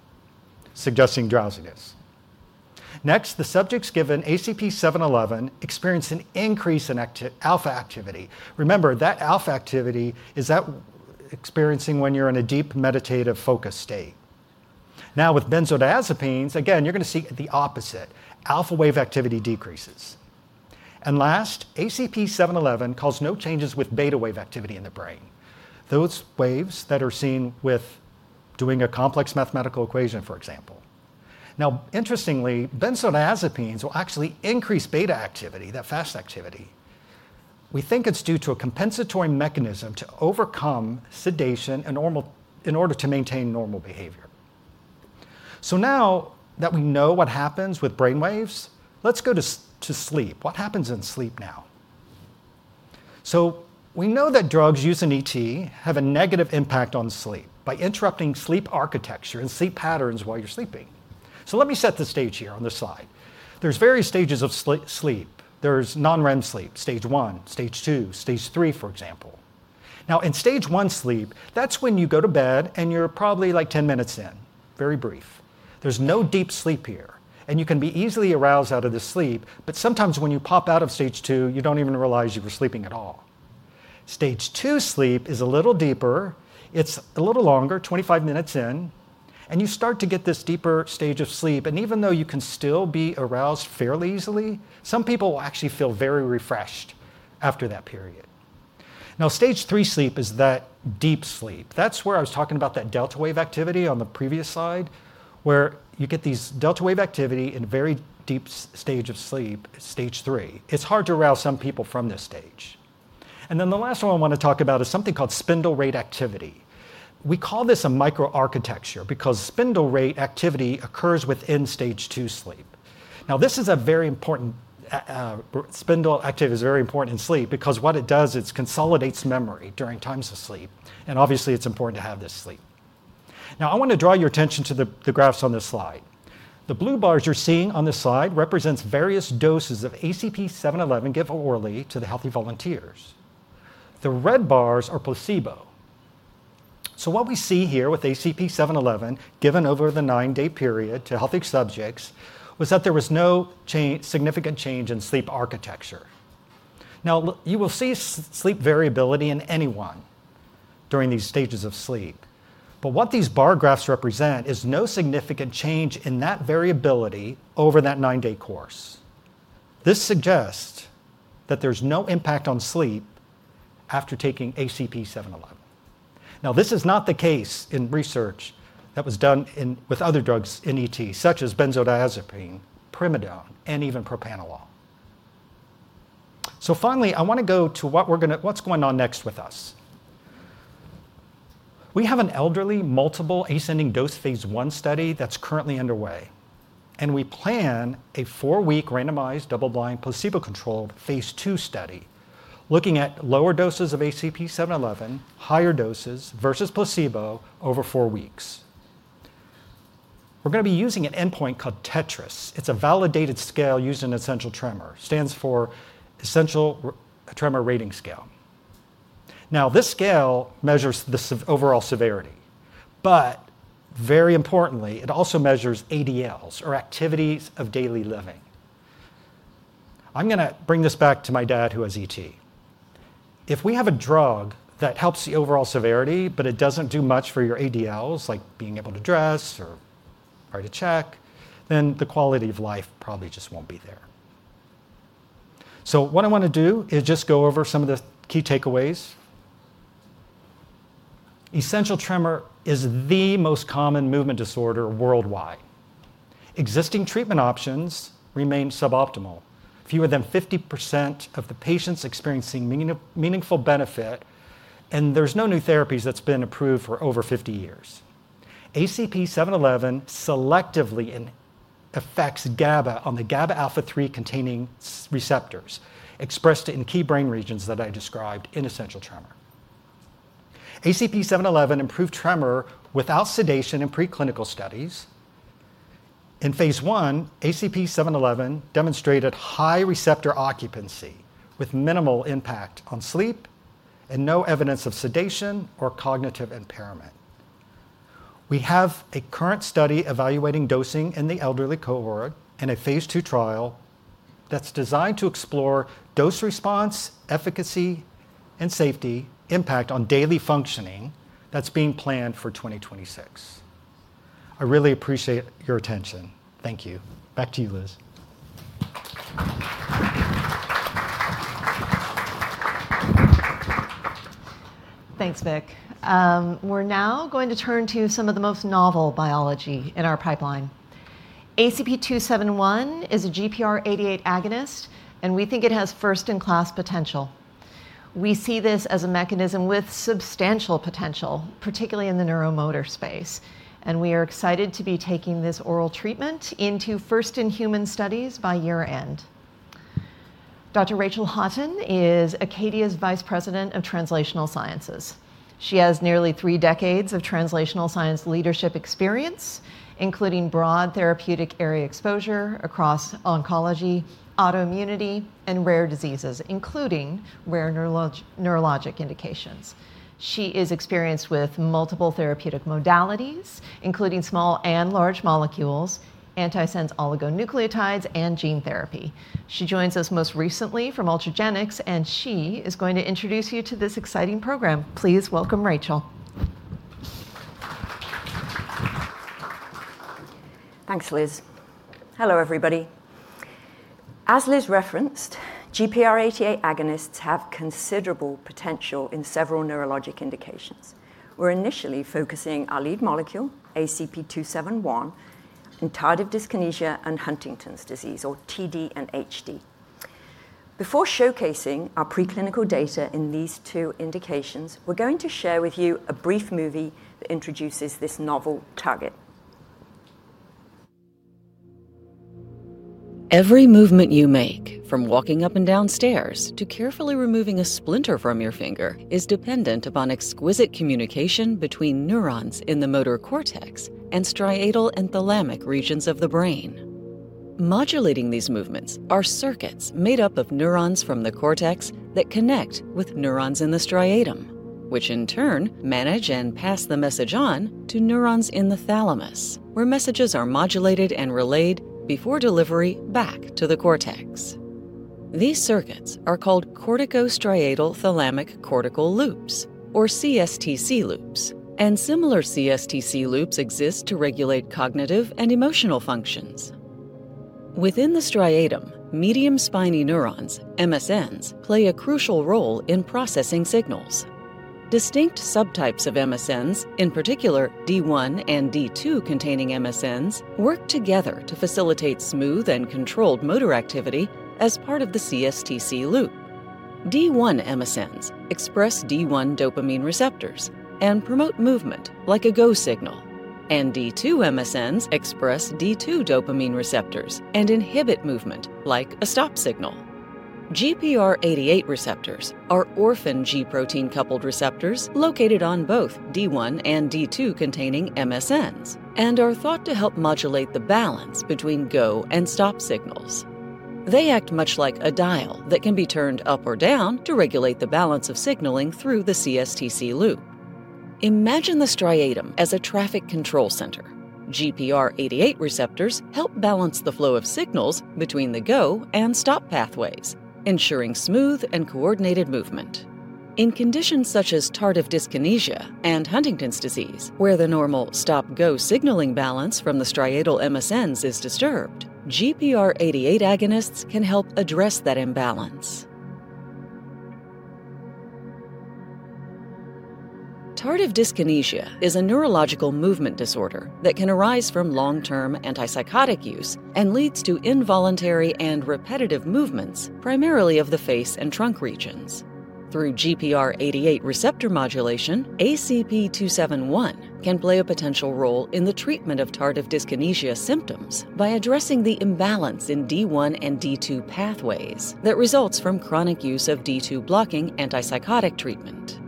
suggesting drowsiness. Next, the subjects given ACP-711 experienced an increase in alpha activity. Remember, that alpha activity is that experiencing when you're in a deep meditative focus state. Now, with benzodiazepines, again, you're going to see the opposite. Alpha wave activity decreases. Last, ACP-711 caused no changes with beta wave activity in the brain, those waves that are seen with doing a complex mathematical equation, for example. Interestingly, benzodiazepines will actually increase beta activity, that fast activity. We think it's due to a compensatory mechanism to overcome sedation in order to maintain normal behavior. Now that we know what happens with brainwaves, let's go to sleep. What happens in sleep now? We know that drugs used in ET have a negative impact on sleep by interrupting sleep architecture and sleep patterns while you're sleeping. Let me set the stage here on this slide. There are various stages of sleep. There's non-REM sleep, stage one, stage two, stage three, for example. Now, in stage one sleep, that's when you go to bed and you're probably like 10 minutes in, very brief. There's no deep sleep here, and you can be easily aroused out of the sleep, but sometimes when you pop out of stage two, you don't even realize you were sleeping at all. Stage two sleep is a little deeper. It's a little longer, 25 minutes in, and you start to get this deeper stage of sleep. Even though you can still be aroused fairly easily, some people will actually feel very refreshed after that period. Now, stage three sleep is that deep sleep. That's where I was talking about that delta wave activity on the previous slide, where you get these delta wave activity in a very deep stage of sleep, stage three. It's hard to arouse some people from this stage. The last one I want to talk about is something called spindle rate activity. We call this a microarchitecture because spindle rate activity occurs within stage two sleep. This is very important. Spindle activity is very important in sleep because what it does, it consolidates memory during times of sleep. Obviously, it's important to have this sleep. I want to draw your attention to the graphs on this slide. The blue bars you're seeing on this slide represent various doses of ACP-711 given orally to the healthy volunteers. The red bars are placebo. What we see here with ACP-711 given over the nine-day period to healthy subjects was that there was no significant change in sleep architecture. You will see sleep variability in anyone during these stages of sleep. What these bar graphs represent is no significant change in that variability over that nine-day course. This suggests that there's no impact on sleep after taking ACP-711. This is not the case in research that was done with other drugs in ET, such as benzodiazepine, primidone, and even propranolol. Finally, I want to go to what's going on next with us. We have an elderly multiple ascending dose phase I study that's currently underway. We plan a four-week randomized double-blind placebo-controlled phase II study looking at lower doses of ACP-711, higher doses versus placebo over four weeks. We're going to be using an endpoint called TETRAS. It's a validated scale used in essential tremor. It stands for essential tremor rating scale. This scale measures the overall severity. Very importantly, it also measures ADLs or activities of daily living. I'm going to bring this back to my dad who has ET. If we have a drug that helps the overall severity, but it doesn't do much for your ADLs, like being able to dress or write a check, then the quality of life probably just won't be there. What I want to do is just go over some of the key takeaways. Essential tremor is the most common movement disorder worldwide. Existing treatment options remain suboptimal. Fewer than 50% of the patients experience meaningful benefit, and there's no new therapies that have been approved for over 50 years. ACP-711 selectively affects GABA on the GABA alpha-3 containing receptors expressed in key brain regions that I described in essential tremor. ACP-711 improved tremor without sedation in preclinical studies. In phase I, ACP-711 demonstrated high receptor occupancy with minimal impact on sleep and no evidence of sedation or cognitive impairment. We have a current study evaluating dosing in the elderly cohort and a phase II trial that is designed to explore dose response, efficacy, and safety impact on daily functioning that is being planned for 2026. I really appreciate your attention. Thank you. Back to you, Liz. Thanks, Vic. We're now going to turn to some of the most novel biology in our pipeline. ACP-271 is a GPR88 agonist, and we think it has first-in-class potential. We see this as a mechanism with substantial potential, particularly in the neuromotor space. We are excited to be taking this oral treatment into first-in-human studies by year-end. Dr. Rachael Hawtin is Acadia's Vice President of Translational Sciences. She has nearly three decades of translational science leadership experience, including broad therapeutic area exposure across oncology, autoimmunity, and rare diseases, including rare neurologic indications. She is experienced with multiple therapeutic modalities, including small and large molecules, antisense oligonucleotides, and gene therapy. She joins us most recently from Ultragenyx, and she is going to introduce you to this exciting program. Please welcome Rachael. Thanks, Liz. Hello, everybody. As Liz referenced, GPR88 agonists have considerable potential in several neurologic indications. We're initially focusing on lead molecule, ACP-271, and tardive dyskinesia and Huntington's disease, or TD and HD. Before showcasing our preclinical data in these two indications, we're going to share with you a brief movie that introduces this novel target. Every movement you make, from walking up and down stairs to carefully removing a splinter from your finger, is dependent upon exquisite communication between neurons in the motor cortex and striatal and thalamic regions of the brain. Modulating these movements are circuits made up of neurons from the cortex that connect with neurons in the striatum, which in turn manage and pass the message on to neurons in the thalamus, where messages are modulated and relayed before delivery back to the cortex. These circuits are called corticostriatal-thalamic cortical loops, or CSTC loops, and similar CSTC loops exist to regulate cognitive and emotional functions. Within the striatum, medium spiny neurons, MSNs, play a crucial role in processing signals. Distinct subtypes of MSNs, in particular D1 and D2 containing MSNs, work together to facilitate smooth and controlled motor activity as part of the CSTC loop. D1 MSNs express D1 dopamine receptors and promote movement like a go signal, and D2 MSNs express D2 dopamine receptors and inhibit movement like a stop signal. GPR88 receptors are orphan G-protein-coupled receptors located on both D1 and D2 containing MSNs and are thought to help modulate the balance between go and stop signals. They act much like a dial that can be turned up or down to regulate the balance of signaling through the CSTC loop. Imagine the striatum as a traffic control center. GPR88 receptors help balance the flow of signals between the go and stop pathways, ensuring smooth and coordinated movement. In conditions such as tardive dyskinesia and Huntington's disease, where the normal stop-go signaling balance from the striatal MSNs is disturbed, GPR88 agonists can help address that imbalance. Tardive dyskinesia is a neurological movement disorder that can arise from long-term antipsychotic use and leads to involuntary and repetitive movements, primarily of the face and trunk regions. Through GPR88 receptor modulation, ACP-271 can play a potential role in the treatment of tardive dyskinesia symptoms by addressing the imbalance in D1 and D2 pathways that results from chronic use of D2 blocking antipsychotic treatment.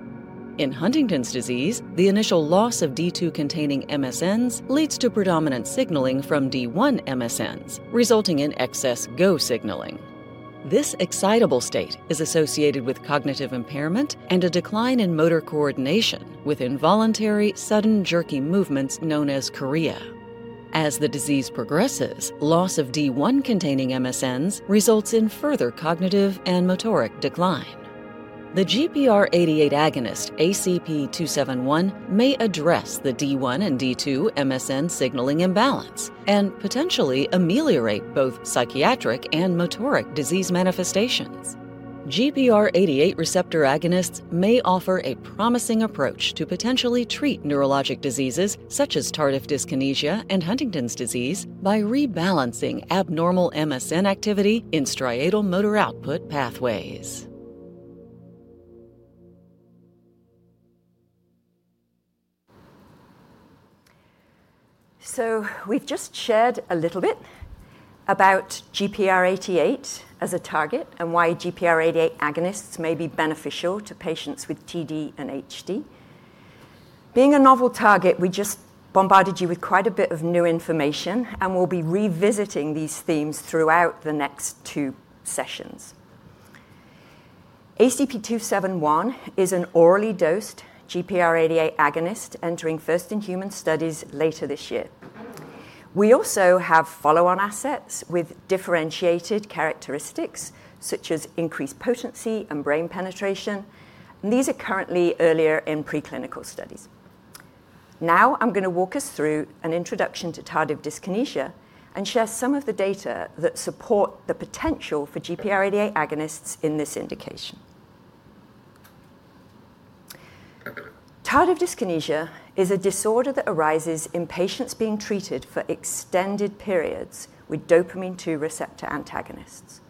In Huntington's disease, the initial loss of D2-containing MSNs leads to predominant signaling from D1 MSNs, resulting in excess go signaling. This excitable state is associated with cognitive impairment and a decline in motor coordination with involuntary sudden jerky movements known as chorea. As the disease progresses, loss of D1-containing MSNs results in further cognitive and motoric decline. The GPR88 agonist ACP-271 may address the D1 and D2 MSN signaling imbalance and potentially ameliorate both psychiatric and motoric disease manifestations. GPR88 receptor agonists may offer a promising approach to potentially treat neurologic diseases such as tardive dyskinesia and Huntington's disease by rebalancing abnormal MSN activity in striatal motor output pathways. We've just shared a little bit about GPR88 as a target and why GPR88 agonists may be beneficial to patients with TD and HD. Being a novel target, we just bombarded you with quite a bit of new information, and we'll be revisiting these themes throughout the next two sessions. ACP-271 is an orally dosed GPR88 agonist entering first-in-human studies later this year. We also have follow-on assets with differentiated characteristics such as increased potency and brain penetration. These are currently earlier in preclinical studies. Now I'm going to walk us through an introduction to tardive dyskinesia and share some of the data that support the potential for GPR88 agonists in this indication. Tardive dyskinesia is a disorder that arises in patients being treated for extended periods with dopamine-2 receptor antagonists.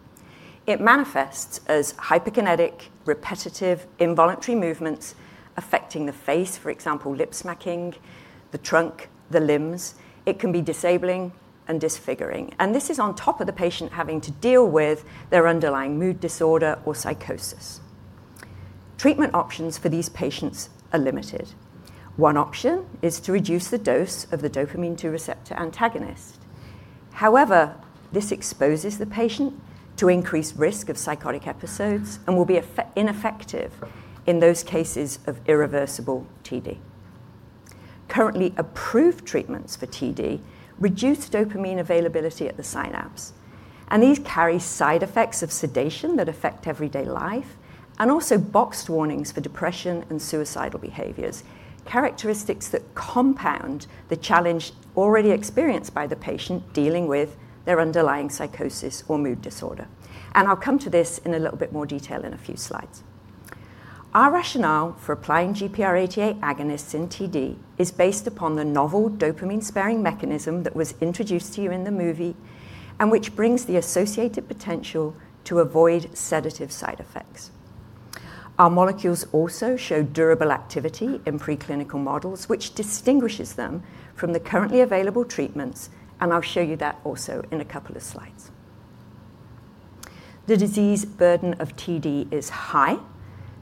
It manifests as hyperkinetic, repetitive, involuntary movements affecting the face, for example, lip smacking, the trunk, the limbs. It can be disabling and disfiguring. This is on top of the patient having to deal with their underlying mood disorder or psychosis. Treatment options for these patients are limited. One option is to reduce the dose of the dopamine-2 receptor antagonist. However, this exposes the patient to increased risk of psychotic episodes and will be ineffective in those cases of irreversible TD. Currently approved treatments for TD reduce dopamine availability at the synapse. These carry side effects of sedation that affect everyday life and also boxed warnings for depression and suicidal behaviors, characteristics that compound the challenge already experienced by the patient dealing with their underlying psychosis or mood disorder. I'll come to this in a little bit more detail in a few slides. Our rationale for applying GPR88 agonists in TD is based upon the novel dopamine-sparing mechanism that was introduced to you in the movie and which brings the associated potential to avoid sedative side effects. Our molecules also show durable activity in preclinical models, which distinguishes them from the currently available treatments. I will show you that also in a couple of slides. The disease burden of TD is high,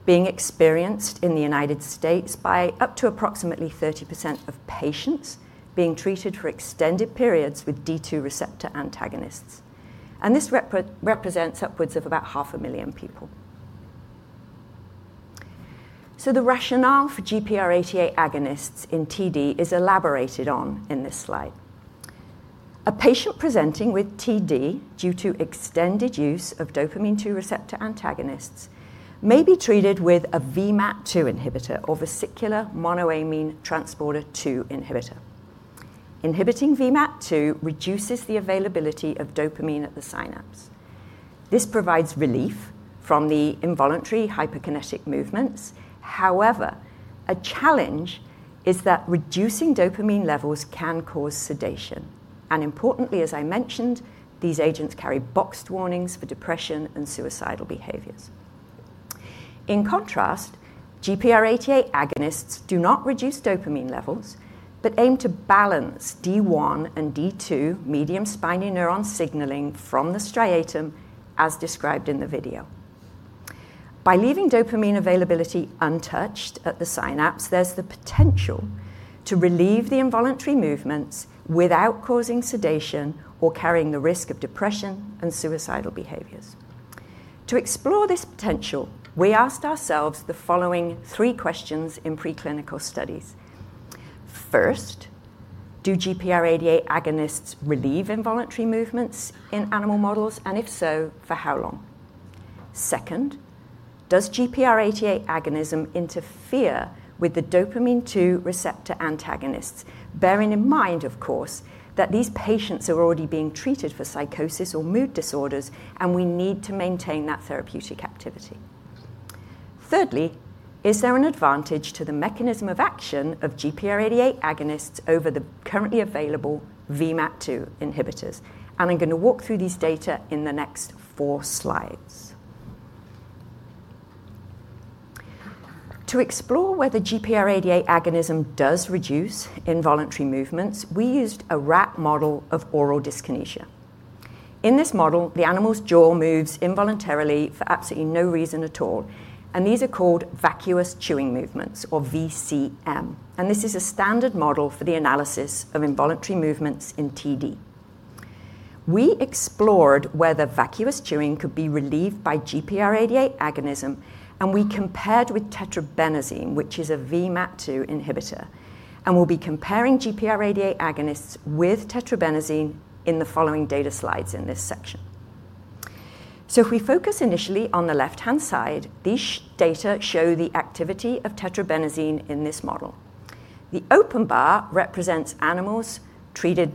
being experienced in the United States by up to approximately 30% of patients being treated for extended periods with D2 receptor antagonists. This represents upwards of about 500,000 people. The rationale for GPR88 agonists in TD is elaborated on in this slide. A patient presenting with TD due to extended use of dopamine-2 receptor antagonists may be treated with a VMAT2 inhibitor or vesicular monoamine transporter 2 inhibitor. Inhibiting VMAT2 reduces the availability of dopamine at the synapse. This provides relief from the involuntary hyperkinetic movements. However, a challenge is that reducing dopamine levels can cause sedation. Importantly, as I mentioned, these agents carry boxed warnings for depression and suicidal behaviors. In contrast, GPR88 agonists do not reduce dopamine levels, but aim to balance D1 and D2 medium spiny neuron signaling from the striatum, as described in the video. By leaving dopamine availability untouched at the synapse, there's the potential to relieve the involuntary movements without causing sedation or carrying the risk of depression and suicidal behaviors. To explore this potential, we asked ourselves the following three questions in preclinical studies. First, do GPR88 agonists relieve involuntary movements in animal models? If so, for how long? Second, does GPR88 agonism interfere with the dopamine-2 receptor antagonists, bearing in mind, of course, that these patients are already being treated for psychosis or mood disorders, and we need to maintain that therapeutic activity? Thirdly, is there an advantage to the mechanism of action of GPR88 agonists over the currently available VMAT2 inhibitors? I'm going to walk through these data in the next four slides. To explore whether GPR88 agonism does reduce involuntary movements, we used a rat model of oral dyskinesia. In this model, the animal's jaw moves involuntarily for absolutely no reason at all. These are called vacuous chewing movements, or VCM. This is a standard model for the analysis of involuntary movements in TD. We explored whether vacuous chewing could be relieved by GPR88 agonism, and we compared with tetrabenazine, which is a VMAT2 inhibitor. We'll be comparing GPR88 agonists with tetrabenazine in the following data slides in this section. If we focus initially on the left-hand side, these data show the activity of tetrabenazine in this model. The open bar represents animals treated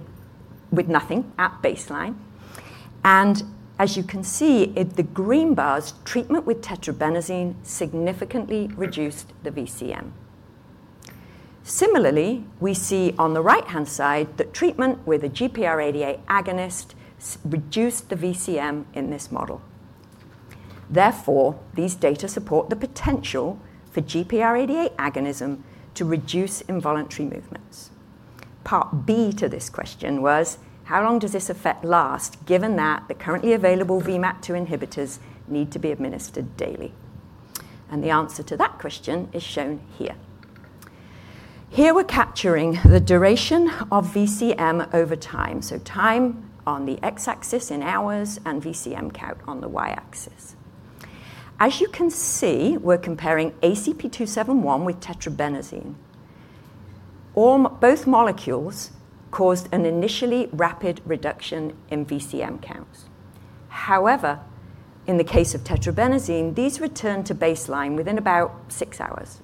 with nothing at baseline. As you can see, the green bar's treatment with tetrabenazine significantly reduced the VCM. Similarly, we see on the right-hand side that treatment with a GPR88 agonist reduced the VCM in this model. Therefore, these data support the potential for GPR88 agonism to reduce involuntary movements. Part B to this question was, how long does this effect last, given that the currently available VMAT2 inhibitors need to be administered daily? The answer to that question is shown here. Here we're capturing the duration of VCM over time, so time on the X-axis in hours and VCM count on the Y-axis. As you can see, we're comparing ACP-271 with tetrabenazine. Both molecules caused an initially rapid reduction in VCM counts. However, in the case of tetrabenazine, these returned to baseline within about six hours.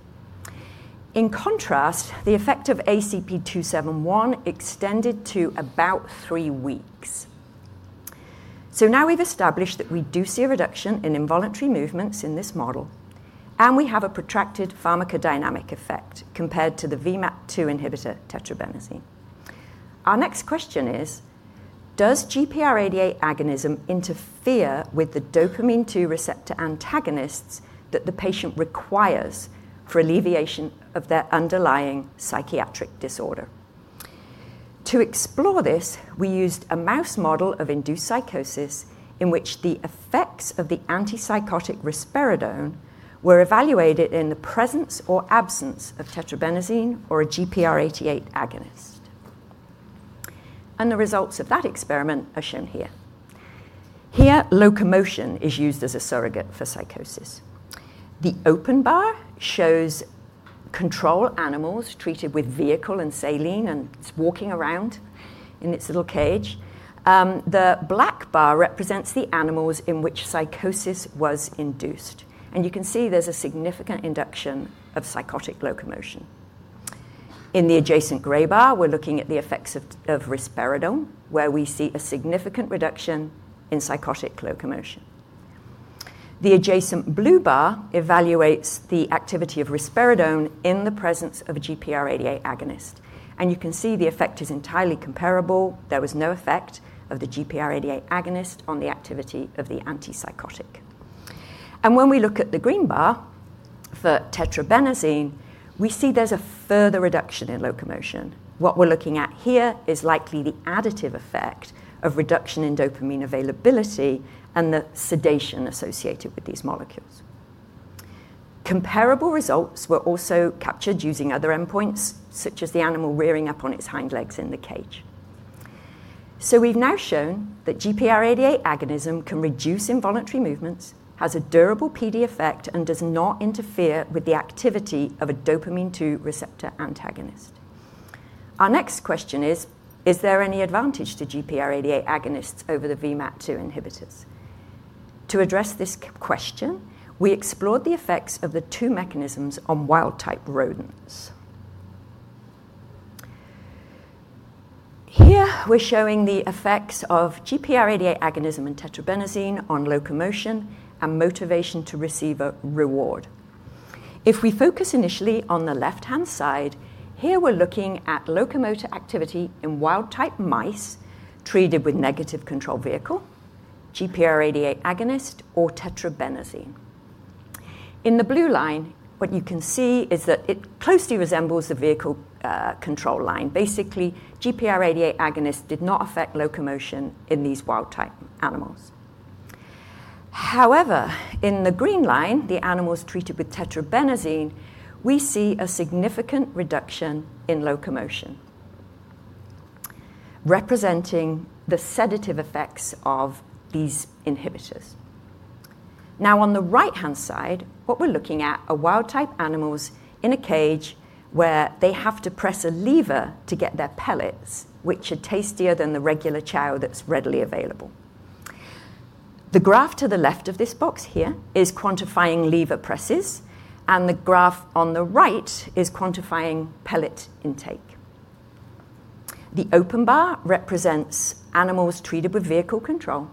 In contrast, the effect of ACP-271 extended to about three weeks. Now we've established that we do see a reduction in involuntary movements in this model, and we have a protracted pharmacodynamic effect compared to the VMAT2 inhibitor tetrabenazine. Our next question is, does GPR88 agonism interfere with the dopamine-2 receptor antagonists that the patient requires for alleviation of their underlying psychiatric disorder? To explore this, we used a mouse model of induced psychosis in which the effects of the antipsychotic risperidone were evaluated in the presence or absence of tetrabenazine or a GPR88 agonist. The results of that experiment are shown here. Here, locomotion is used as a surrogate for psychosis. The open bar shows control animals treated with vehicle and saline, and it's walking around in its little cage. The black bar represents the animals in which psychosis was induced. You can see there's a significant induction of psychotic locomotion. In the adjacent gray bar, we're looking at the effects of risperidone, where we see a significant reduction in psychotic locomotion. The adjacent blue bar evaluates the activity of risperidone in the presence of a GPR88 agonist. You can see the effect is entirely comparable. There was no effect of the GPR88 agonist on the activity of the antipsychotic. When we look at the green bar for tetrabenazine, we see there's a further reduction in locomotion. What we're looking at here is likely the additive effect of reduction in dopamine availability and the sedation associated with these molecules. Comparable results were also captured using other endpoints, such as the animal rearing up on its hind legs in the cage. We have now shown that GPR88 agonism can reduce involuntary movements, has a durable PD effect, and does not interfere with the activity of a dopamine-2 receptor antagonist. Our next question is, is there any advantage to GPR88 agonists over the VMAT2 inhibitors? To address this question, we explored the effects of the two mechanisms on wild-type rodents. Here we are showing the effects of GPR88 agonism and tetrabenazine on locomotion and motivation to receive a reward. If we focus initially on the left-hand side, here we are looking at locomotor activity in wild-type mice treated with negative control vehicle, GPR88 agonist, or tetrabenazine. In the blue line, what you can see is that it closely resembles the vehicle control line. Basically, GPR88 agonist did not affect locomotion in these wild-type animals. However, in the green line, the animals treated with tetrabenazine, we see a significant reduction in locomotion, representing the sedative effects of these inhibitors. Now, on the right-hand side, what we're looking at are wild-type animals in a cage where they have to press a lever to get their pellets, which are tastier than the regular chow that's readily available. The graph to the left of this box here is quantifying lever presses, and the graph on the right is quantifying pellet intake. The open bar represents animals treated with vehicle control,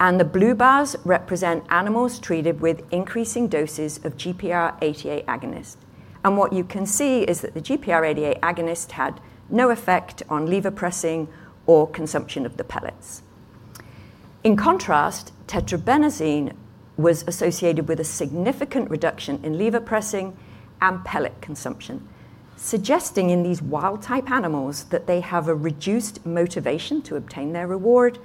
and the blue bars represent animals treated with increasing doses of GPR88 agonist. What you can see is that the GPR88 agonist had no effect on lever pressing or consumption of the pellets. In contrast, tetrabenazine was associated with a significant reduction in lever pressing and pellet consumption, suggesting in these wild-type animals that they have a reduced motivation to obtain their reward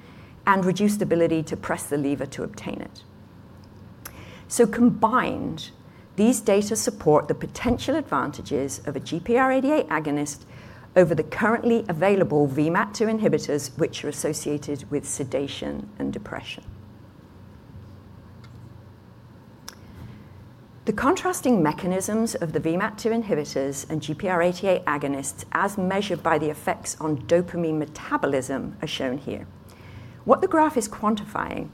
and reduced ability to press the lever to obtain it. Combined, these data support the potential advantages of a GPR88 agonist over the currently available VMAT2 inhibitors, which are associated with sedation and depression. The contrasting mechanisms of the VMAT2 inhibitors and GPR88 agonists, as measured by the effects on dopamine metabolism, are shown here. What the graph is quantifying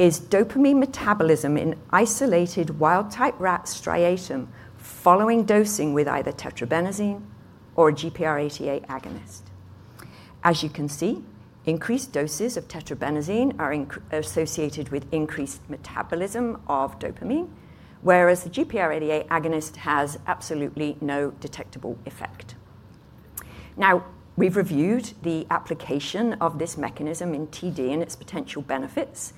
is dopamine metabolism in isolated wild-type rats' striatum following dosing with either tetrabenazine or a GPR88 agonist. As you can see, increased doses of tetrabenazine are associated with increased metabolism of dopamine, whereas the GPR88 agonist has absolutely no detectable effect. Now, we've reviewed the application of this mechanism in TD and its potential benefits,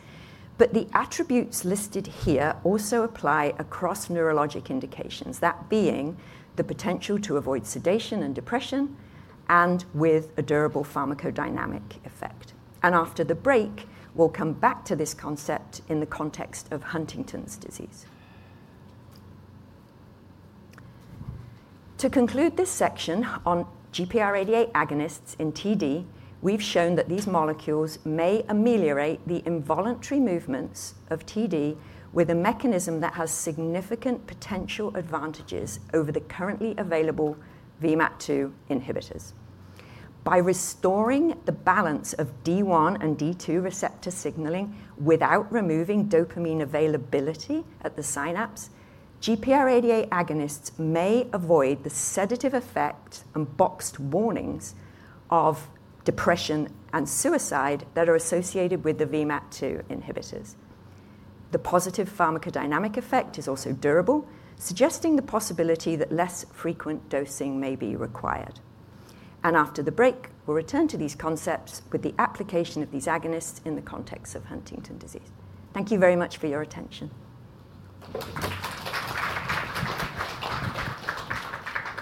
but the attributes listed here also apply across neurologic indications, that being the potential to avoid sedation and depression and with a durable pharmacodynamic effect. After the break, we'll come back to this concept in the context of Huntington's disease. To conclude this section on GPR88 agonists in TD, we've shown that these molecules may ameliorate the involuntary movements of TD with a mechanism that has significant potential advantages over the currently available VMAT2 inhibitors. By restoring the balance of D1 and D2 receptor signaling without removing dopamine availability at the synapse, GPR88 agonists may avoid the sedative effect and boxed warnings of depression and suicide that are associated with the VMAT2 inhibitors. The positive pharmacodynamic effect is also durable, suggesting the possibility that less frequent dosing may be required. After the break, we'll return to these concepts with the application of these agonists in the context of Huntington's disease. Thank you very much for your attention.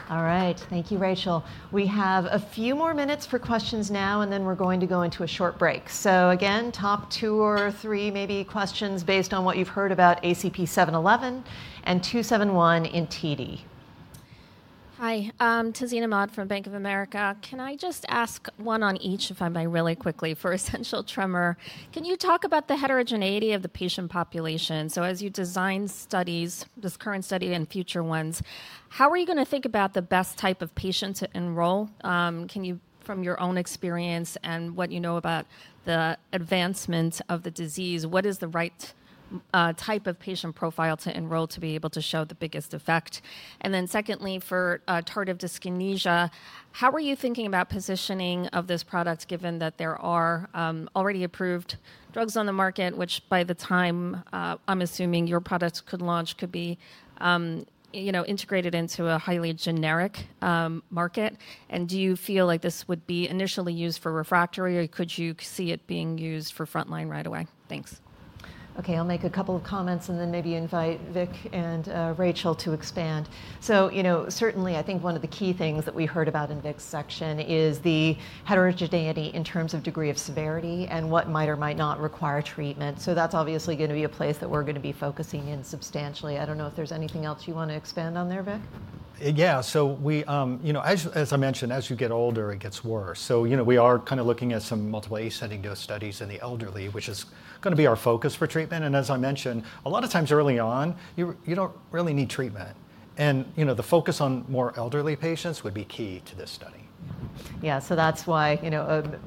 All right. Thank you, Rachael. We have a few more minutes for questions now, and then we're going to go into a short break. Again, top two or three maybe questions based on what you've heard about ACP-711 and 271 in TD. Hi, Tazeen Ahmad from Bank of America. Can I just ask one on each, if I may, really quickly for essential tremor? Can you talk about the heterogeneity of the patient population? As you design studies, this current study and future ones, how are you going to think about the best type of patient to enroll? From your own experience and what you know about the advancement of the disease, what is the right type of patient profile to enroll to be able to show the biggest effect? Secondly, for tardive dyskinesia, how are you thinking about positioning of this product, given that there are already approved drugs on the market, which by the time I'm assuming your products could launch, could be integrated into a highly generic market? Do you feel like this would be initially used for refractory, or could you see it being used for frontline right away? Thanks. Okay. I'll make a couple of comments and then maybe invite Vic and Rachael to expand. Certainly, I think one of the key things that we heard about in Vic's section is the heterogeneity in terms of degree of severity and what might or might not require treatment. That's obviously going to be a place that we're going to be focusing in substantially. I don't know if there's anything else you want to expand on there, Vic. Yeah. As I mentioned, as you get older, it gets worse. We are kind of looking at some multiple ascending dose studies in the elderly, which is going to be our focus for treatment. As I mentioned, a lot of times early on, you do not really need treatment. The focus on more elderly patients would be key to this study. Yeah. That is why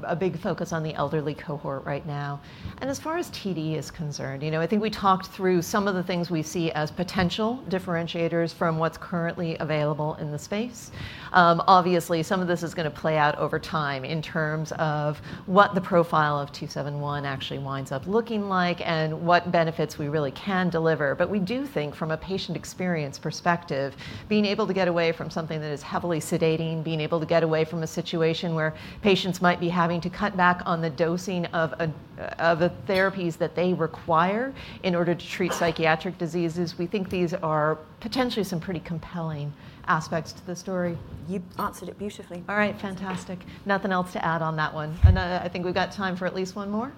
a big focus on the elderly cohort right now. As far as TD is concerned, I think we talked through some of the things we see as potential differentiators from what is currently available in the space. Obviously, some of this is going to play out over time in terms of what the profile of 271 actually winds up looking like and what benefits we really can deliver. We do think from a patient experience perspective, being able to get away from something that is heavily sedating, being able to get away from a situation where patients might be having to cut back on the dosing of the therapies that they require in order to treat psychiatric diseases, we think these are potentially some pretty compelling aspects to the story. You answered it beautifully. All right. Fantastic. Nothing else to add on that one. I think we've got time for at least one more.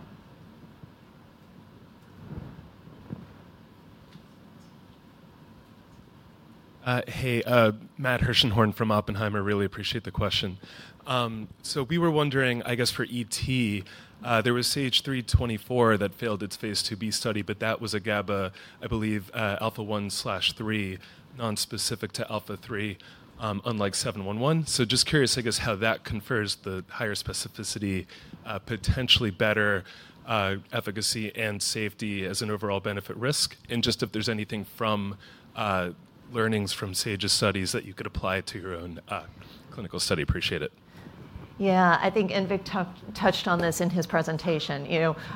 Hey, Matt Hershenhorn from Oppenheimer. Really appreciate the question. We were wondering, I guess, for ET, there was SAGE-324 that failed its phase II-B study, but that was a GABA, I believe, alpha 1/3, nonspecific to alpha 3, unlike 711. Just curious, I guess, how that confers the higher specificity, potentially better efficacy and safety as an overall benefit-risk, and if there's anything from learnings from SAGE's studies that you could apply to your own clinical study. Appreciate it. Yeah. I think, and Vic touched on this in his presentation,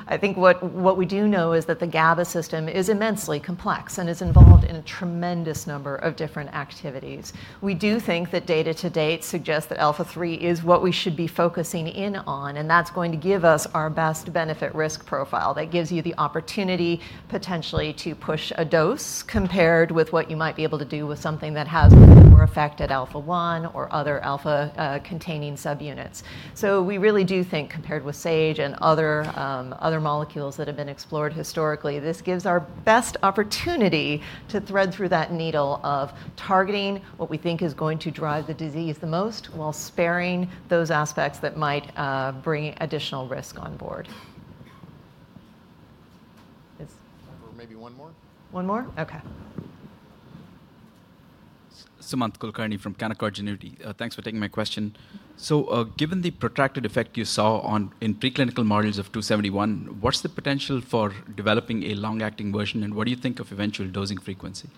I think what we do know is that the GABA system is immensely complex and is involved in a tremendous number of different activities. We do think that data to date suggests that alpha 3 is what we should be focusing in on, and that's going to give us our best benefit-risk profile. That gives you the opportunity potentially to push a dose compared with what you might be able to do with something that has a more affected alpha 1 or other alpha-containing subunits. We really do think compared with SAGE and other molecules that have been explored historically, this gives our best opportunity to thread through that needle of targeting what we think is going to drive the disease the most while sparing those aspects that might bring additional risk on board. Maybe one more? One more? Okay. Sumant Kulkarni from Canaccord Genuity. Thanks for taking my question. Given the protracted effect you saw in preclinical models of 271, what's the potential for developing a long-acting version, and what do you think of eventual dosing frequency?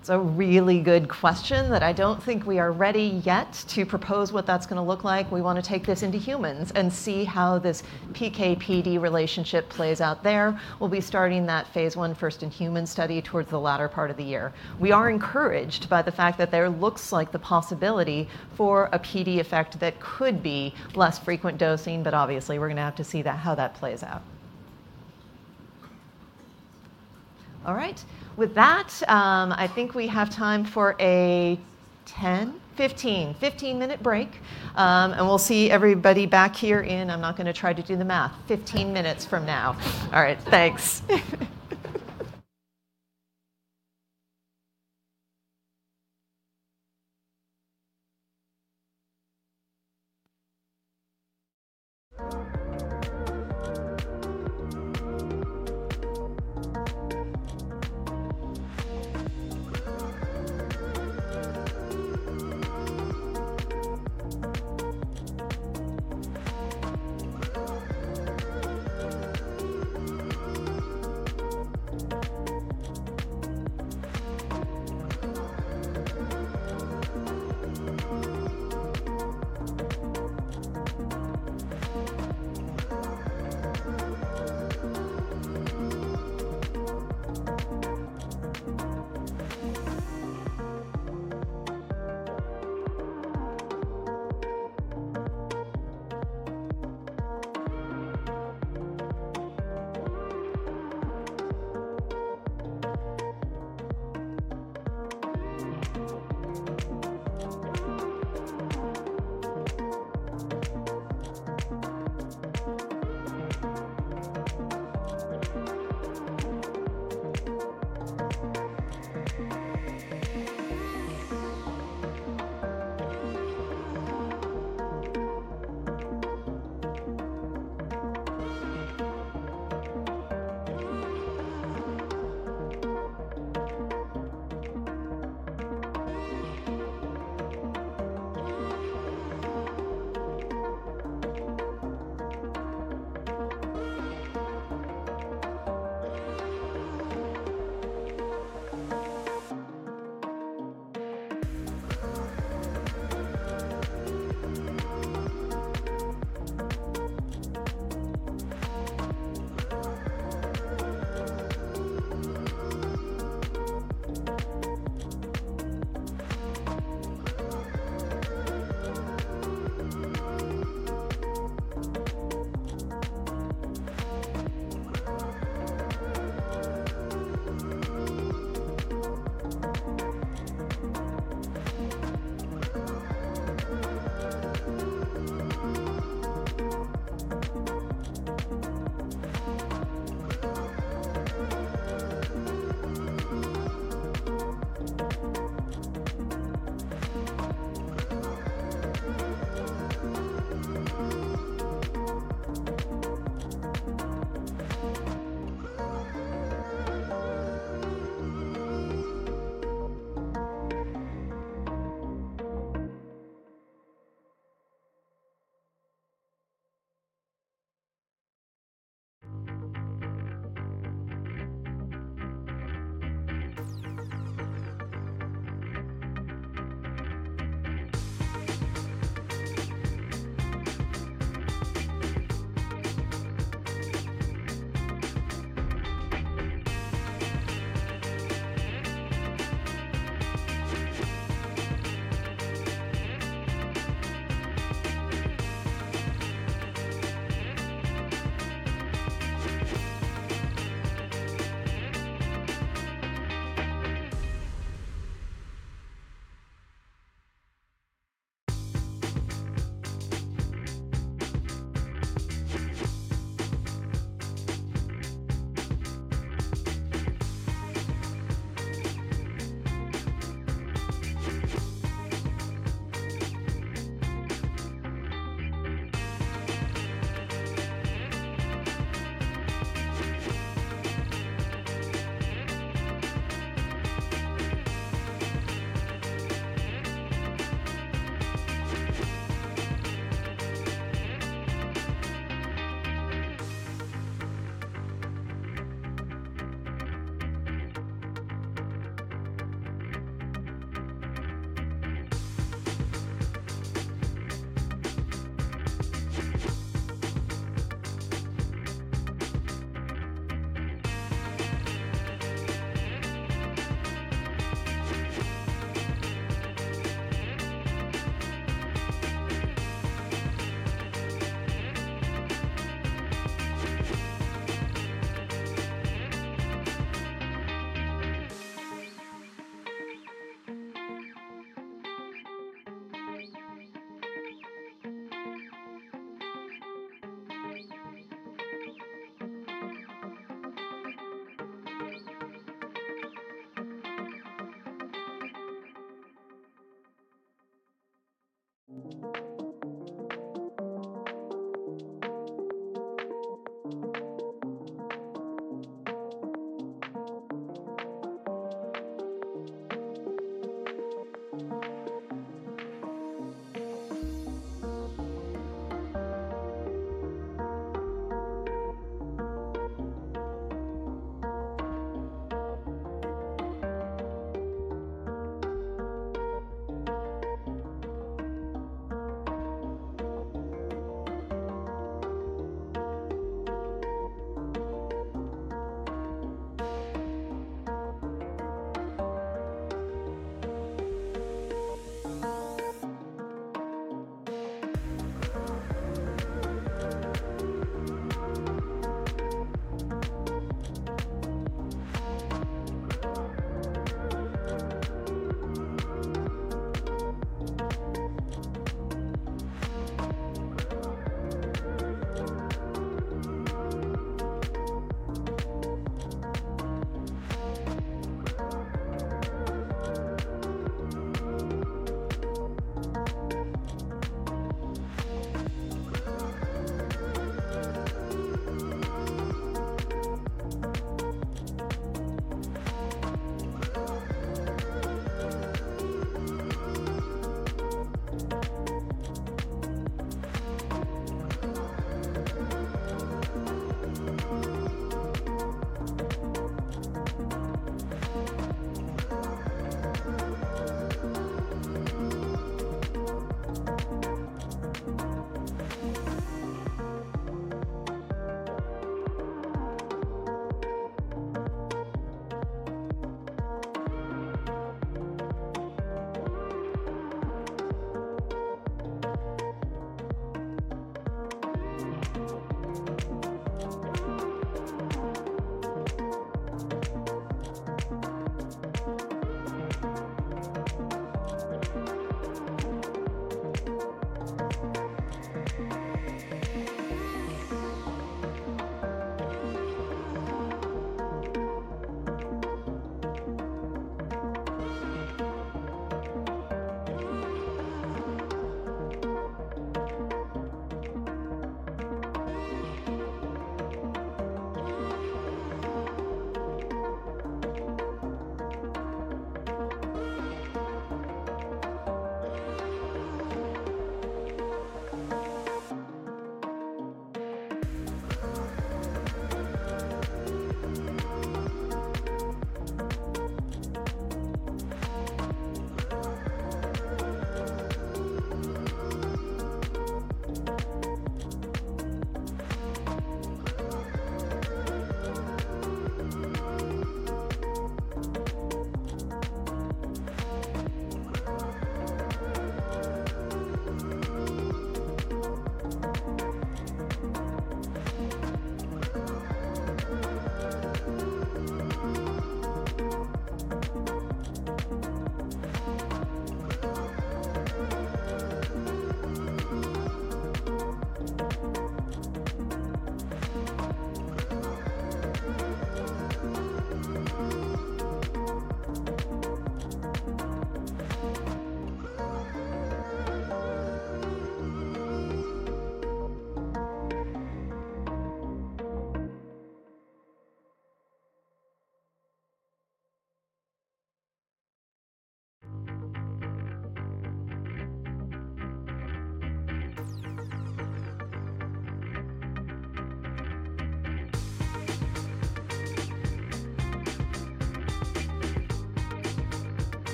It's a really good question that I don't think we are ready yet to propose what that's going to look like. We want to take this into humans and see how this PK/PD relationship plays out there. We'll be starting that phase I first in human study towards the latter part of the year. We are encouraged by the fact that there looks like the possibility for a PD effect that could be less frequent dosing, but obviously, we're going to have to see how that plays out. All right. With that, I think we have time for a 10, 15, 15-minute break, and we'll see everybody back here in, I'm not going to try to do the math, 15 minutes from now. All right. Thanks.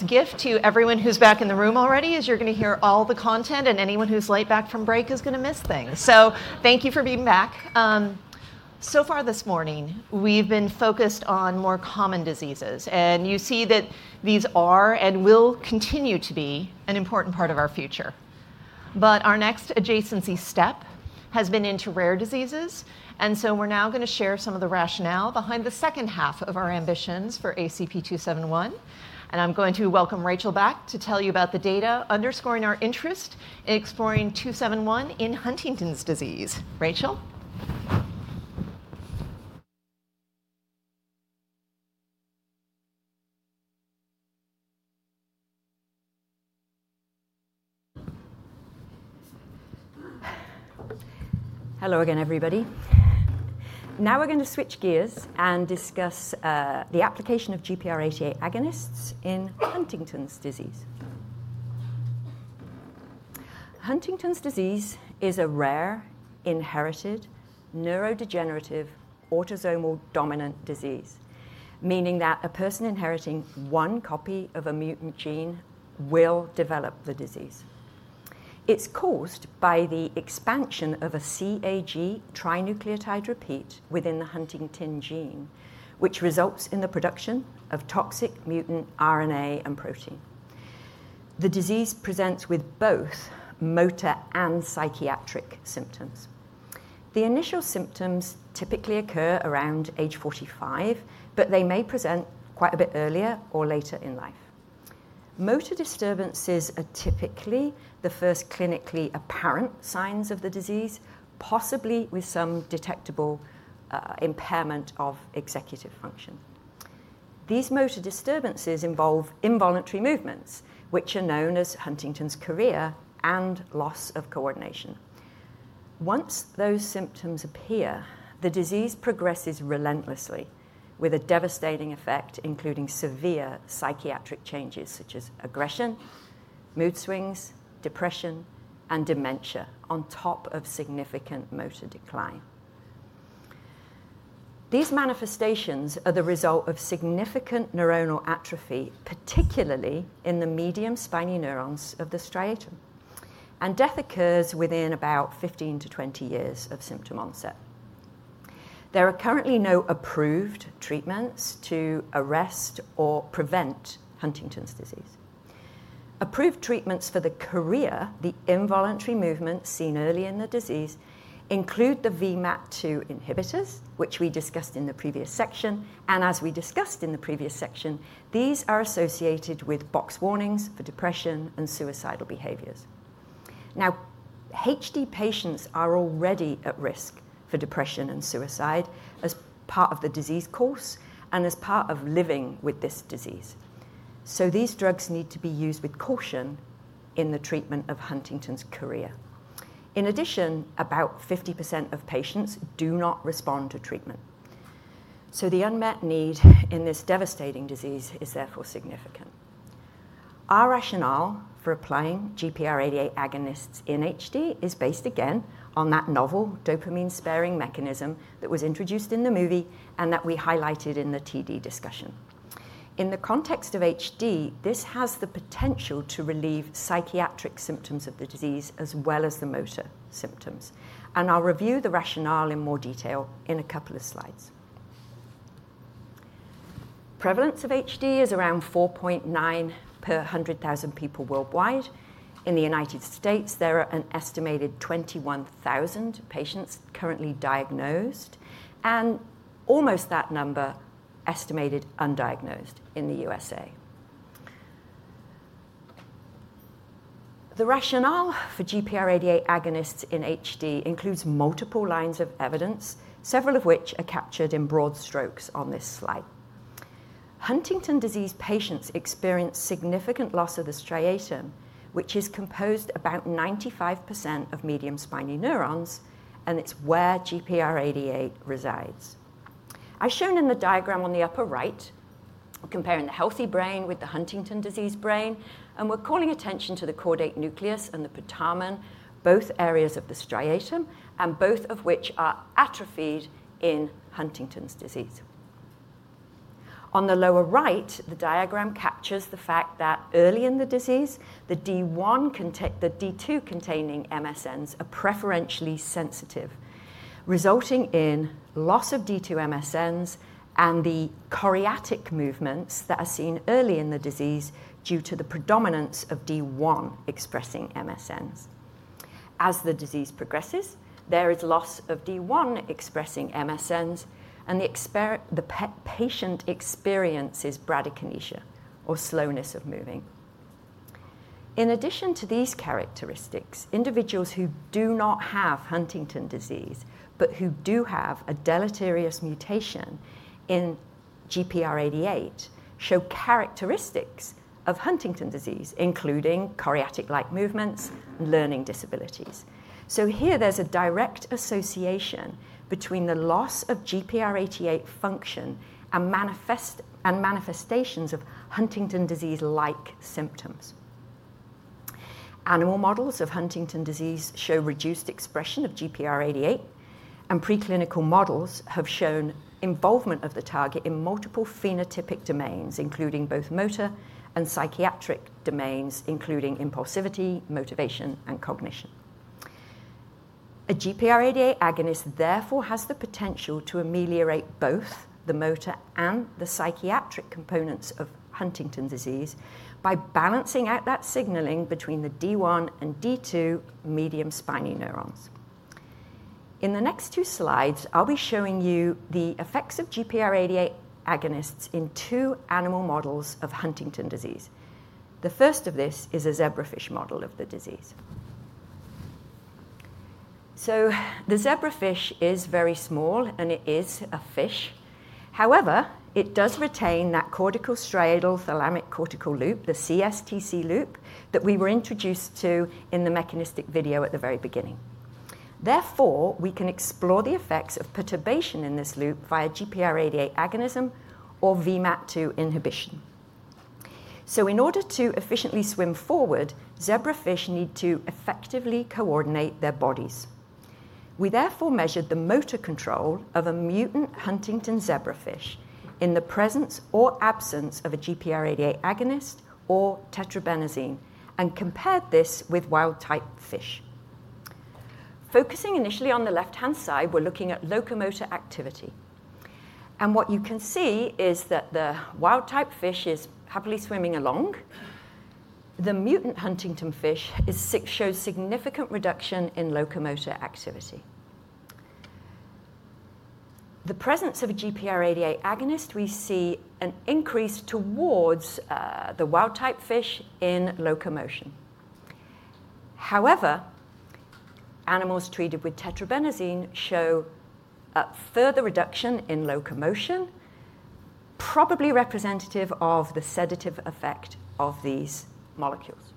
Bonus gift to everyone who's back in the room already is you're going to hear all the content, and anyone who's late back from break is going to miss things. Thank you for being back. So far this morning, we've been focused on more common diseases, and you see that these are and will continue to be an important part of our future. Our next adjacency step has been into rare diseases, and we're now going to share some of the rationale behind the second half of our ambitions for ACP-271. I'm going to welcome Rachael back to tell you about the data underscoring our interest in exploring 271 in Huntington's disease. Rachael? Hello again, everybody. Now we're going to switch gears and discuss the application of GPR88 agonists in Huntington's disease. Huntington's disease is a rare, inherited, neurodegenerative, autosomal dominant disease, meaning that a person inheriting one copy of a mutant gene will develop the disease. It's caused by the expansion of a CAG trinucleotide repeat within the Huntington gene, which results in the production of toxic mutant RNA and protein. The disease presents with both motor and psychiatric symptoms. The initial symptoms typically occur around age 45, but they may present quite a bit earlier or later in life. Motor disturbances are typically the first clinically apparent signs of the disease, possibly with some detectable impairment of executive function. These motor disturbances involve involuntary movements, which are known as Huntington's chorea and loss of coordination. Once those symptoms appear, the disease progresses relentlessly, with a devastating effect including severe psychiatric changes such as aggression, mood swings, depression, and dementia on top of significant motor decline. These manifestations are the result of significant neuronal atrophy, particularly in the medium spiny neurons of the striatum, and death occurs within about 15-20 years of symptom onset. There are currently no approved treatments to arrest or prevent Huntington's disease. Approved treatments for the chorea, the involuntary movement seen early in the disease, include the VMAT2 inhibitors, which we discussed in the previous section. As we discussed in the previous section, these are associated with box warnings for depression and suicidal behaviors. Now, HD patients are already at risk for depression and suicide as part of the disease course and as part of living with this disease. These drugs need to be used with caution in the treatment of Huntington's chorea. In addition, about 50% of patients do not respond to treatment. The unmet need in this devastating disease is therefore significant. Our rationale for applying GPR88 agonists in HD is based again on that novel dopamine-sparing mechanism that was introduced in the movie and that we highlighted in the TD discussion. In the context of HD, this has the potential to relieve psychiatric symptoms of the disease as well as the motor symptoms. I'll review the rationale in more detail in a couple of slides. Prevalence of HD is around 4.9 per 100,000 people worldwide. In the United States, there are an estimated 21,000 patients currently diagnosed, and almost that number estimated undiagnosed in the USA The rationale for GPR88 agonists in HD includes multiple lines of evidence, several of which are captured in broad strokes on this slide. Huntington's disease patients experience significant loss of the striatum, which is composed of about 95% of medium spiny neurons, and it's where GPR88 resides. As shown in the diagram on the upper right, comparing the healthy brain with the Huntington's disease brain, and we're calling attention to the caudate nucleus and the putamen, both areas of the striatum, and both of which are atrophied in Huntington's disease. On the lower right, the diagram captures the fact that early in the disease, the D2-containing MSNs are preferentially sensitive, resulting in loss of D2-MSNs and the choreatic movements that are seen early in the disease due to the predominance of D1-expressing MSNs. As the disease progresses, there is loss of D1-expressing MSNs, and the patient experiences bradykinesia, or slowness of moving. In addition to these characteristics, individuals who do not have Huntington's disease but who do have a deleterious mutation in GPR88 show characteristics of Huntington's disease, including choreatic-like movements and learning disabilities. Here, there's a direct association between the loss of GPR88 function and manifestations of Huntington's disease-like symptoms. Animal models of Huntington's disease show reduced expression of GPR88, and preclinical models have shown involvement of the target in multiple phenotypic domains, including both motor and psychiatric domains, including impulsivity, motivation, and cognition. A GPR88 agonist therefore has the potential to ameliorate both the motor and the psychiatric components of Huntington's disease by balancing out that signaling between the D1 and D2 medium spiny neurons. In the next two slides, I'll be showing you the effects of GPR88 agonists in two animal models of Huntington's disease. The first of this is a zebrafish model of the disease. The zebrafish is very small, and it is a fish. However, it does retain that corticostriatal-thalamic-cortical loop, the CSTC loop, that we were introduced to in the mechanistic video at the very beginning. Therefore, we can explore the effects of perturbation in this loop via GPR88 agonism or VMAT2 inhibition. In order to efficiently swim forward, zebrafish need to effectively coordinate their bodies. We therefore measured the motor control of a mutant Huntington's zebrafish in the presence or absence of a GPR88 agonist or tetrabenazine and compared this with wild-type fish. Focusing initially on the left-hand side, we're looking at locomotor activity. What you can see is that the wild-type fish is happily swimming along. The mutant Huntington's fish shows significant reduction in locomotor activity. In the presence of a GPR88 agonist, we see an increase towards the wild-type fish in locomotion. However, animals treated with tetrabenazine show a further reduction in locomotion, probably representative of the sedative effect of these molecules.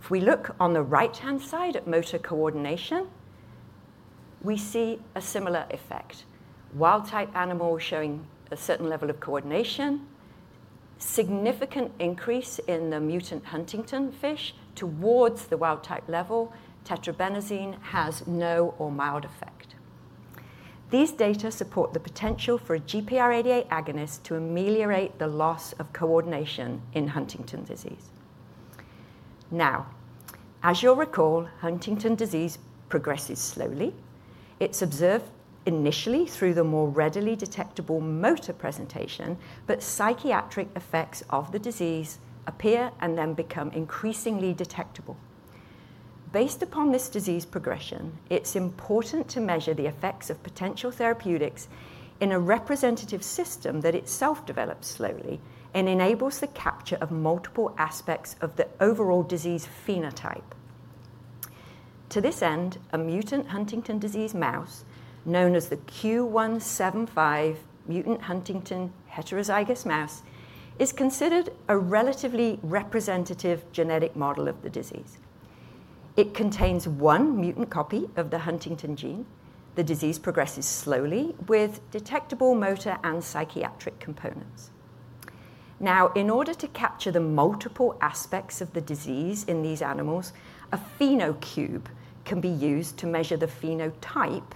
If we look on the right-hand side at motor coordination, we see a similar effect. Wild-type animals showing a certain level of coordination, significant increase in the mutant Huntington's fish towards the wild-type level, tetrabenazine has no or mild effect. These data support the potential for a GPR88 agonist to ameliorate the loss of coordination in Huntington's disease. Now, as you'll recall, Huntington's disease progresses slowly. It's observed initially through the more readily detectable motor presentation, but psychiatric effects of the disease appear and then become increasingly detectable. Based upon this disease progression, it's important to measure the effects of potential therapeutics in a representative system that itself develops slowly and enables the capture of multiple aspects of the overall disease phenotype. To this end, a mutant Huntington's disease mouse known as the Q175 mutant Huntington heterozygous mouse is considered a relatively representative genetic model of the disease. It contains one mutant copy of the Huntington gene. The disease progresses slowly with detectable motor and psychiatric components. Now, in order to capture the multiple aspects of the disease in these animals, a PhenoCube can be used to measure the phenotype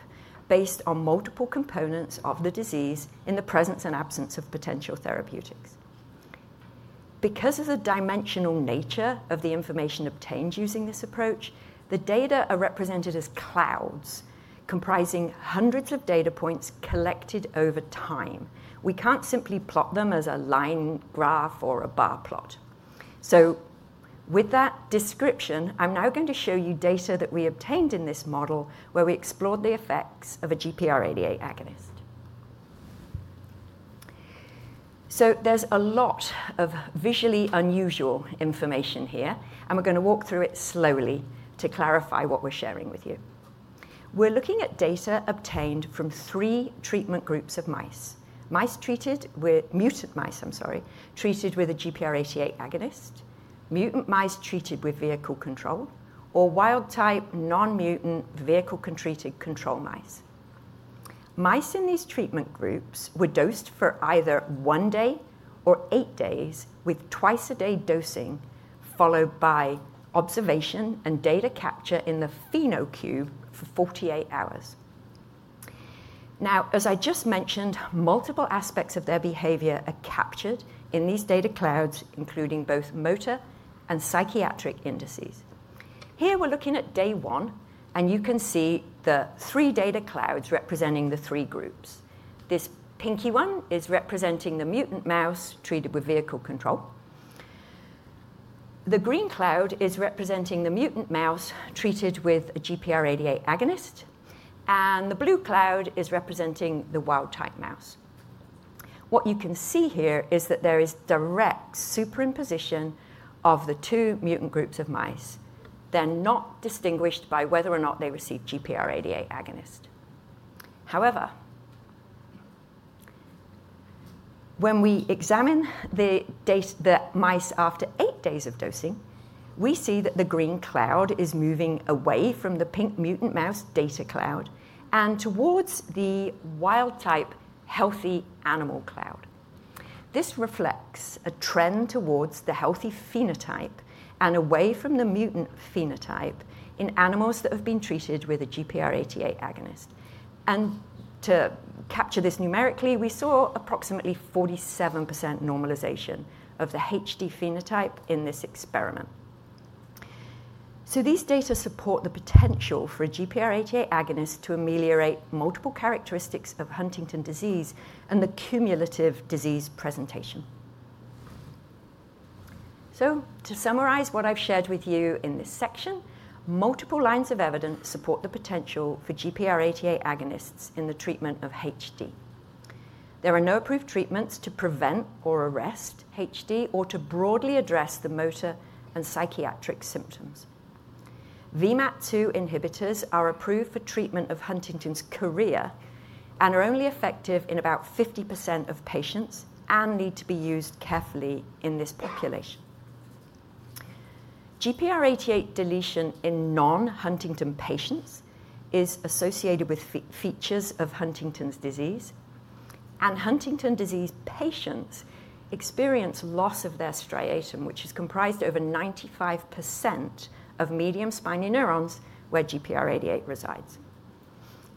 based on multiple components of the disease in the presence and absence of potential therapeutics. Because of the dimensional nature of the information obtained using this approach, the data are represented as clouds comprising hundreds of data points collected over time. We can't simply plot them as a line graph or a bar plot. With that description, I'm now going to show you data that we obtained in this model where we explored the effects of a GPR88 agonist. There is a lot of visually unusual information here, and we're going to walk through it slowly to clarify what we're sharing with you. We're looking at data obtained from three treatment groups of mice: mice treated with mutant mice, I'm sorry, treated with a GPR88 agonist, mutant mice treated with vehicle control, or wild-type non-mutant vehicle-treated control mice. Mice in these treatment groups were dosed for either one day or eight days with twice-a-day dosing followed by observation and data capture in the PhenoCube for 48 hours. Now, as I just mentioned, multiple aspects of their behavior are captured in these data clouds, including both motor and psychiatric indices. Here we're looking at day one, and you can see the three data clouds representing the three groups. This pinky one is representing the mutant mouse treated with vehicle control. The green cloud is representing the mutant mouse treated with a GPR88 agonist, and the blue cloud is representing the wild-type mouse. What you can see here is that there is direct superimposition of the two mutant groups of mice. They're not distinguished by whether or not they receive GPR88 agonist. However, when we examine the mice after eight days of dosing, we see that the green cloud is moving away from the pink mutant mouse data cloud and towards the wild-type healthy animal cloud. This reflects a trend towards the healthy phenotype and away from the mutant phenotype in animals that have been treated with a GPR88 agonist. To capture this numerically, we saw approximately 47% normalization of the HD phenotype in this experiment. These data support the potential for a GPR88 agonist to ameliorate multiple characteristics of Huntington's disease and the cumulative disease presentation. To summarize what I've shared with you in this section, multiple lines of evidence support the potential for GPR88 agonists in the treatment of HD. There are no approved treatments to prevent or arrest HD or to broadly address the motor and psychiatric symptoms. VMAT2 inhibitors are approved for treatment of Huntington's chorea and are only effective in about 50% of patients and need to be used carefully in this population. GPR88 deletion in non-Huntington patients is associated with features of Huntington's disease, and Huntington's disease patients experience loss of their striatum, which is comprised of over 95% of medium spiny neurons where GPR88 resides.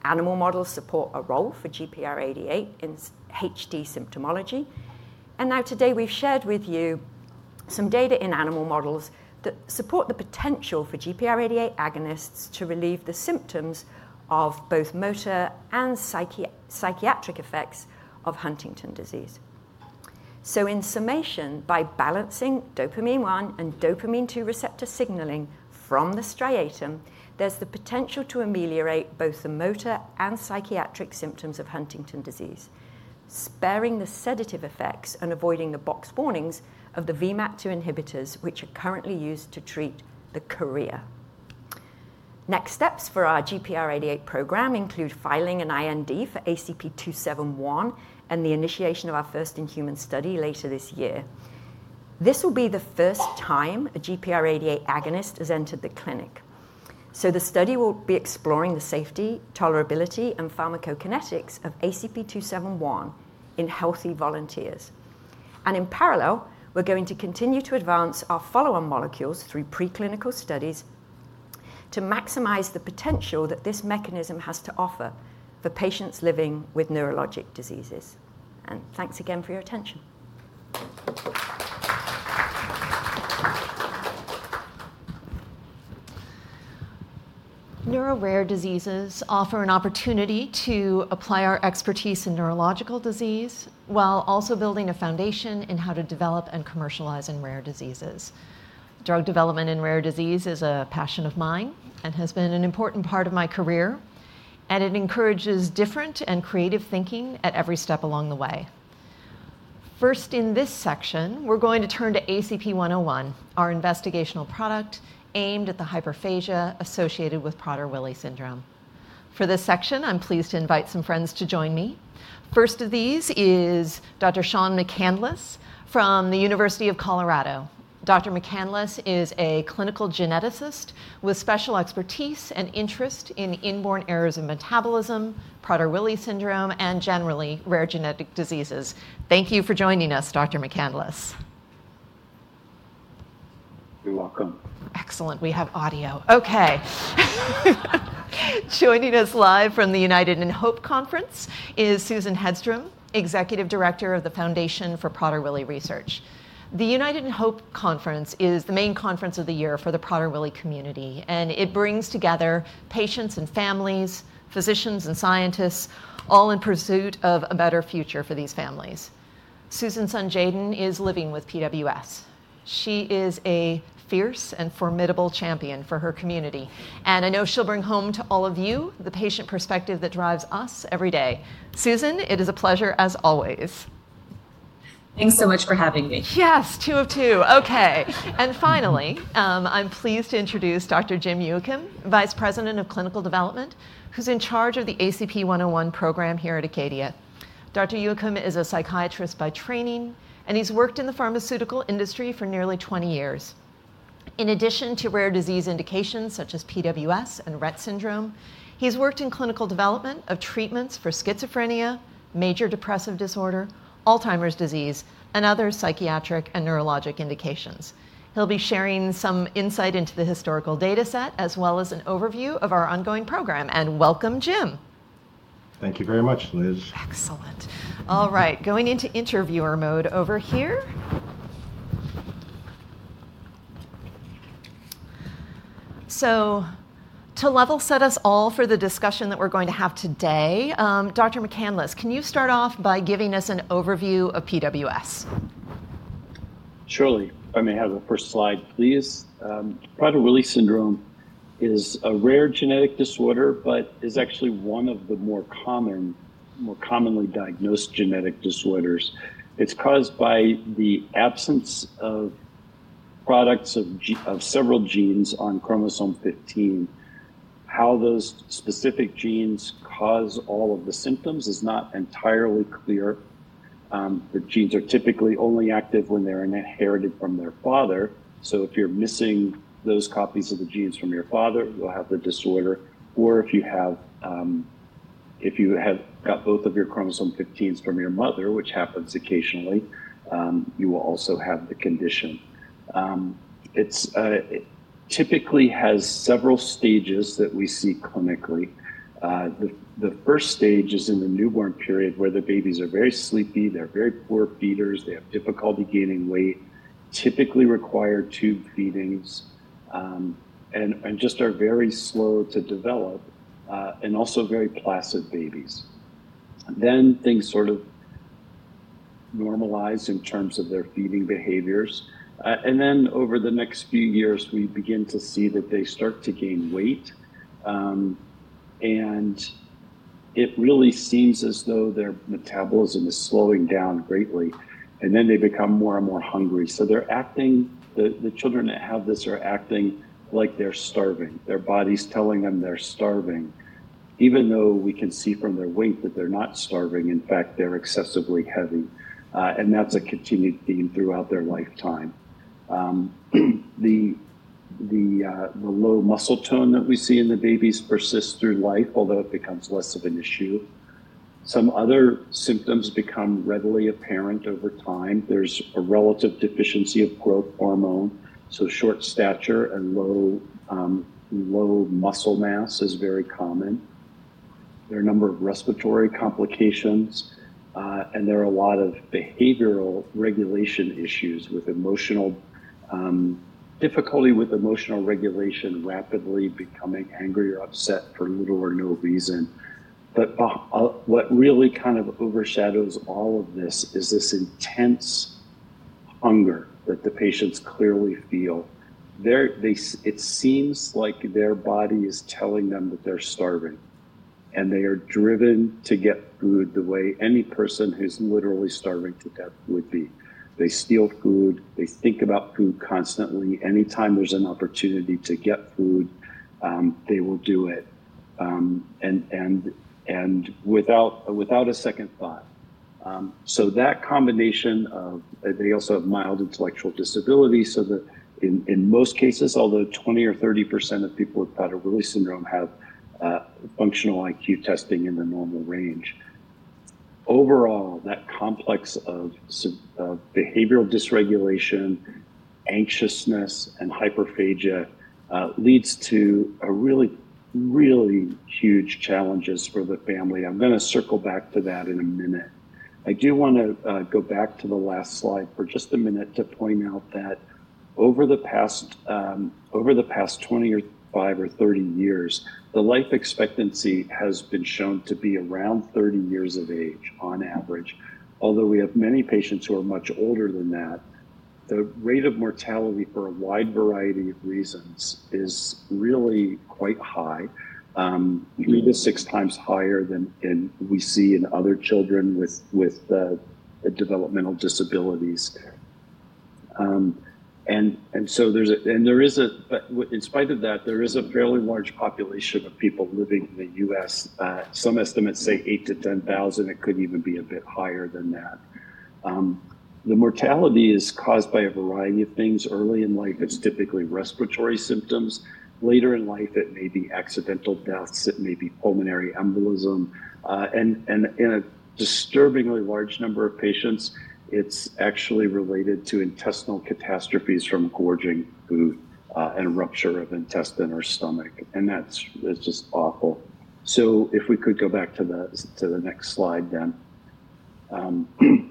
Animal models support a role for GPR88 in HD symptomology. Now today, we've shared with you some data in animal models that support the potential for GPR88 agonists to relieve the symptoms of both motor and psychiatric effects of Huntington's disease. In summation, by balancing dopamine-1 and dopamine-2 receptor signaling from the striatum, there's the potential to ameliorate both the motor and psychiatric symptoms of Huntington's disease, sparing the sedative effects and avoiding the box warnings of the VMAT2 inhibitors, which are currently used to treat the chorea. Next steps for our GPR88 program include filing an IND for ACP-271 and the initiation of our first in-human study later this year. This will be the first time a GPR88 agonist has entered the clinic. The study will be exploring the safety, tolerability, and pharmacokinetics of ACP-271 in healthy volunteers. In parallel, we're going to continue to advance our follow-on molecules through preclinical studies to maximize the potential that this mechanism has to offer for patients living with neurologic diseases. Thanks again for your attention. Neural rare diseases offer an opportunity to apply our expertise in neurological disease while also building a foundation in how to develop and commercialize rare diseases. Drug development in rare disease is a passion of mine and has been an important part of my career, and it encourages different and creative thinking at every step along the way. First, in this section, we're going to turn to ACP-101, our investigational product aimed at the hyperphagia associated with Prader-Willi syndrome. For this section, I'm pleased to invite some friends to join me. First of these is Dr. Shawn McCandless from the University of Colorado. Dr. McCandless is a clinical geneticist with special expertise and interest in inborn errors of metabolism, Prader-Willi syndrome, and generally rare genetic diseases. Thank you for joining us, Dr. McCandless. You're welcome. Excellent. We have audio. Okay. Joining us live from the United in Hope Conference is Susan Hedstrom, Executive Director of the Foundation for Prader-Willi Research. The United in Hope Conference is the main conference of the year for the Prader-Willi community, and it brings together patients and families, physicians and scientists, all in pursuit of a better future for these families. Susan's son Jayden is living with PWS. She is a fierce and formidable champion for her community, and I know she'll bring home to all of you the patient perspective that drives us every day. Susan, it is a pleasure as always. Thanks so much for having me. Yes, two of two. Okay. Finally, I'm pleased to introduce Dr. Jim Youakim, Vice President of Clinical Development, who's in charge of the ACP-101 program here at Acadia. Dr. Youakim is a psychiatrist by training, and he's worked in the pharmaceutical industry for nearly 20 years. In addition to rare disease indications such as PWS and Rett syndrome, he's worked in clinical development of treatments for schizophrenia, major depressive disorder, Alzheimer's disease, and other psychiatric and neurologic indications. He'll be sharing some insight into the historical data set as well as an overview of our ongoing program. Welcome, Jim. Thank you very much, Liz. Excellent. All right, going into interviewer mode over here. To level set us all for the discussion that we're going to have today, Dr. McCandless, can you start off by giving us an overview of PWS? Surely. I may have the first slide, please. Prader-Willi syndrome is a rare genetic disorder, but is actually one of the more commonly diagnosed genetic disorders. It's caused by the absence of products of several genes on chromosome 15. How those specific genes cause all of the symptoms is not entirely clear. The genes are typically only active when they're inherited from their father. So if you're missing those copies of the genes from your father, you'll have the disorder. Or if you have got both of your chromosome 15s from your mother, which happens occasionally, you will also have the condition. It typically has several stages that we see clinically. The first stage is in the newborn period where the babies are very sleepy. They're very poor feeders. They have difficulty gaining weight, typically require tube feedings, and just are very slow to develop, and also very placid babies. Then things sort of normalize in terms of their feeding behaviors. And then over the next few years, we begin to see that they start to gain weight, and it really seems as though their metabolism is slowing down greatly. And then they become more and more hungry. The children that have this are acting like they're starving. Their body's telling them they're starving, even though we can see from their weight that they're not starving. In fact, they're excessively heavy. That's a continued theme throughout their lifetime. The low muscle tone that we see in the babies persists through life, although it becomes less of an issue. Some other symptoms become readily apparent over time. There's a relative deficiency of growth hormone, so short stature and low muscle mass is very common. There are a number of respiratory complications, and there are a lot of behavioral regulation issues with difficulty with emotional regulation, rapidly becoming angry or upset for little or no reason. What really kind of overshadows all of this is this intense hunger that the patients clearly feel. It seems like their body is telling them that they're starving, and they are driven to get food the way any person who's literally starving to death would be. They steal food. They think about food constantly. Anytime there's an opportunity to get food, they will do it without a second thought. That combination of they also have mild intellectual disability, so that in most cases, although 20% or 30% of people with Prader-Willi syndrome have functional IQ testing in the normal range. Overall, that complex of behavioral dysregulation, anxiousness, and hyperphagia leads to really, really huge challenges for the family. I'm going to circle back to that in a minute. I do want to go back to the last slide for just a minute to point out that over the past 25 or 30 years, the life expectancy has been shown to be around 30 years of age on average. Although we have many patients who are much older than that, the rate of mortality for a wide variety of reasons is really quite high, 3x-6x higher than we see in other children with developmental disabilities. There is a, in spite of that, there is a fairly large population of people living in the U.S. Some estimates say 8,000-10,000. It could even be a bit higher than that. The mortality is caused by a variety of things. Early in life, it is typically respiratory symptoms. Later in life, it may be accidental deaths. It may be pulmonary embolism. In a disturbingly large number of patients, it's actually related to intestinal catastrophes from gorging food and rupture of intestine or stomach. That's just awful. If we could go back to the next slide then,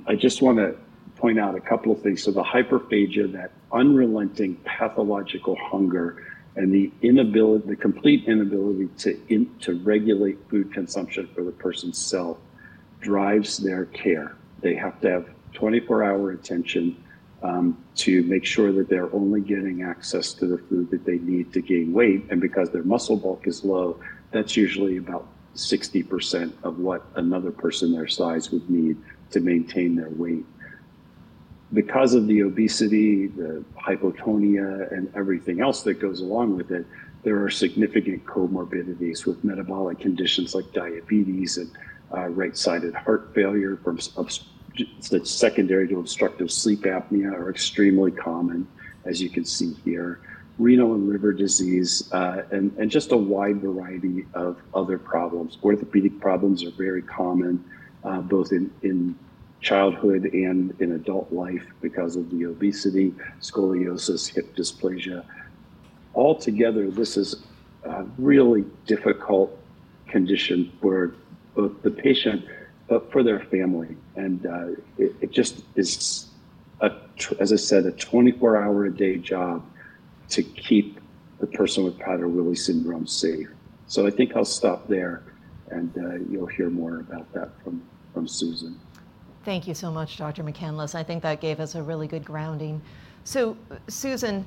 I just want to point out a couple of things. The hyperphagia, that unrelenting pathological hunger, and the complete inability to regulate food consumption for the person's self drives their care. They have to have 24-hour attention to make sure that they're only getting access to the food that they need to gain weight. Because their muscle bulk is low, that's usually about 60% of what another person their size would need to maintain their weight. Because of the obesity, the hypotonia, and everything else that goes along with it, there are significant comorbidities with metabolic conditions like diabetes and right-sided heart failure secondary to obstructive sleep apnea are extremely common, as you can see here. Renal and liver disease and just a wide variety of other problems. Orthopedic problems are very common, both in childhood and in adult life because of the obesity, scoliosis, hip dysplasia. Altogether, this is a really difficult condition for the patient, but for their family. It just is, as I said, a 24-hour-a-day job to keep the person with Prader-Willi syndrome safe. I think I'll stop there, and you'll hear more about that from Susan. Thank you so much, Dr. McCandless. I think that gave us a really good grounding. Susan,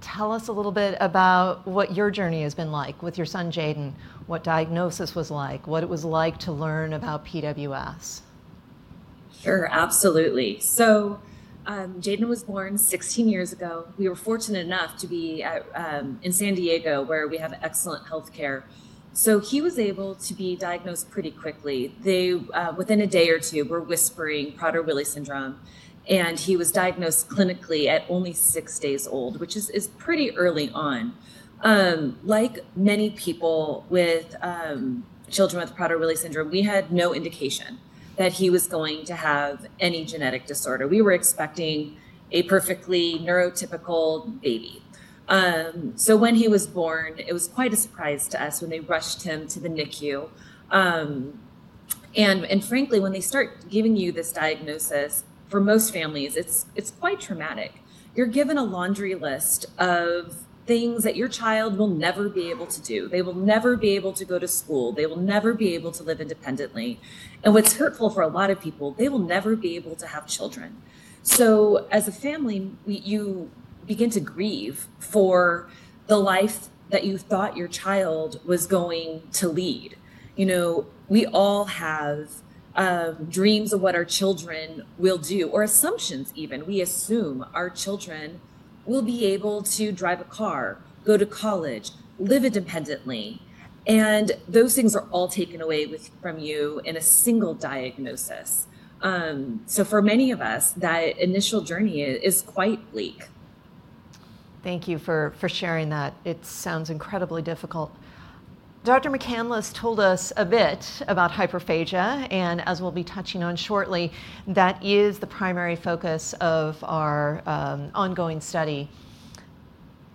tell us a little bit about what your journey has been like with your son, Jayden, what diagnosis was like, what it was like to learn about PWS. Sure, absolutely. Jayden was born 16 years ago. We were fortunate enough to be in San Diego, where we have excellent healthcare. He was able to be diagnosed pretty quickly. Within a day or two, we are whispering Prader-Willi syndrome. He was diagnosed clinically at only six days old, which is pretty early on. Like many people with children with Prader-Willi syndrome, we had no indication that he was going to have any genetic disorder. We were expecting a perfectly neurotypical baby. When he was born, it was quite a surprise to us when they rushed him to the NICU. Frankly, when they start giving you this diagnosis, for most families, it is quite traumatic. You're given a laundry list of things that your child will never be able to do. They will never be able to go to school. They will never be able to live independently. What's hurtful for a lot of people, they will never be able to have children. As a family, you begin to grieve for the life that you thought your child was going to lead. We all have dreams of what our children will do, or assumptions even. We assume our children will be able to drive a car, go to college, live independently. Those things are all taken away from you in a single diagnosis. For many of us, that initial journey is quite bleak. Thank you for sharing that. It sounds incredibly difficult. Dr. McCandless told us a bit about hyperphagia, and as we'll be touching on shortly, that is the primary focus of our ongoing study.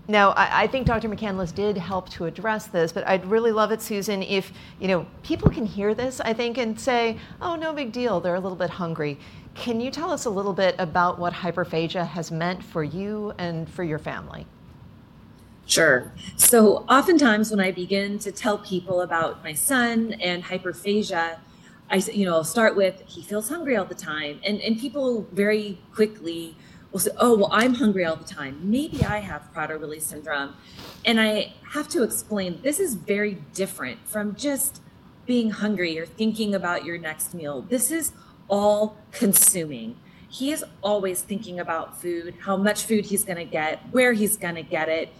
Now, I think Dr. McCandless did help to address this, but I'd really love it, Susan, if people can hear this, I think, and say, "Oh, no big deal. They're a little bit hungry." Can you tell us a little bit about what hyperphagia has meant for you and for your family? Sure. So oftentimes when I begin to tell people about my son and hyperphagia, I'll start with, "He feels hungry all the time." And people very quickly will say, "Oh, well, I'm hungry all the time. Maybe I have Prader-Willi syndrome." I have to explain this is very different from just being hungry or thinking about your next meal. This is all-consuming. He is always thinking about food, how much food he's going to get, where he's going to get it.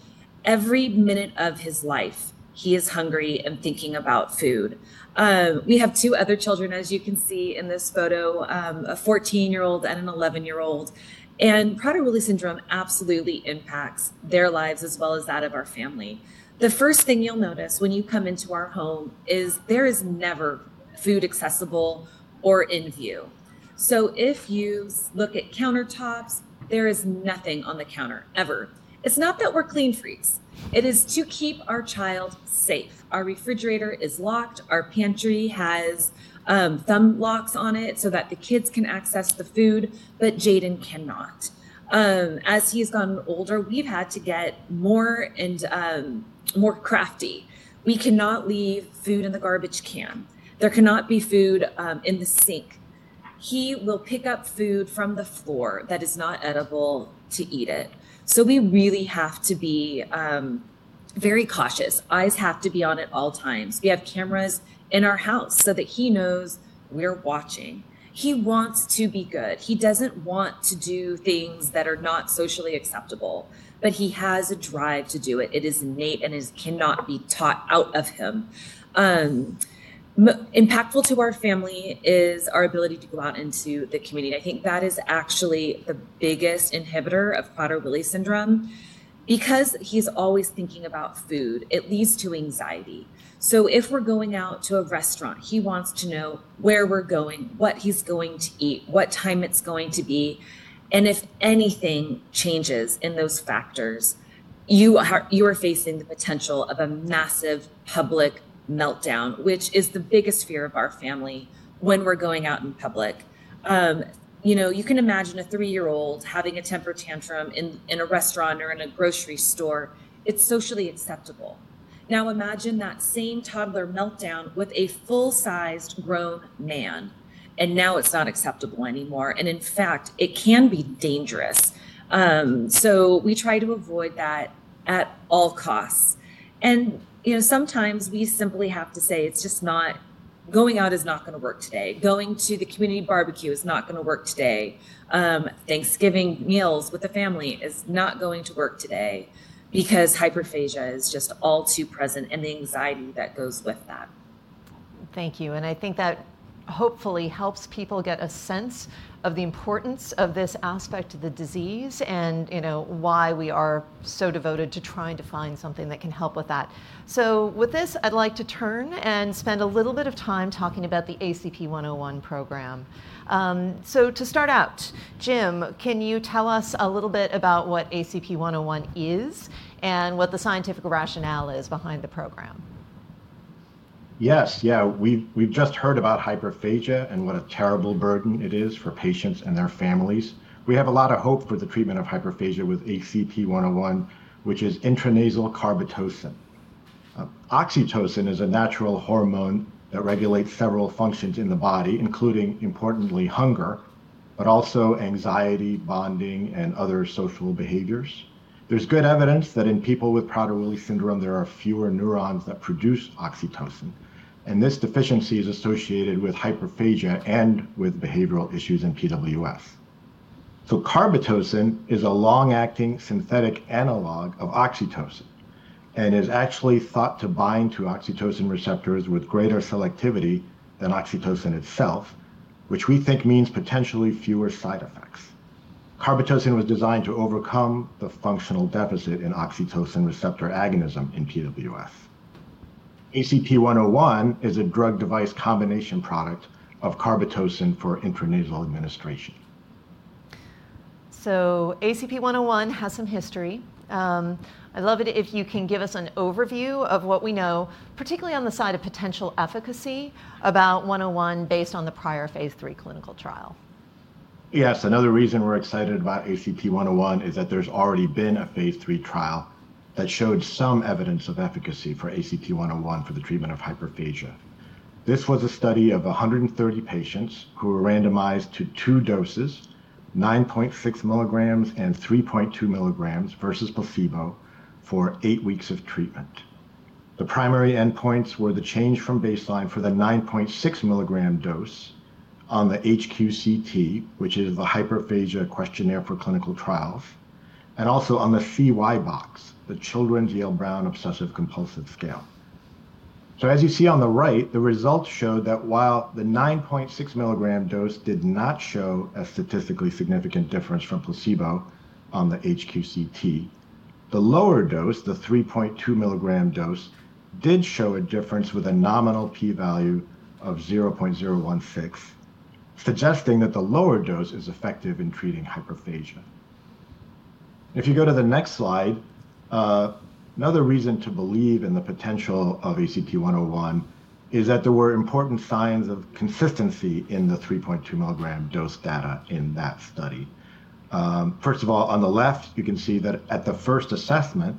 Every minute of his life, he is hungry and thinking about food. We have two other children, as you can see in this photo, a 14-year-old and an 11-year-old. Prader-Willi syndrome absolutely impacts their lives as well as that of our family. The first thing you'll notice when you come into our home is there is never food accessible or in view. If you look at countertops, there is nothing on the counter ever. It's not that we're clean freaks. It is to keep our child safe. Our refrigerator is locked. Our pantry has thumb locks on it so that the kids can access the food, but Jayden cannot. As he's gotten older, we've had to get more and more crafty. We cannot leave food in the garbage can. There cannot be food in the sink. He will pick up food from the floor that is not edible to eat it. We really have to be very cautious. Eyes have to be on at all times. We have cameras in our house so that he knows we're watching. He wants to be good. He doesn't want to do things that are not socially acceptable, but he has a drive to do it. It is innate and cannot be taught out of him. Impactful to our family is our ability to go out into the community. I think that is actually the biggest inhibitor of Prader-Willi syndrome. Because he's always thinking about food, it leads to anxiety. If we're going out to a restaurant, he wants to know where we're going, what he's going to eat, what time it's going to be. If anything changes in those factors, you are facing the potential of a massive public meltdown, which is the biggest fear of our family when we're going out in public. You can imagine a three-year-old having a temper tantrum in a restaurant or in a grocery store. It's socially acceptable. Now, imagine that same toddler meltdown with a full-sized grown man. Now it's not acceptable anymore. In fact, it can be dangerous. We try to avoid that at all costs. Sometimes we simply have to say, "It's just not going out is not going to work today. Going to the community barbecue is not going to work today. Thanksgiving meals with the family is not going to work today because hyperphagia is just all too present and the anxiety that goes with that." Thank you. I think that hopefully helps people get a sense of the importance of this aspect of the disease and why we are so devoted to trying to find something that can help with that. With this, I'd like to turn and spend a little bit of time talking about the ACP-101 program. To start out, Jim, can you tell us a little bit about what ACP-101 is and what the scientific rationale is behind the program? Yes. We've just heard about hyperphagia and what a terrible burden it is for patients and their families. We have a lot of hope for the treatment of hyperphagia with ACP-101, which is intranasal carbetocin. Oxytocin is a natural hormone that regulates several functions in the body, including, importantly, hunger, but also anxiety, bonding, and other social behaviors. There's good evidence that in people with Prader-Willi syndrome, there are fewer neurons that produce oxytocin. This deficiency is associated with hyperphagia and with behavioral issues in PWS. Carbetocin is a long-acting synthetic analog of oxytocin and is actually thought to bind to oxytocin receptors with greater selectivity than oxytocin itself, which we think means potentially fewer side effects. Carbetocin was designed to overcome the functional deficit in oxytocin receptor agonism in PWS. ACP-101 is a drug-device combination product of carbetocin for intranasal administration. ACP-101 has some history. I'd love it if you can give us an overview of what we know, particularly on the side of potential efficacy about 101 based on the prior phase III clinical trial. Yes. Another reason we're excited about ACP-101 is that there's already been a phase III trial that showed some evidence of efficacy for ACP-101 for the treatment of hyperphagia. This was a study of 130 patients who were randomized to two doses, 9.6 mg and 3.2 mg versus placebo for eight weeks of treatment. The primary endpoints were the change from baseline for the 9.6 mg dose on the HQCT, which is the Hyperphagia Questionnaire for Clinical Trials, and also on the CY-BOCS, the Children's Yale Brown Obsessive Compulsive Scale. As you see on the right, the results showed that while the 9.6 mg dose did not show a statistically significant difference from placebo on the HQCT, the lower dose, the 3.2 mg dose, did show a difference with a nominal p-value of 0.016, suggesting that the lower dose is effective in treating hyperphagia. If you go to the next slide, another reason to believe in the potential of ACP-101 is that there were important signs of consistency in the 3.2 mg dose data in that study. First of all, on the left, you can see that at the first assessment,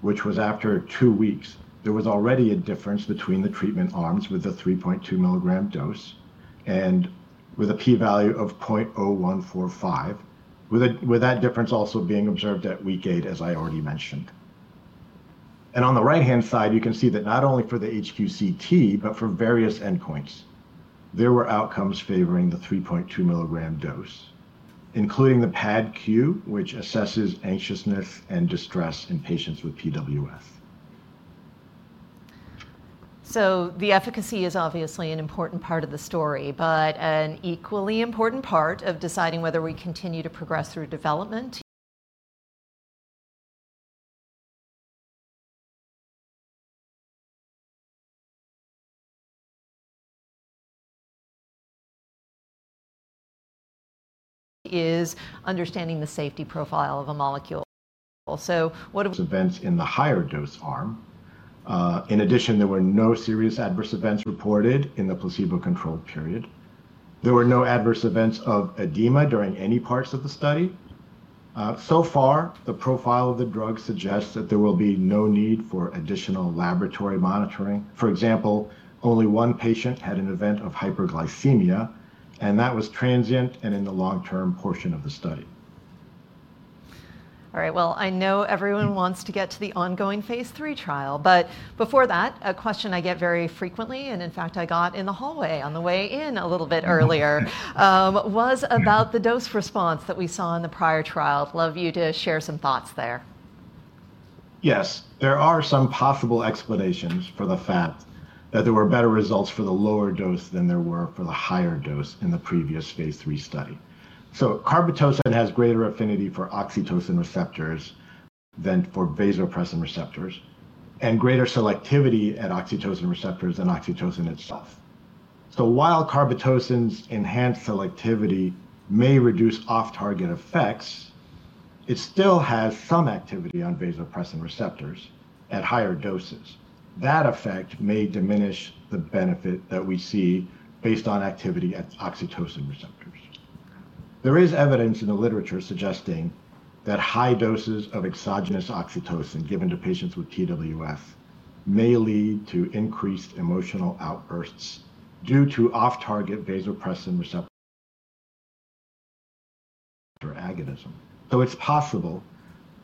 which was after two weeks, there was already a difference between the treatment arms with the 3.2 mg dose and with a p-value of 0.0145, with that difference also being observed at week eight, as I already mentioned. On the right-hand side, you can see that not only for the HQCT, but for various endpoints, there were outcomes favoring the 3.2 mg dose, including the PADQ, which assesses anxiousness and distress in patients with PWS. The efficacy is obviously an important part of the story, but an equally important part of deciding whether we continue to progress through development is understanding the safety profile of a molecule. What. Events in the higher dose arm? In addition, there were no serious adverse events reported in the placebo-controlled period. There were no adverse events of edema during any parts of the study. So far, the profile of the drug suggests that there will be no need for additional laboratory monitoring. For example, only one patient had an event of hyperglycemia, and that was transient and in the long-term portion of the study. I know everyone wants to get to the ongoing phase III trial. Before that, a question I get very frequently, and in fact, I got in the hallway on the way in a little bit earlier, was about the dose response that we saw in the prior trial. Love you to share some thoughts there. Yes. There are some possible explanations for the fact that there were better results for the lower dose than there were for the higher dose in the previous phase III study. So carbetocin has greater affinity for oxytocin receptors than for vasopressin receptors and greater selectivity at oxytocin receptors than oxytocin itself. While carbetocin's enhanced selectivity may reduce off-target effects, it still has some activity on vasopressin receptors at higher doses. That effect may diminish the benefit that we see based on activity at oxytocin receptors. There is evidence in the literature suggesting that high doses of exogenous oxytocin given to patients with PWS may lead to increased emotional outbursts due to off-target vasopressin receptor agonism. It is possible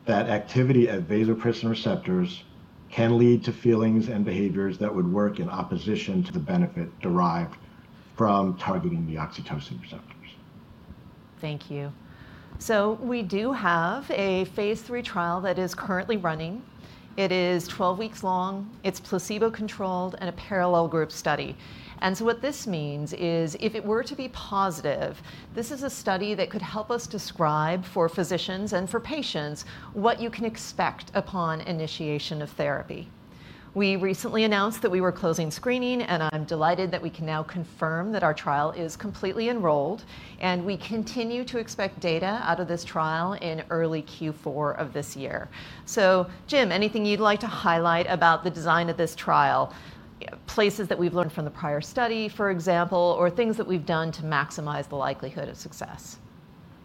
that activity at vasopressin receptors can lead to feelings and behaviors that would work in opposition to the benefit derived from targeting the oxytocin receptors. Thank you. We do have a phase III trial that is currently running. It is 12 weeks long. It is placebo-controlled in a parallel group study. What this means is if it were to be positive, this is a study that could help us describe for physicians and for patients what you can expect upon initiation of therapy. We recently announced that we were closing screening, and I'm delighted that we can now confirm that our trial is completely enrolled, and we continue to expect data out of this trial in early Q4 of this year. Jim, anything you'd like to highlight about the design of this trial, places that we've learned from the prior study, for example, or things that we've done to maximize the likelihood of success?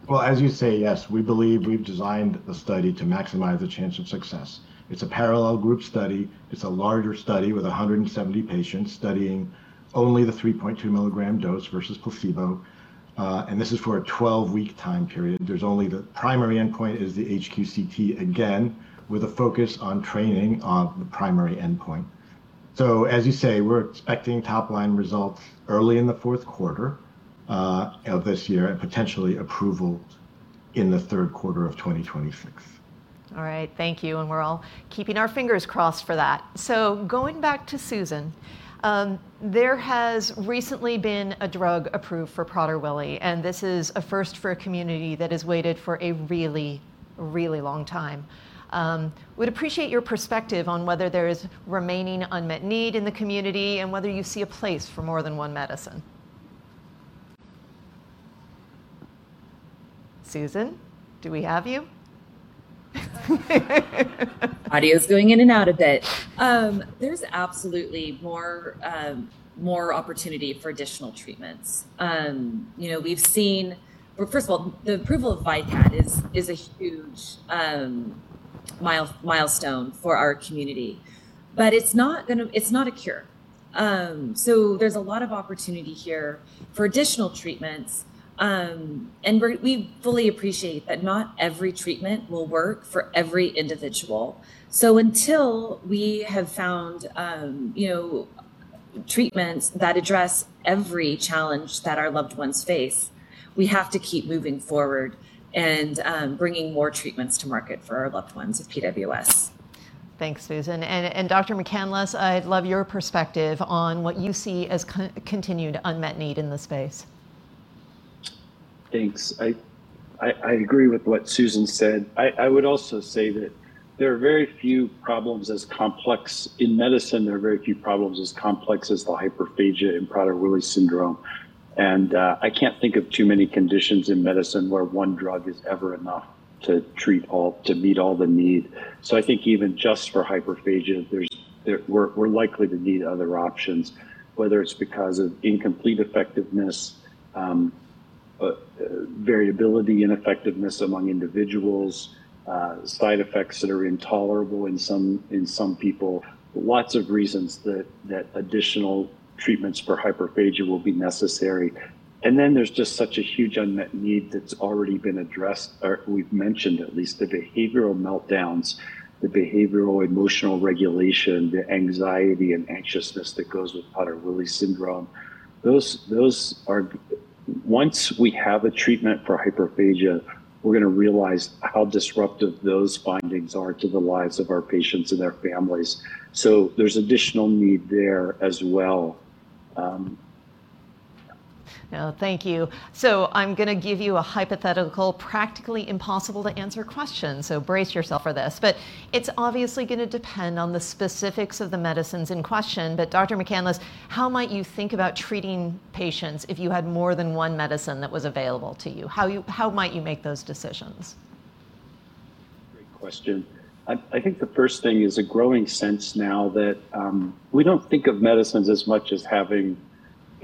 Yes, we believe we've designed the study to maximize the chance of success. It's a parallel group study. It's a larger study with 170 patients studying only the 3.2 mg dose versus placebo. This is for a 12-week time period. The only primary endpoint is the HQCT again, with a focus on training on the primary endpoint. As you say, we're expecting top-line results early in the fourth quarter of this year and potentially approval in the third quarter of 2026. All right. Thank you. We're all keeping our fingers crossed for that. Going back to Susan, there has recently been a drug approved for Prader-Willi, and this is a first for a community that has waited for a really, really long time. We'd appreciate your perspective on whether there is remaining unmet need in the community and whether you see a place for more than one medicine. Susan, do we have you? Audience going in and out a bit. There's absolutely more opportunity for additional treatments. We've seen, first of all, the approval of VYKAT is a huge milestone for our community, but it's not a cure. There's a lot of opportunity here for additional treatments. We fully appreciate that not every treatment will work for every individual. Until we have found treatments that address every challenge that our loved ones face, we have to keep moving forward and bringing more treatments to market for our loved ones with PWS. Thanks, Susan. Dr. McCandless, I'd love your perspective on what you see as continued unmet need in the space. Thanks. I agree with what Susan said. I would also say that there are very few problems as complex in medicine. There are very few problems as complex as the hyperphagia and Prader-Willi syndrome. I can't think of too many conditions in medicine where one drug is ever enough to meet all the need. I think even just for hyperphagia, we're likely to need other options, whether it's because of incomplete effectiveness, variability in effectiveness among individuals, side effects that are intolerable in some people, lots of reasons that additional treatments for hyperphagia will be necessary. There's just such a huge unmet need that's already been addressed. We've mentioned at least the behavioral meltdowns, the behavioral-emotional regulation, the anxiety and anxiousness that goes with Prader-Willi syndrome. Once we have a treatment for hyperphagia, we're going to realize how disruptive those findings are to the lives of our patients and their families. There's additional need there as well. Thank you. I'm going to give you a hypothetical, practically impossible-to-answer question. Brace yourself for this. It's obviously going to depend on the specifics of the medicines in question. Dr. McCandless, how might you think about treating patients if you had more than one medicine that was available to you? How might you make those decisions? Great question. I think the first thing is a growing sense now that we do not think of medicines as much as having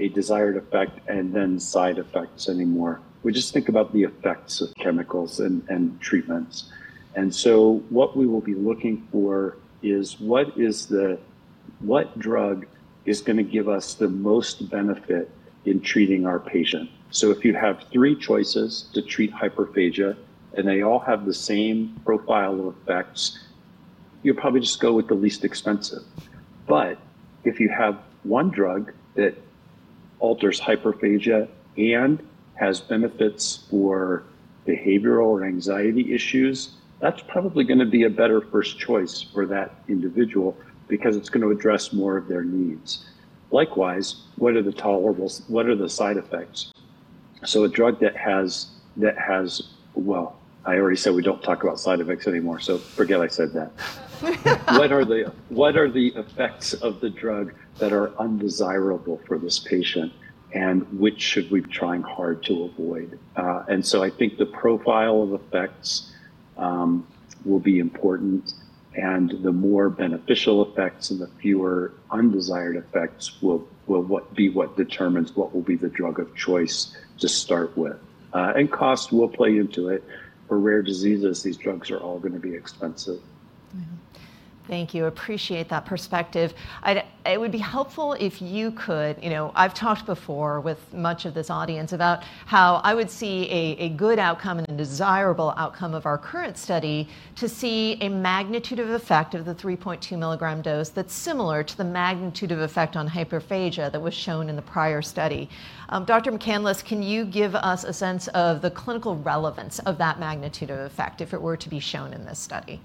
a desired effect and then side effects anymore. We just think about the effects of chemicals and treatments. What we will be looking for is what drug is going to give us the most benefit in treating our patient. If you have three choices to treat hyperphagia and they all have the same profile of effects, you'll probably just go with the least expensive. If you have one drug that alters hyperphagia and has benefits for behavioral or anxiety issues, that's probably going to be a better first choice for that individual because it's going to address more of their needs. Likewise, what are the tolerables? What are the side effects? A drug that has—well, I already said we do not talk about side effects anymore, so forget I said that. What are the effects of the drug that are undesirable for this patient, and which should we be trying hard to avoid? I think the profile of effects will be important. The more beneficial effects and the fewer undesired effects will be what determines what will be the drug of choice to start with. Cost will play into it. For rare diseases, these drugs are all going to be expensive. Thank you. Appreciate that perspective. It would be helpful if you could—I have talked before with much of this audience about how I would see a good outcome and a desirable outcome of our current study to see a magnitude of effect of the 3.2 mg dose that is similar to the magnitude of effect on hyperphagia that was shown in the prior study. Dr. McCandless, can you give us a sense of the clinical relevance of that magnitude of effect if it were to be shown in this study?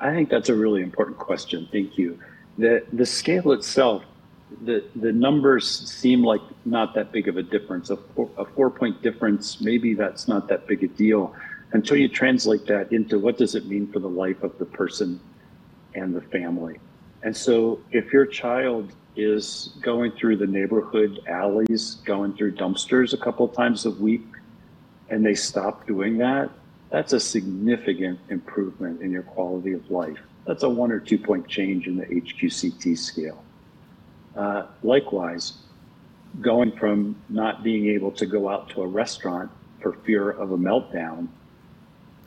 I think that is a really important question. Thank you. The scale itself, the numbers seem like not that big of a difference. A four-point difference, maybe that is not that big a deal until you translate that into what does it mean for the life of the person and the family. If your child is going through the neighborhood alleys, going through dumpsters a couple of times a week, and they stop doing that, that's a significant improvement in your quality of life. That's a one or two-point change in the HQCT scale. Likewise, going from not being able to go out to a restaurant for fear of a meltdown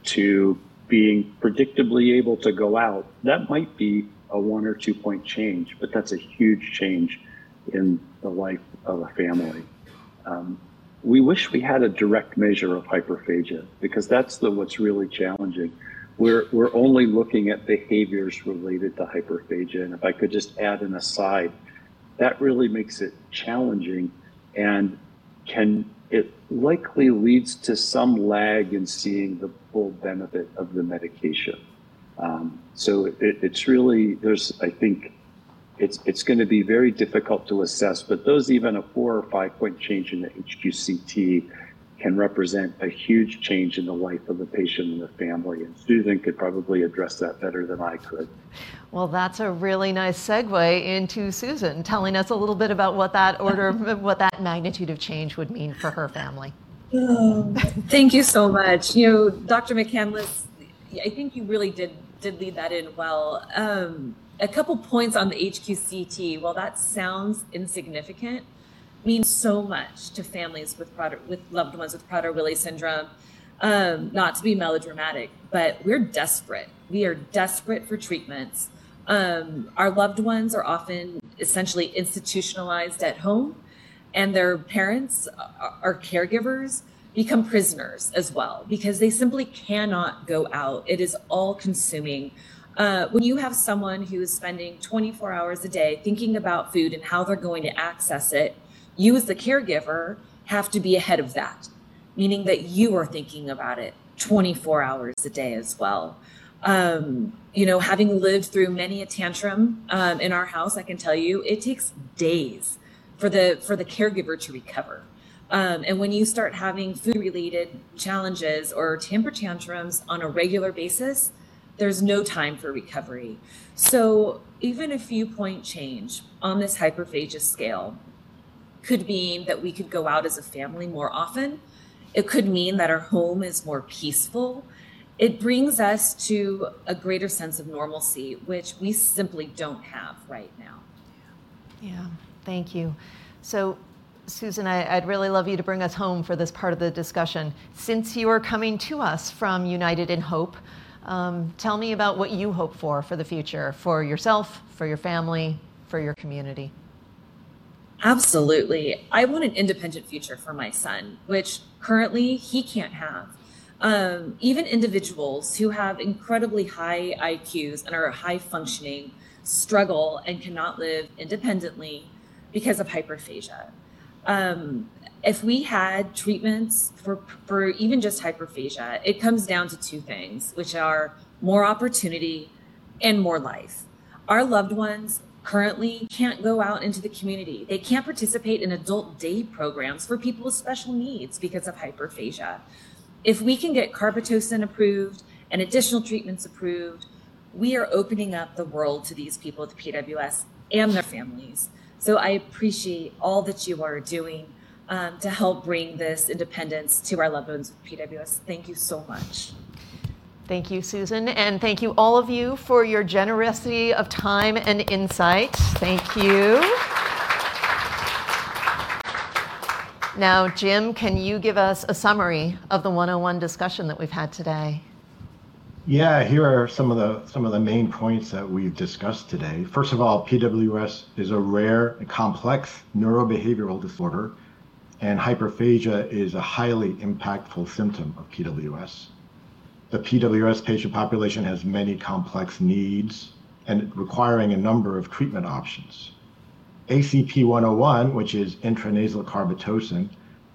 to being predictably able to go out, that might be a one or two-point change, but that's a huge change in the life of a family. We wish we had a direct measure of hyperphagia because that's what's really challenging. We're only looking at behaviors related to hyperphagia. If I could just add an aside, that really makes it challenging and can likely lead to some lag in seeing the full benefit of the medication. I think it's going to be very difficult to assess, but even a four or five-point change in the HQCT can represent a huge change in the life of the patient and the family. Susan could probably address that better than I could. That's a really nice segue into Susan telling us a little bit about what that order of what that magnitude of change would mean for her family. Thank you so much. Dr. McCandless, I think you really did lead that in well. A couple of points on the HQCT, while that sounds insignificant, means so much to families with loved ones with Prader-Willi syndrome. Not to be melodramatic, but we're desperate. We are desperate for treatments. Our loved ones are often essentially institutionalized at home, and their parents, our caregivers, become prisoners as well because they simply cannot go out. It is all-consuming. When you have someone who is spending 24 hours a day thinking about food and how they're going to access it, you as the caregiver have to be ahead of that, meaning that you are thinking about it 24 hours a day as well. Having lived through many a tantrum in our house, I can tell you it takes days for the caregiver to recover. When you start having food-related challenges or temper tantrums on a regular basis, there's no time for recovery. Even a few-point change on this hyperphagia scale could mean that we could go out as a family more often. It could mean that our home is more peaceful. It brings us to a greater sense of normalcy, which we simply don't have right now. Yeah. Thank you. Susan, I'd really love you to bring us home for this part of the discussion. Since you are coming to us from United in Hope, tell me about what you hope for for the future for yourself, for your family, for your community. Absolutely. I want an independent future for my son, which currently he can't have. Even individuals who have incredibly high IQs and are high-functioning struggle and cannot live independently because of hyperphagia. If we had treatments for even just hyperphagia, it comes down to two things, which are more opportunity and more life. Our loved ones currently can't go out into the community. They can't participate in adult day programs for people with special needs because of hyperphagia. If we can get carbetocin approved and additional treatments approved, we are opening up the world to these people with PWS and their families. I appreciate all that you are doing to help bring this independence to our loved ones with PWS. Thank you so much. Thank you, Susan. Thank you all of you for your generosity of time and insight. Thank you. Now, Jim, can you give us a summary of the 101 discussion that we've had today? Yeah. Here are some of the main points that we've discussed today. First of all, PWS is a rare and complex neurobehavioral disorder, and hyperphagia is a highly impactful symptom of PWS. The PWS patient population has many complex needs and requiring a number of treatment options. ACP-101, which is intranasal carbetocin,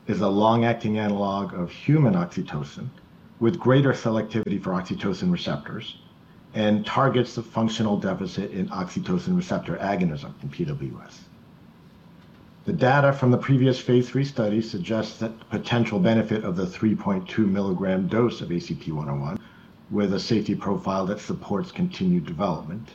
is a long-acting analog of human oxytocin with greater selectivity for oxytocin receptors and targets the functional deficit in oxytocin receptor agonism in PWS. The data from the previous phase III study suggests that the potential benefit of the 3.2 mg dose of ACP-101, with a safety profile that supports continued development,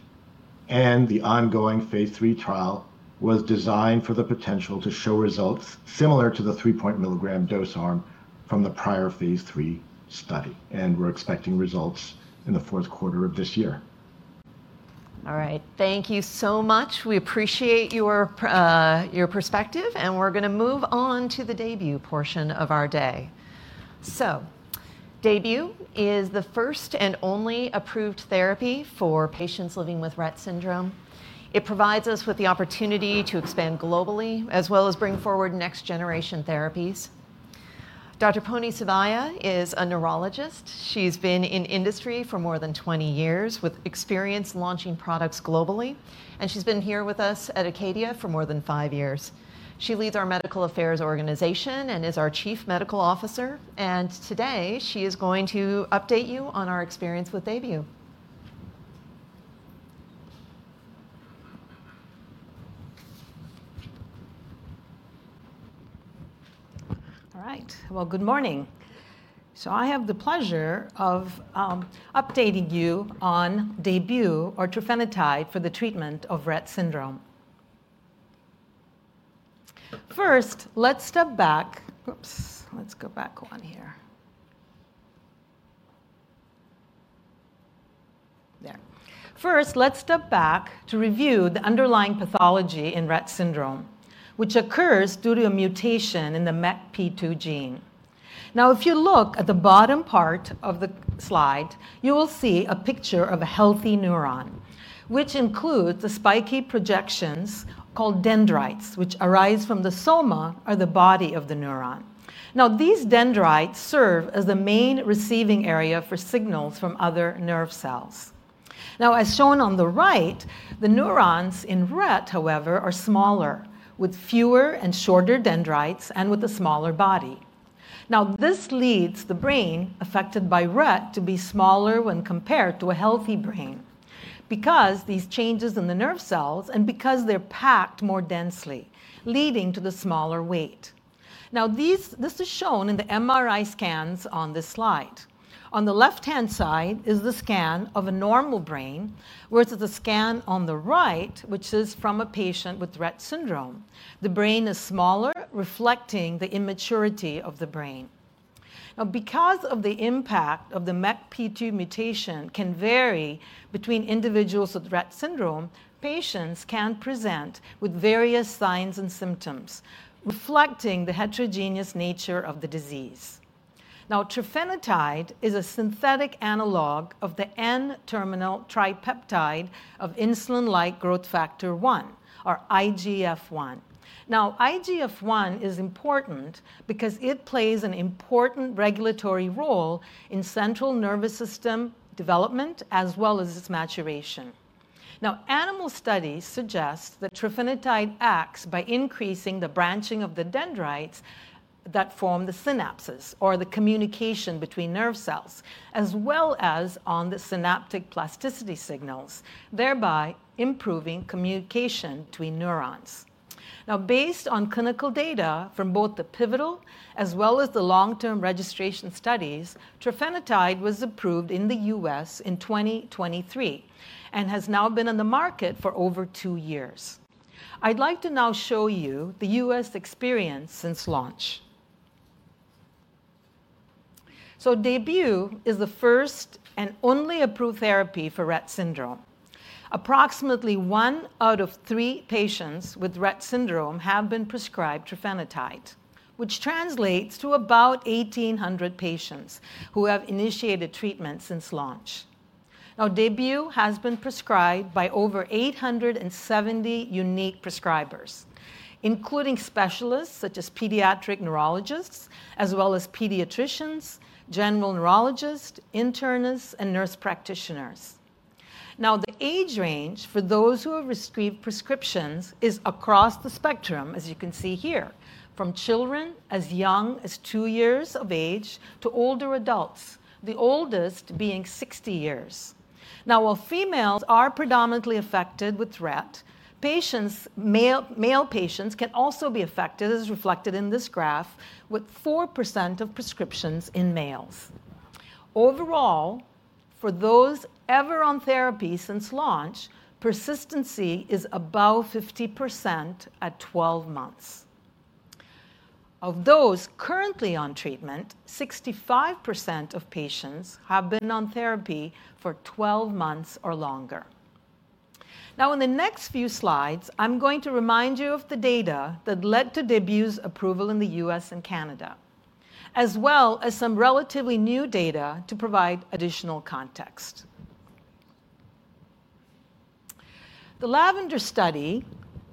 and the ongoing phase III trial was designed for the potential to show results similar to the 3.0 mg dose arm from the prior phase III study. We're expecting results in the fourth quarter of this year. All right. Thank you so much. We appreciate your perspective, and we're going to move on to the DAYBUE portion of our day. DAYBUE is the first and only approved therapy for patients living with Rett syndrome. It provides us with the opportunity to expand globally as well as bring forward next-generation therapies. Dr. Ponni Subbiah is a neurologist. She has been in industry for more than 20 years with experience launching products globally, and she has been here with us at Acadia for more than five years. She leads our Medical Affairs organization and is our Chief Medical Officer. Today, she is going to update you on our experience with DAYBUE. Good morning. I have the pleasure of updating you on DAYBUE or trofinetide for the treatment of Rett syndrome. First, let's step back. Oops. Let's go back one here. There. First, let's step back to review the underlying pathology in Rett syndrome, which occurs due to a mutation in the MECP2 gene. If you look at the bottom part of the slide, you will see a picture of a healthy neuron, which includes the spiky projections called dendrites, which arise from the soma or the body of the neuron. Now, these dendrites serve as the main receiving area for signals from other nerve cells. Now, as shown on the right, the neurons in Rett, however, are smaller, with fewer and shorter dendrites and with a smaller body. Now, this leads the brain affected by Rett to be smaller when compared to a healthy brain because of these changes in the nerve cells and because they're packed more densely, leading to the smaller weight. Now, this is shown in the MRI scans on this slide. On the left-hand side is the scan of a normal brain, whereas the scan on the right, which is from a patient with Rett syndrome, the brain is smaller, reflecting the immaturity of the brain. Now, because the impact of the MECP2 mutation can vary between individuals with Rett syndrome, patients can present with various signs and symptoms reflecting the heterogeneous nature of the disease. Now, trofinetide is a synthetic analog of the N-terminal tripeptide of insulin-like growth factor 1, or IGF-1. Now, IGF-1 is important because it plays an important regulatory role in central nervous system development as well as its maturation. Now, animal studies suggest that trofinetide acts by increasing the branching of the dendrites that form the synapses or the communication between nerve cells, as well as on the synaptic plasticity signals, thereby improving communication between neurons. Now, based on clinical data from both the pivotal as well as the long-term registration studies, trofinetide was approved in the U.S. in 2023 and has now been on the market for over two years. I'd like to now show you the U.S. experience since launch. So DAYBUE is the first and only approved therapy for Rett syndrome. Approximately one out of three patients with Rett syndrome have been prescribed trofinetide, which translates to about 1,800 patients who have initiated treatment since launch. Now, DAYBUE has been prescribed by over 870 unique prescribers, including specialists such as pediatric neurologists, as well as pediatricians, general neurologists, internists, and nurse practitioners. Now, the age range for those who have received prescriptions is across the spectrum, as you can see here, from children as young as two years of age to older adults, the oldest being 60 years. Now, while females are predominantly affected with Rett, male patients can also be affected, as reflected in this graph, with 4% of prescriptions in males. Overall, for those ever on therapy since launch, persistency is above 50% at 12 months. Of those currently on treatment, 65% of patients have been on therapy for 12 months or longer. Now, in the next few slides, I'm going to remind you of the data that led to DAYBUE's approval in the U.S. and Canada, as well as some relatively new data to provide additional context. The LAVENDER study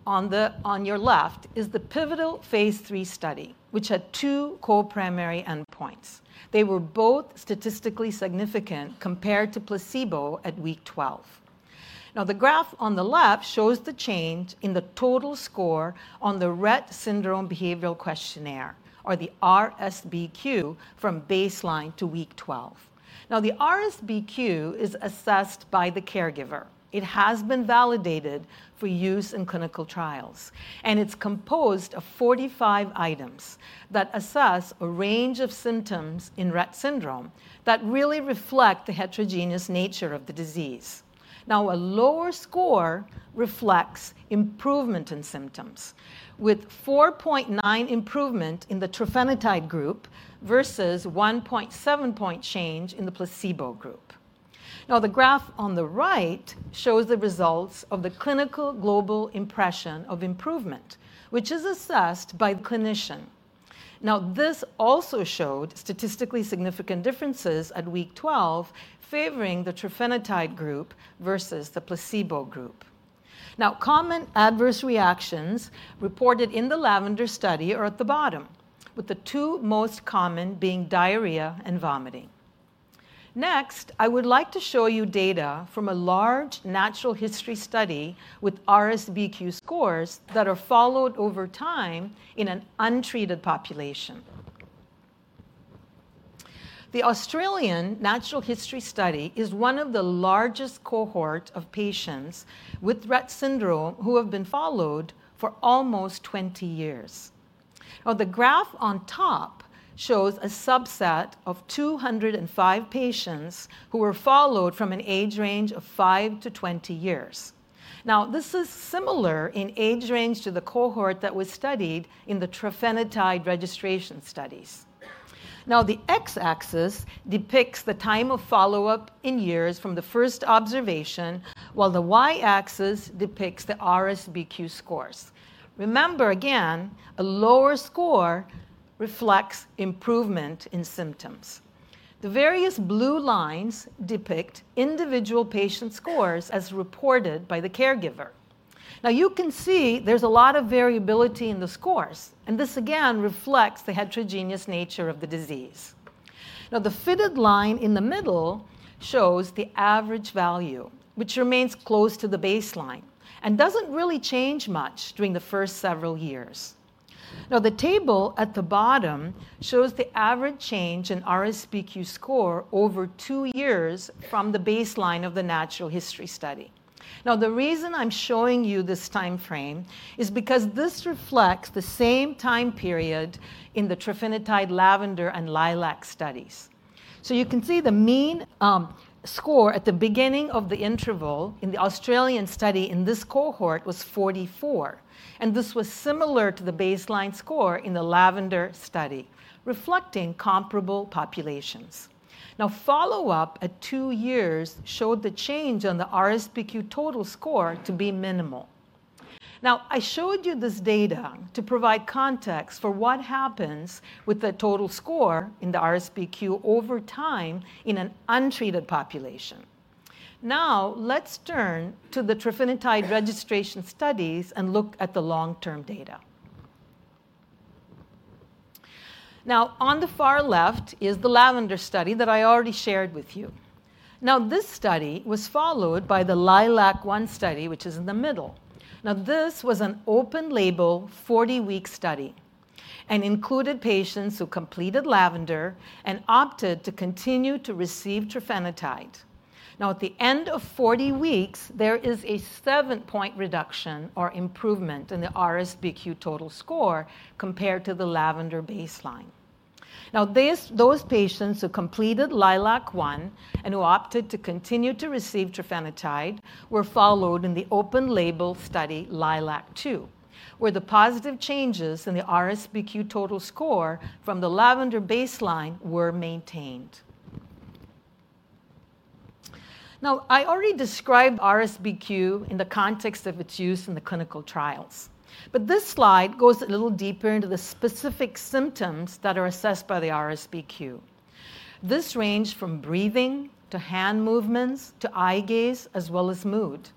on your left is the pivotal phase III study, which had two core primary endpoints. They were both statistically significant compared to placebo at week 12. Now, the graph on the left shows the change in the total score on the Rett Syndrome Behavioral Questionnaire, or the RSBQ, from baseline to week 12. Now, the RSBQ is assessed by the caregiver. It has been validated for use in clinical trials, and it's composed of 45 items that assess a range of symptoms in Rett syndrome that really reflect the heterogeneous nature of the disease. Now, a lower score reflects improvement in symptoms, with 4.9 improvement in the trofinetide group versus a 1.7-point change in the placebo group. Now, the graph on the right shows the results of the clinical global impression of improvement, which is assessed by the clinician. Now, this also showed statistically significant differences at week 12 favoring the trofinetide group versus the placebo group. Now, common adverse reactions reported in the LAVENDER study are at the bottom, with the two most common being diarrhea and vomiting. Next, I would like to show you data from a large natural history study with RSBQ scores that are followed over time in an untreated population. The Australian natural history study is one of the largest cohorts of patients with Rett syndrome who have been followed for almost 20 years. Now, the graph on top shows a subset of 205 patients who were followed from an age range of 5-20 years. Now, this is similar in age range to the cohort that was studied in the trofinetide registration studies. Now, the X-axis depicts the time of follow-up in years from the first observation, while the Y-axis depicts the RSBQ scores. Remember again, a lower score reflects improvement in symptoms. The various blue lines depict individual patient scores as reported by the caregiver. Now, you can see there's a lot of variability in the scores, and this again reflects the heterogeneous nature of the disease. Now, the fitted line in the middle shows the average value, which remains close to the baseline and doesn't really change much during the first several years. Now, the table at the bottom shows the average change in RSBQ score over two years from the baseline of the natural history study. Now, the reason I'm showing you this timeframe is because this reflects the same time period in the trofinetide LAVENDER and LILAC studies. You can see the mean score at the beginning of the interval in the Australian study in this cohort was 44, and this was similar to the baseline score in the LAVENDER study, reflecting comparable populations. Follow-up at two years showed the change on the RSBQ total score to be minimal. I showed you this data to provide context for what happens with the total score in the RSBQ over time in an untreated population. Now, let's turn to the trofinetide registration studies and look at the long-term data. Now, on the far left is the LAVENDER study that I already shared with you. Now, this study was followed by the LILAC-1 study, which is in the middle. Now, this was an open-label 40-week study and included patients who completed LAVENDER and opted to continue to receive trofinetide. Now, at the end of 40 weeks, there is a 7-point reduction or improvement in the RSBQ total score compared to the LAVENDER baseline. Now, those patients who completed LILAC-1 and who opted to continue to receive trofinetide were followed in the open-label study LILAC-2, where the positive changes in the RSBQ total score from the LAVENDER baseline were maintained. Now, I already described RSBQ in the context of its use in the clinical trials, but this slide goes a little deeper into the specific symptoms that are assessed by the RSBQ. This ranged from breathing to hand movements to eye gaze as well as mood.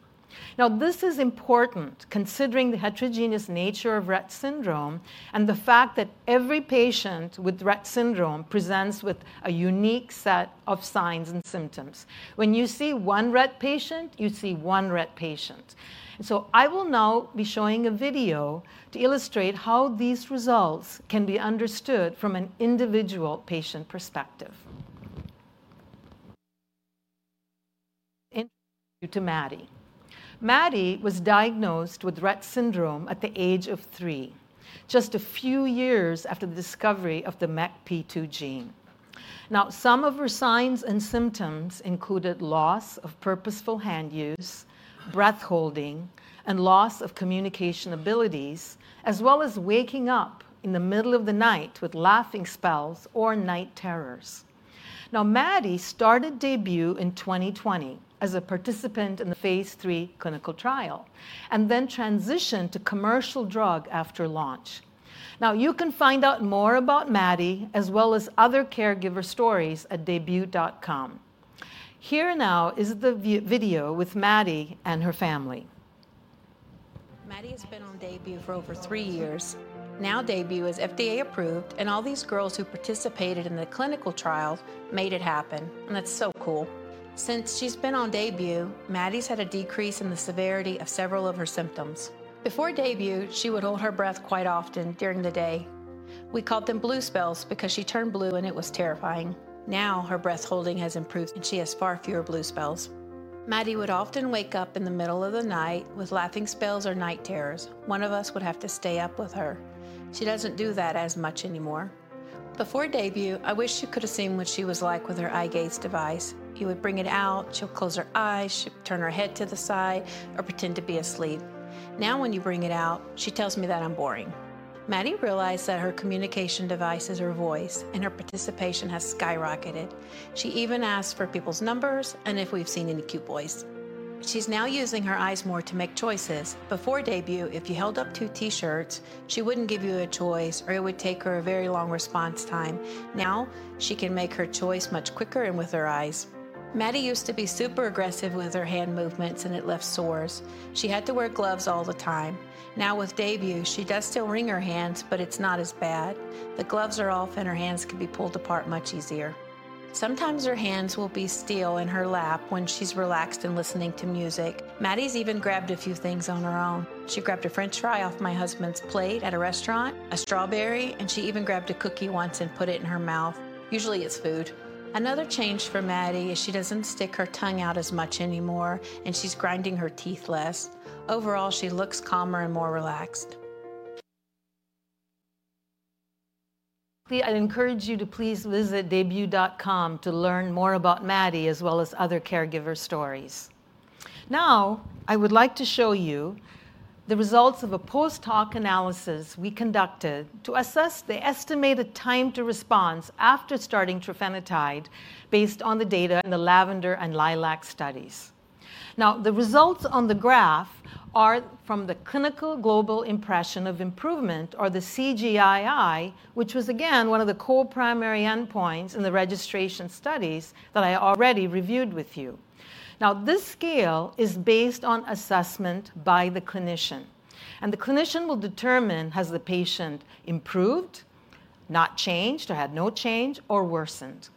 Now, this is important considering the heterogeneous nature of Rett syndrome and the fact that every patient with Rett syndrome presents with a unique set of signs and symptoms. When you see one Rett patient, you see one Rett patient. I will now be showing a video to illustrate how these results can be understood from an individual patient perspective. Introduction to Maddie. Maddie was diagnosed with Rett syndrome at the age of three, just a few years after the discovery of the MECP2 gene. Now, some of her signs and symptoms included loss of purposeful hand use, breath holding, and loss of communication abilities, as well as waking up in the middle of the night with laughing spells or night terrors. Now, Maddie started DAYBUE in 2020 as a participant in the phase III clinical trial and then transitioned to commercial drug after launch. Now, you can find out more about Maddie as well as other caregiver stories at daybue.com. Here now is the video with Maddie and her family. Maddie has been on DAYBUE for over three years. Now, DAYBUE is FDA approved, and all these girls who participated in the clinical trial made it happen, and that's so cool. Since she's been on DAYBUE, Maddie's had a decrease in the severity of several of her symptoms. Before DAYBUE, she would hold her breath quite often during the day. We called them blue spells because she turned blue, and it was terrifying. Now, her breath holding has improved, and she has far fewer blue spells. Maddie would often wake up in the middle of the night with laughing spells or night terrors. One of us would have to stay up with her. She does not do that as much anymore. Before DAYBUE, I wish you could have seen what she was like with her eye gaze device. You would bring it out, she would close her eyes, she would turn her head to the side, or pretend to be asleep. Now, when you bring it out, she tells me that I am boring. Maddie realized that her communication device is her voice, and her participation has skyrocketed. She even asked for people's numbers and if we have seen any cute boys. She is now using her eyes more to make choices. Before DAYBUE, if you held up two T-shirts, she would not give you a choice, or it would take her a very long response time. Now, she can make her choice much quicker and with her eyes. Maddie used to be super aggressive with her hand movements, and it left sores. She had to wear gloves all the time. Now, with DAYBUE, she does still wring her hands, but it's not as bad. The gloves are off, and her hands can be pulled apart much easier. Sometimes, her hands will be still in her lap when she's relaxed and listening to music. Maddie's even grabbed a few things on her own. She grabbed a French fry off my husband's plate at a restaurant, a strawberry, and she even grabbed a cookie once and put it in her mouth. Usually, it's food. Another change for Maddie is she doesn't stick her tongue out as much anymore, and she's grinding her teeth less. Overall, she looks calmer and more relaxed. I'd encourage you to please visit daybue.com to learn more about Maddie as well as other caregiver stories. Now, I would like to show you the results of a post-hoc analysis we conducted to assess the estimated time to response after starting trofinetide based on the data in the LAVENDER and LILAC studies. Now, the results on the graph are from the Clinical Global Impression of Improvement, or the CGI-I, which was again one of the core primary endpoints in the registration studies that I already reviewed with you. Now, this scale is based on assessment by the clinician, and the clinician will determine has the patient improved, not changed, or had no change, or worsened.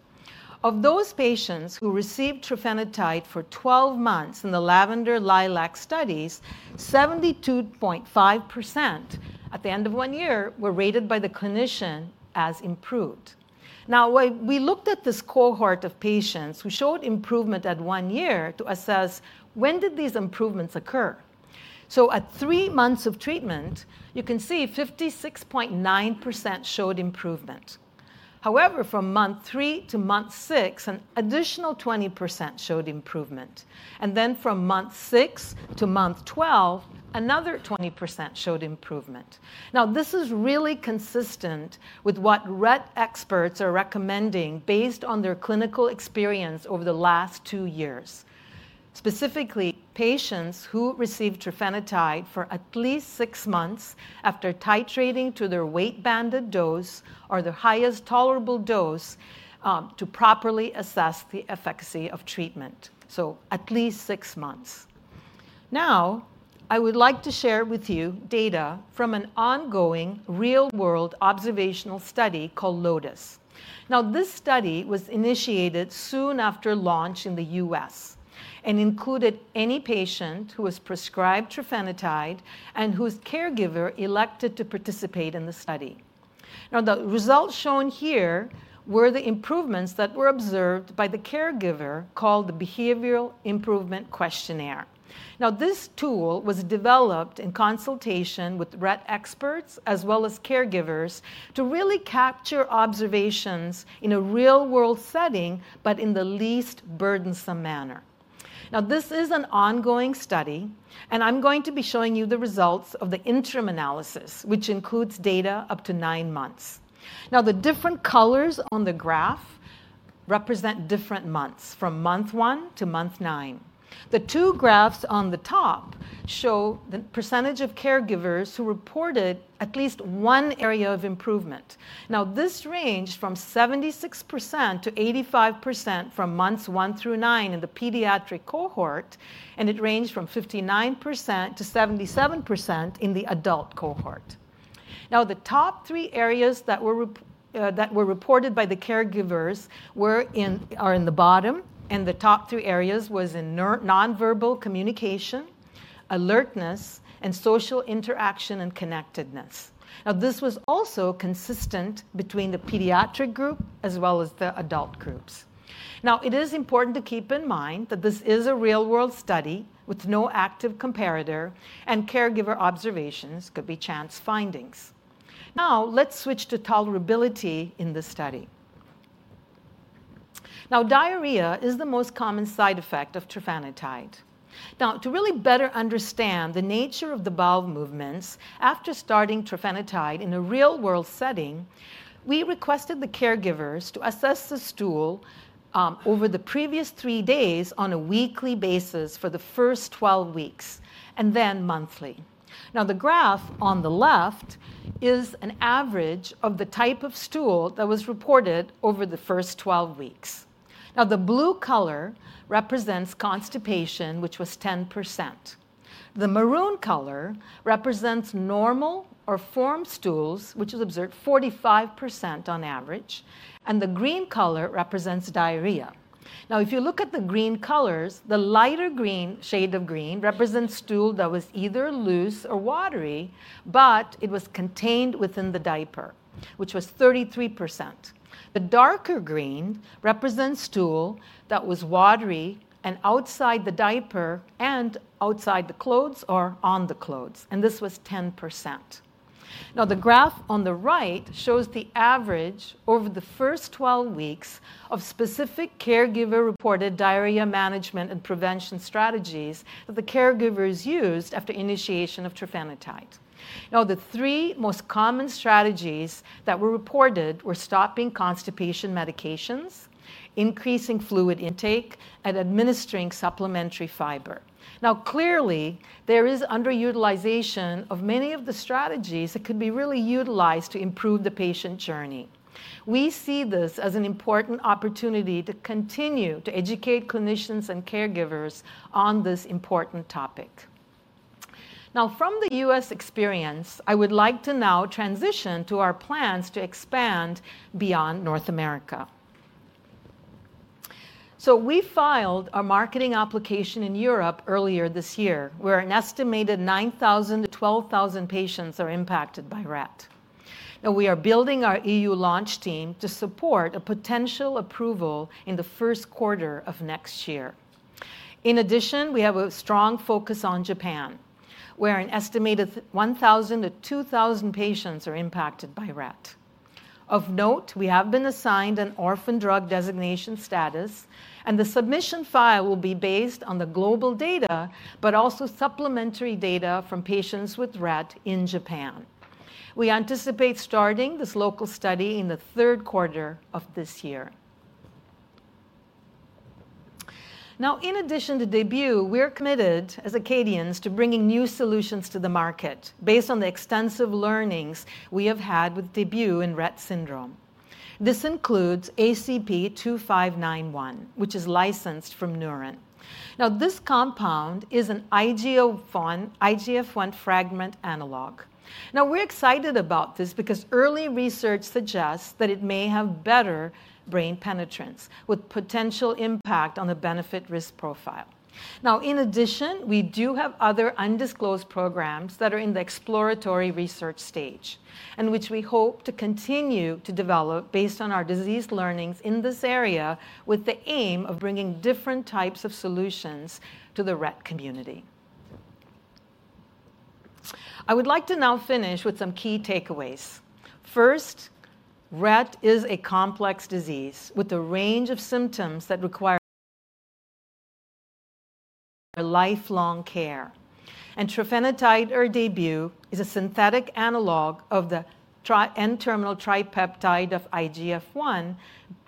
Of those patients who received trofinetide for 12 months in the LAVENDER and LILAC studies, 72.5% at the end of one year were rated by the clinician as improved. Now, we looked at this cohort of patients who showed improvement at one year to assess when did these improvements occur. At three months of treatment, you can see 56.9% showed improvement. However, from month three to month six, an additional 20% showed improvement, and from month six to month twelve, another 20% showed improvement. This is really consistent with what Rett experts are recommending based on their clinical experience over the last two years, specifically patients who received trofinetide for at least six months after titrating to their weight-banded dose or their highest tolerable dose to properly assess the efficacy of treatment, so at least six months. I would like to share with you data from an ongoing real-world observational study called LOTUS. Now, this study was initiated soon after launch in the U.S. and included any patient who was prescribed trofinetide and whose caregiver elected to participate in the study. Now, the results shown here were the improvements that were observed by the caregiver called the Behavioral Improvement Questionnaire. Now, this tool was developed in consultation with Rett experts as well as caregivers to really capture observations in a real-world setting, but in the least burdensome manner. Now, this is an ongoing study, and I'm going to be showing you the results of the interim analysis, which includes data up to nine months. Now, the different colors on the graph represent different months from month one to month nine. The two graphs on the top show the percentage of caregivers who reported at least one area of improvement. Now, this ranged from 76%-85% from months one through nine in the pediatric cohort, and it ranged from 59%-77% in the adult cohort. Now, the top three areas that were reported by the caregivers were in the bottom, and the top three areas were in nonverbal communication, alertness, and social interaction and connectedness. Now, this was also consistent between the pediatric group as well as the adult groups. Now, it is important to keep in mind that this is a real-world study with no active comparator, and caregiver observations could be chance findings. Now, let's switch to tolerability in this study. Now, diarrhea is the most common side effect of trofinetide. Now, to really better understand the nature of the bowel movements after starting trofinetide in a real-world setting, we requested the caregivers to assess the stool over the previous three days on a weekly basis for the first 12 weeks and then monthly. Now, the graph on the left is an average of the type of stool that was reported over the first 12 weeks. Now, the blue color represents constipation, which was 10%. The maroon color represents normal or formed stools, which was observed 45% on average, and the green color represents diarrhea. Now, if you look at the green colors, the lighter green shade of green represents stool that was either loose or watery, but it was contained within the diaper, which was 33%. The darker green represents stool that was watery and outside the diaper and outside the clothes or on the clothes, and this was 10%. Now, the graph on the right shows the average over the first 12 weeks of specific caregiver-reported diarrhea management and prevention strategies that the caregivers used after initiation of trofinetide. Now, the three most common strategies that were reported were stopping constipation medications, increasing fluid intake, and administering supplementary fiber. Now, clearly, there is underutilization of many of the strategies that could be really utilized to improve the patient journey. We see this as an important opportunity to continue to educate clinicians and caregivers on this important topic. Now, from the U.S. experience, I would like to now transition to our plans to expand beyond North America. We filed our marketing application in Europe earlier this year, where an estimated 9,000-12,000 patients are impacted by Rett. Now, we are building our EU launch team to support a potential approval in the first quarter of next year. In addition, we have a strong focus on Japan, where an estimated 1,000-2,000 patients are impacted by Rett. Of note, we have been assigned an orphan drug designation status, and the submission file will be based on the global data, but also supplementary data from patients with Rett in Japan. We anticipate starting this local study in the third quarter of this year. Now, in addition to DAYBUE, we are committed as Acadians to bringing new solutions to the market based on the extensive learnings we have had with DAYBUE in Rett syndrome. This includes ACP-2591, which is licensed from Neuren. Now, this compound is an IGF-1 fragment analog. Now, we're excited about this because early research suggests that it may have better brain penetrance with potential impact on the benefit-risk profile. Now, in addition, we do have other undisclosed programs that are in the exploratory research stage and which we hope to continue to develop based on our disease learnings in this area with the aim of bringing different types of solutions to the Rett community. I would like to now finish with some key takeaways. First, Rett is a complex disease with a range of symptoms that require lifelong care, and trofinetide or DAYBUE is a synthetic analog of the N-terminal tripeptide of IGF-1,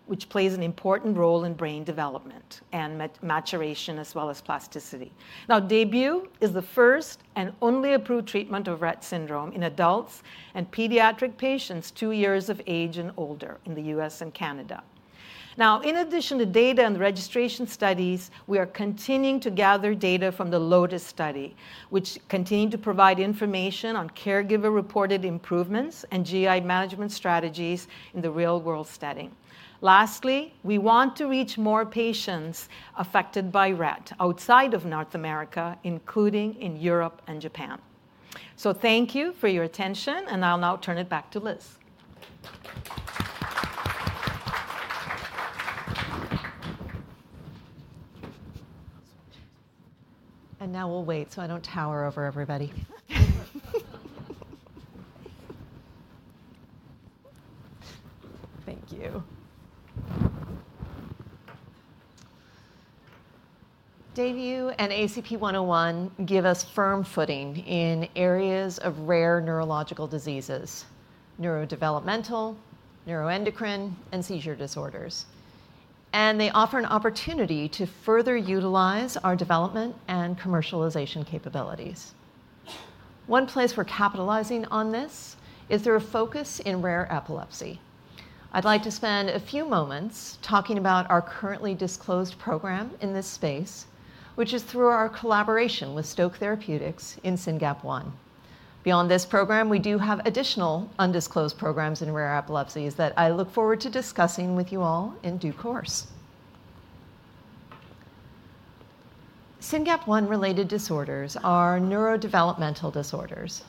which plays an important role in brain development and maturation as well as plasticity. Now, DAYBUE is the first and only approved treatment of Rett syndrome in adults and pediatric patients two years of age and older in the U.S. and Canada. Now, in addition to data and registration studies, we are continuing to gather data from the LOTUS study, which continues to provide information on caregiver-reported improvements and GI management strategies in the real-world study. Lastly, we want to reach more patients affected by Rett outside of North America, including in Europe and Japan. Thank you for your attention, and I'll now turn it back to Liz. We'll wait so I don't tower over everybody. Thank you. DAYBUE and ACP-101 give us firm footing in areas of rare neurological diseases, neurodevelopmental, neuroendocrine, and seizure disorders, and they offer an opportunity to further utilize our development and commercialization capabilities. One place we're capitalizing on this is through a focus in rare epilepsy. I'd like to spend a few moments talking about our currently disclosed program in this space, which is through our collaboration with Stoke Therapeutics in SYNGAP1. Beyond this program, we do have additional undisclosed programs in rare epilepsy that I look forward to discussing with you all in due course. SYNGAP1-related disorders are neurodevelopmental disorders.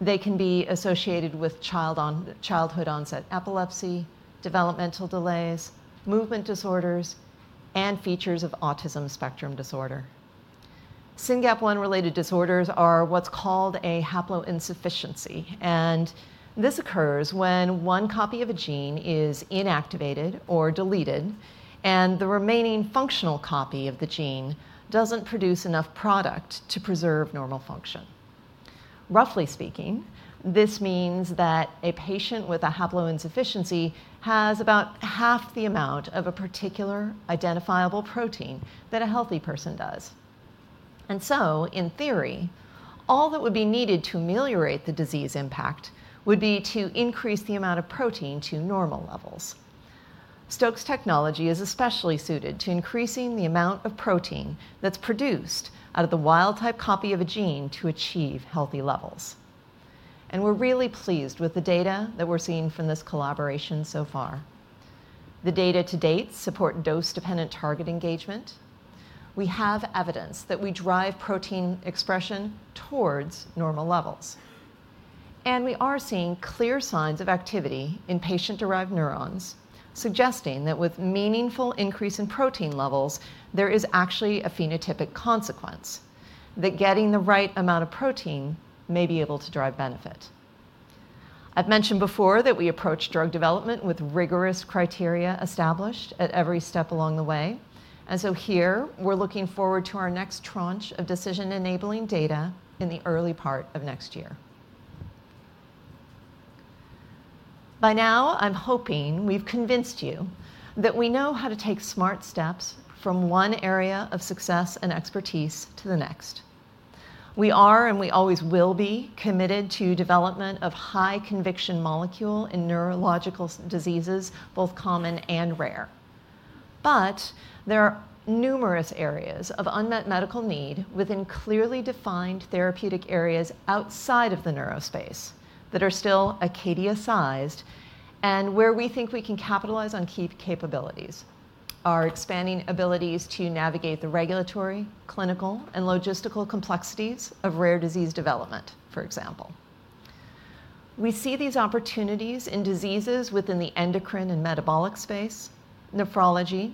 They can be associated with childhood-onset epilepsy, developmental delays, movement disorders, and features of autism spectrum disorder. SYNGAP1-related disorders are what's called a haploinsufficiency, and this occurs when one copy of a gene is inactivated or deleted, and the remaining functional copy of the gene doesn't produce enough product to preserve normal function. Roughly speaking, this means that a patient with a haploinsufficiency has about half the amount of a particular identifiable protein that a healthy person does. In theory, all that would be needed to ameliorate the disease impact would be to increase the amount of protein to normal levels. Stoke's technology is especially suited to increasing the amount of protein that's produced out of the wild-type copy of a gene to achieve healthy levels. We are really pleased with the data that we are seeing from this collaboration so far. The data to date support dose-dependent target engagement. We have evidence that we drive protein expression towards normal levels, and we are seeing clear signs of activity in patient-derived neurons suggesting that with meaningful increase in protein levels, there is actually a phenotypic consequence that getting the right amount of protein may be able to drive benefit. I have mentioned before that we approach drug development with rigorous criteria established at every step along the way, and here we are looking forward to our next tranche of decision-enabling data in the early part of next year. By now, I'm hoping we've convinced you that we know how to take smart steps from one area of success and expertise to the next. We are, and we always will be, committed to development of high-conviction molecules in neurological diseases, both common and rare. There are numerous areas of unmet medical need within clearly defined therapeutic areas outside of the neurospace that are still Acadia-sized and where we think we can capitalize on key capabilities: our expanding abilities to navigate the regulatory, clinical, and logistical complexities of rare disease development, for example. We see these opportunities in diseases within the endocrine and metabolic space, nephrology,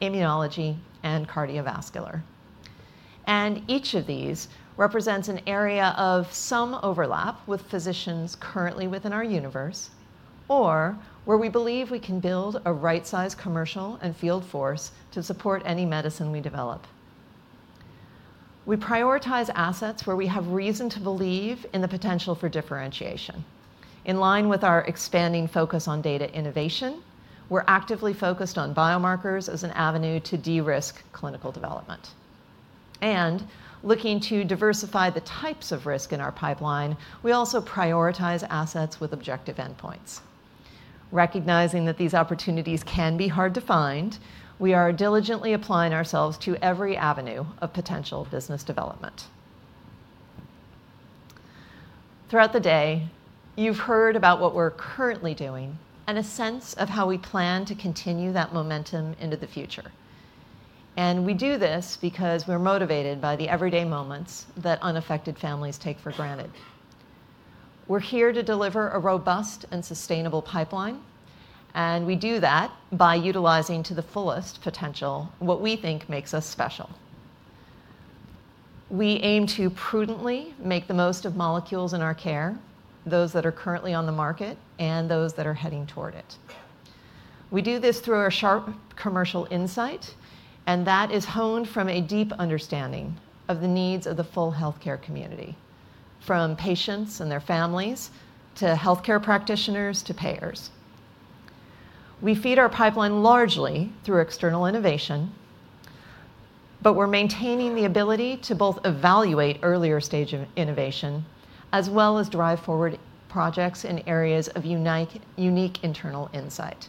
immunology, and cardiovascular. Each of these represents an area of some overlap with physicians currently within our universe or where we believe we can build a right-sized commercial and field force to support any medicine we develop. We prioritize assets where we have reason to believe in the potential for differentiation. In line with our expanding focus on data innovation, we're actively focused on biomarkers as an avenue to de-risk clinical development. Looking to diversify the types of risk in our pipeline, we also prioritize assets with objective endpoints. Recognizing that these opportunities can be hard to find, we are diligently applying ourselves to every avenue of potential business development. Throughout the day, you've heard about what we're currently doing and a sense of how we plan to continue that momentum into the future. We do this because we're motivated by the everyday moments that unaffected families take for granted. We're here to deliver a robust and sustainable pipeline, and we do that by utilizing to the fullest potential what we think makes us special. We aim to prudently make the most of molecules in our care, those that are currently on the market and those that are heading toward it. We do this through our sharp commercial insight, and that is honed from a deep understanding of the needs of the full healthcare community, from patients and their families to healthcare practitioners to payers. We feed our pipeline largely through external innovation, but we're maintaining the ability to both evaluate earlier stage innovation as well as drive forward projects in areas of unique internal insight.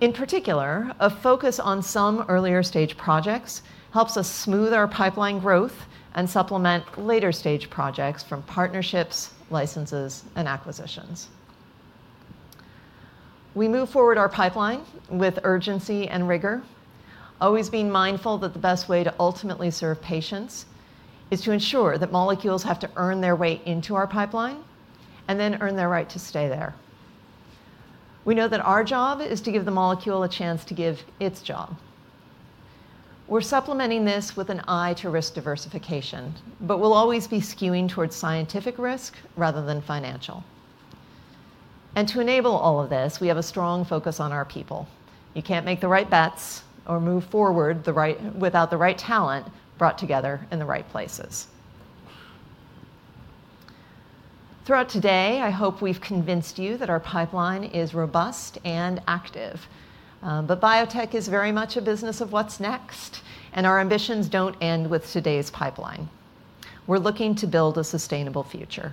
In particular, a focus on some earlier stage projects helps us smooth our pipeline growth and supplement later stage projects from partnerships, licenses, and acquisitions. We move forward our pipeline with urgency and rigor, always being mindful that the best way to ultimately serve patients is to ensure that molecules have to earn their way into our pipeline and then earn their right to stay there. We know that our job is to give the molecule a chance to give its job. We're supplementing this with an eye to risk diversification, but we'll always be skewing towards scientific risk rather than financial. To enable all of this, we have a strong focus on our people. You can't make the right bets or move forward without the right talent brought together in the right places. Throughout today, I hope we've convinced you that our pipeline is robust and active, but biotech is very much a business of what's next, and our ambitions don't end with today's pipeline. We're looking to build a sustainable future.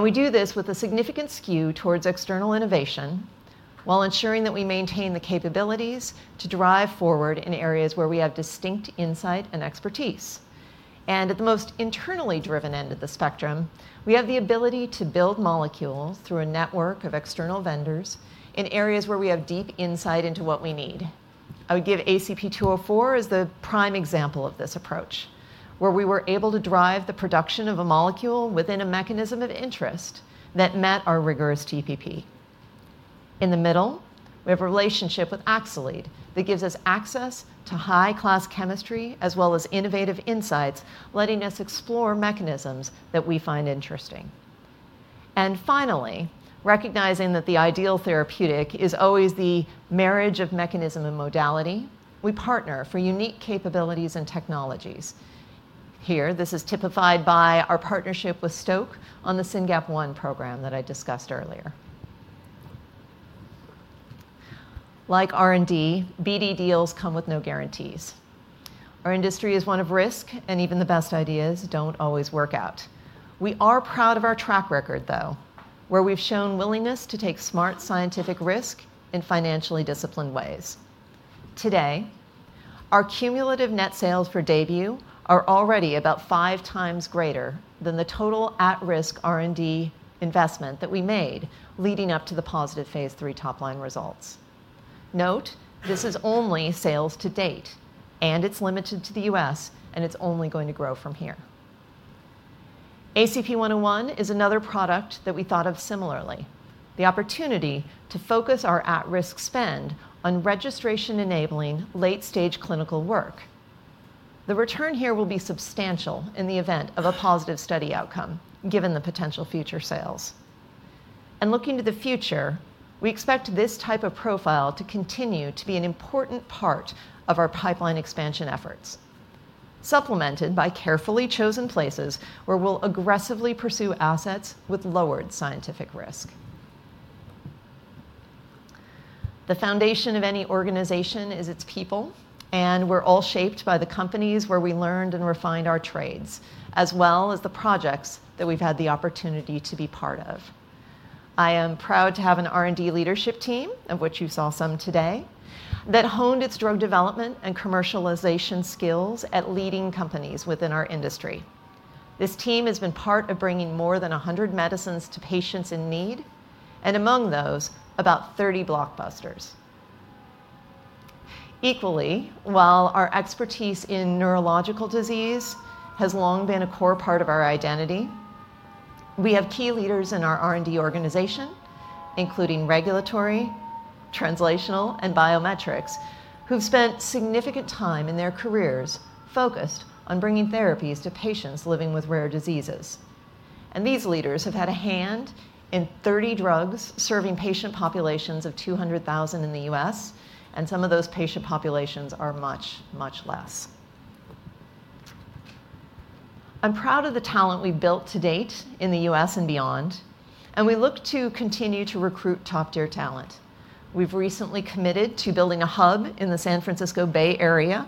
We do this with a significant skew towards external innovation while ensuring that we maintain the capabilities to drive forward in areas where we have distinct insight and expertise. At the most internally driven end of the spectrum, we have the ability to build molecules through a network of external vendors in areas where we have deep insight into what we need. I would give ACP-204 as the prime example of this approach, where we were able to drive the production of a molecule within a mechanism of interest that met our rigorous TPP. In the middle, we have a relationship with Axcelead that gives us access to high-class chemistry as well as innovative insights, letting us explore mechanisms that we find interesting. Finally, recognizing that the ideal therapeutic is always the marriage of mechanism and modality, we partner for unique capabilities and technologies. Here, this is typified by our partnership with Stoke on the SYNGAP1 program that I discussed earlier. Like R&D, BD deals come with no guarantees. Our industry is one of risk, and even the best ideas do not always work out. We are proud of our track record, though, where we have shown willingness to take smart scientific risk in financially disciplined ways. Today, our cumulative net sales for DAYBUE are already about 5x greater than the total at-risk R&D investment that we made leading up to the positive phase III top-line results. Note this is only sales to date, and it is limited to the U.S., and it is only going to grow from here. ACP-101 is another product that we thought of similarly: the opportunity to focus our at-risk spend on registration-enabling late-stage clinical work. The return here will be substantial in the event of a positive study outcome, given the potential future sales. Looking to the future, we expect this type of profile to continue to be an important part of our pipeline expansion efforts, supplemented by carefully chosen places where we'll aggressively pursue assets with lowered scientific risk. The foundation of any organization is its people, and we're all shaped by the companies where we learned and refined our trades, as well as the projects that we've had the opportunity to be part of. I am proud to have an R&D leadership team, of which you saw some today, that honed its drug development and commercialization skills at leading companies within our industry. This team has been part of bringing more than 100 medicines to patients in need, and among those, about 30 blockbusters. Equally, while our expertise in neurological disease has long been a core part of our identity, we have key leaders in our R&D organization, including regulatory, translational, and biometrics, who've spent significant time in their careers focused on bringing therapies to patients living with rare diseases. These leaders have had a hand in 30 drugs serving patient populations of 200,000 in the U.S., and some of those patient populations are much, much less. I'm proud of the talent we've built to date in the U.S. and beyond, and we look to continue to recruit top-tier talent. We've recently committed to building a hub in the San Francisco Bay Area.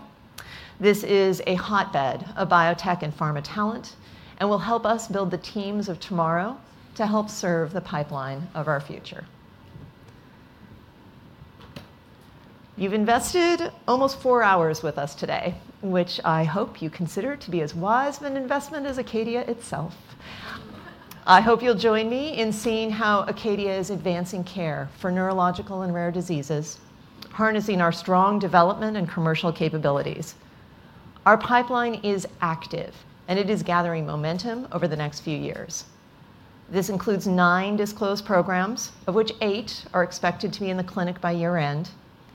This is a hotbed of biotech and pharma talent and will help us build the teams of tomorrow to help serve the pipeline of our future. You've invested almost four hours with us today, which I hope you consider to be as wise of an investment as Acadia itself. I hope you'll join me in seeing how Acadia is advancing care for neurological and rare diseases, harnessing our strong development and commercial capabilities. Our pipeline is active, and it is gathering momentum over the next few years. This includes nine disclosed programs, of which eight are expected to be in the clinic by year-end,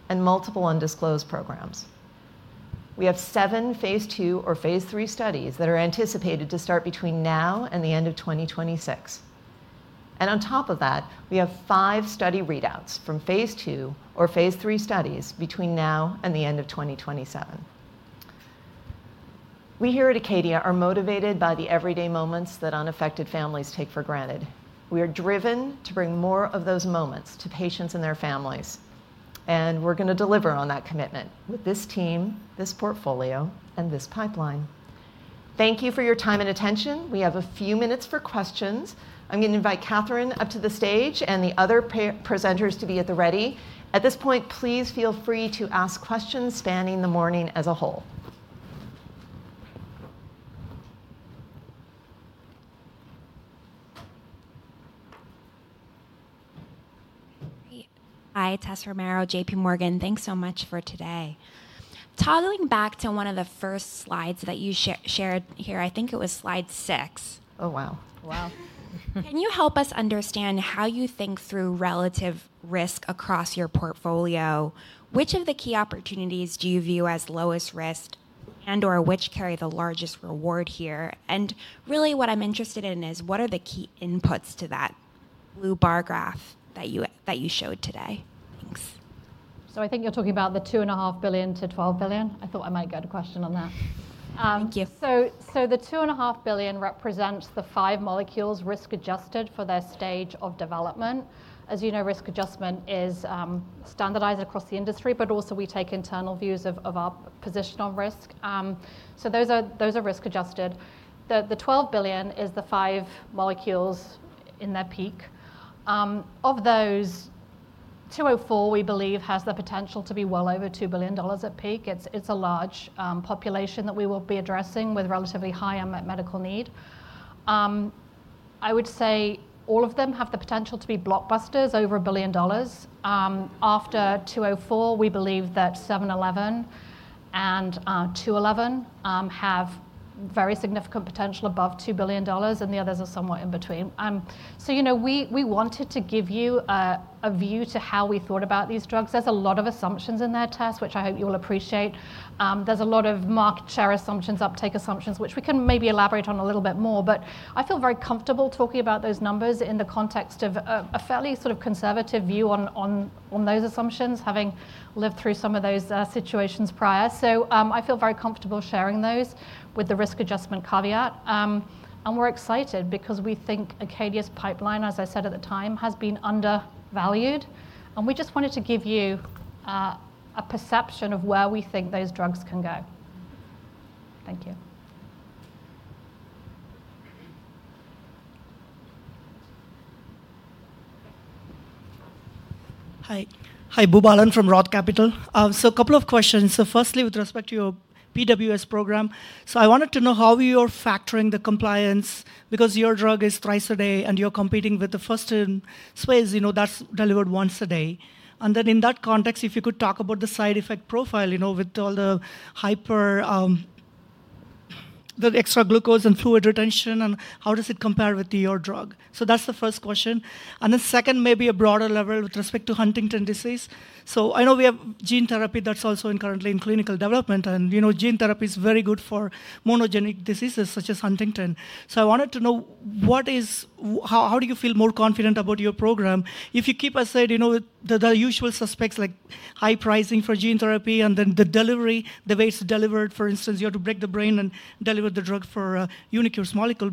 and multiple undisclosed programs. We have seven phase II or phase III studies that are anticipated to start between now and the end of 2026. On top of that, we have five study readouts from phase II or phase III studies between now and the end of 2027. We are here at Acadia are motivated by the everyday moments that unaffected families take for granted. We are driven to bring more of those moments to patients and their families, and we're going to deliver on that commitment with this team, this portfolio, and this pipeline. Thank you for your time and attention. We have a few minutes for questions. I'm going to invite Catherine up to the stage and the other presenters to be at the ready. At this point, please feel free to ask questions spanning the morning as a whole. Hi, Tessa Romero, JPMorgan. Thanks so much for today. Toggling back to one of the first slides that you shared here, I think it was slide six. Oh, wow. Wow. Can you help us understand how you think through relative risk across your portfolio? Which of the key opportunities do you view as lowest risk and/or which carry the largest reward here? What I'm interested in is what are the key inputs to that blue bar graph that you showed today? Thanks. I think you're talking about the $2.5 billion-$12 billion. I thought I might get a question on that. Thank you. The $2.5 billion represents the five molecules risk-adjusted for their stage of development. As you know, risk adjustment is standardized across the industry, but also we take internal views of our position on risk. Those are risk-adjusted. The $12 billion is the five molecules in their peak. Of those, 204, we believe, has the potential to be well over $2 billion at peak. It is a large population that we will be addressing with relatively high medical need. I would say all of them have the potential to be blockbusters over $1 billion. After 204, we believe that 711 and 211 have very significant potential above $2 billion, and the others are somewhat in between. We wanted to give you a view to how we thought about these drugs. There is a lot of assumptions in there, Tessa, which I hope you will appreciate. There's a lot of market share assumptions, uptake assumptions, which we can maybe elaborate on a little bit more, but I feel very comfortable talking about those numbers in the context of a fairly sort of conservative view on those assumptions, having lived through some of those situations prior. I feel very comfortable sharing those with the risk adjustment caveat. We are excited because we think Acadia's pipeline, as I said at the time, has been undervalued, and we just wanted to give you a perception of where we think those drugs can go. Thank you. Hi. Hi, Boobalan from Roth Capital. A couple of questions. Firstly, with respect to your PWS program, I wanted to know how you are factoring the compliance because your drug is thrice a day and you're competing with the first in space that's delivered once a day. In that context, if you could talk about the side effect profile with all the extra glucose and fluid retention, and how does it compare with your drug? That's the first question. The second, maybe at a broader level with respect to Huntington disease. I know we have gene therapy that's also currently in clinical development, and gene therapy is very good for monogenic diseases such as Huntington. I wanted to know how do you feel more confident about your program if you keep, as I said, the usual suspects like high pricing for gene therapy and then the delivery, the way it's delivered. For instance, you have to break the brain and deliver the drug for a unique molecule.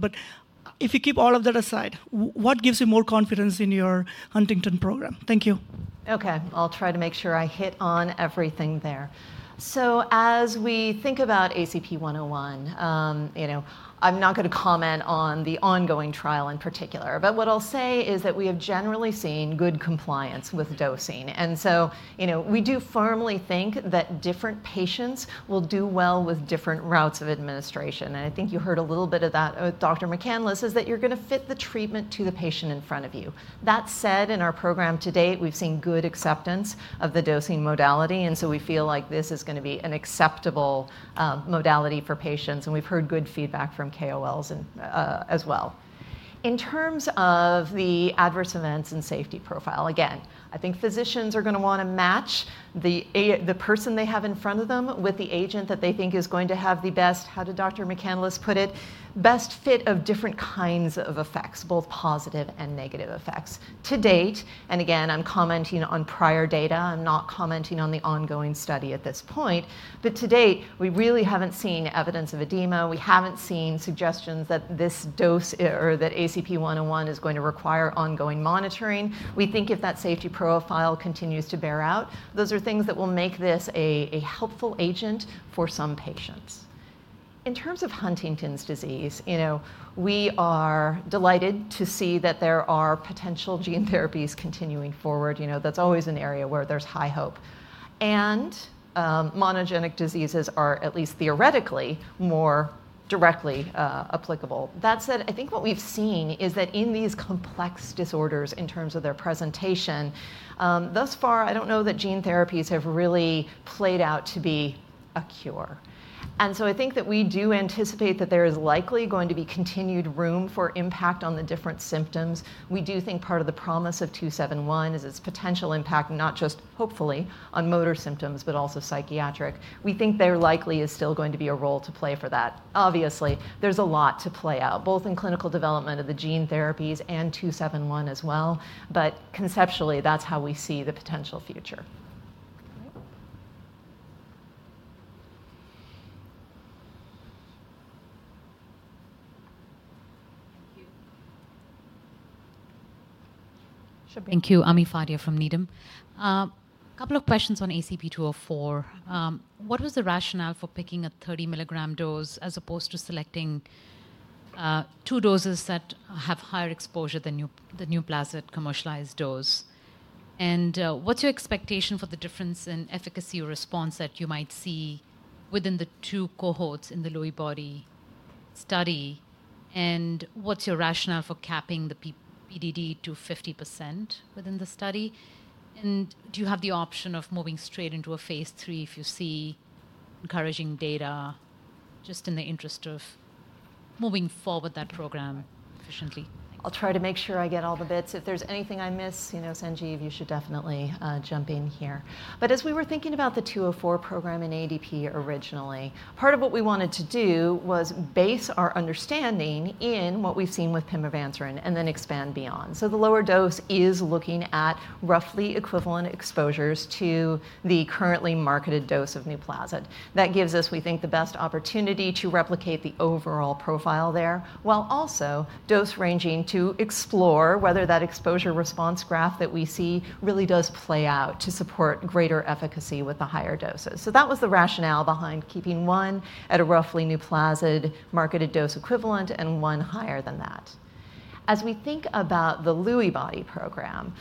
If you keep all of that aside, what gives you more confidence in your Huntington program? Thank you. Okay. I'll try to make sure I hit on everything there. As we think about ACP-101, I'm not going to comment on the ongoing trial in particular, but what I'll say is that we have generally seen good compliance with dosing. We do firmly think that different patients will do well with different routes of administration. I think you heard a little bit of that with Dr. McCandless, that you're going to fit the treatment to the patient in front of you. That said, in our program to date, we've seen good acceptance of the dosing modality, and we feel like this is going to be an acceptable modality for patients, and we've heard good feedback from KOLs as well. In terms of the adverse events and safety profile, again, I think physicians are going to want to match the person they have in front of them with the agent that they think is going to have the best, how did Dr. McCandless put it, best fit of different kinds of effects, both positive and negative effects. To date, and again, I'm commenting on prior data. I'm not commenting on the ongoing study at this point, but to date, we really haven't seen evidence of edema. We haven't seen suggestions that this dose or that ACP-101 is going to require ongoing monitoring. We think if that safety profile continues to bear out, those are things that will make this a helpful agent for some patients. In terms of Huntington's disease, we are delighted to see that there are potential gene therapies continuing forward. That's always an area where there's high hope. Monogenic diseases are at least theoretically more directly applicable. That said, I think what we've seen is that in these complex disorders in terms of their presentation, thus far, I don't know that gene therapies have really played out to be a cure. I think that we do anticipate that there is likely going to be continued room for impact on the different symptoms. We do think part of the promise of 271 is its potential impact, not just hopefully on motor symptoms, but also psychiatric. We think there likely is still going to be a role to play for that. Obviously, there's a lot to play out, both in clinical development of the gene therapies and 271 as well, but conceptually, that's how we see the potential future. Thank you. I'm Ami Fadia from Needham. A couple of questions on ACP-204. What was the rationale for picking a 30 mg dose as opposed to selecting two doses that have higher exposure than the NUPLAZID commercialized dose? What's your expectation for the difference in efficacy or response that you might see within the two cohorts in the Lewy body study? What's your rationale for capping the PDD to 50% within the study? Do you have the option of moving straight into a phase III if you see encouraging data just in the interest of moving forward that program efficiently? I'll try to make sure I get all the bits. If there's anything I miss, Sanjeev, you should definitely jump in here. As we were thinking about the 204 program in ADP originally, part of what we wanted to do was base our understanding in what we've seen with pimavanserin and then expand beyond. The lower dose is looking at roughly equivalent exposures to the currently marketed dose of NUPLAZID. That gives us, we think, the best opportunity to replicate the overall profile there while also dose ranging to explore whether that exposure response graph that we see really does play out to support greater efficacy with the higher doses. That was the rationale behind keeping one at a roughly NUPLAZID marketed dose equivalent and one higher than that. As we think about the Lewy body program,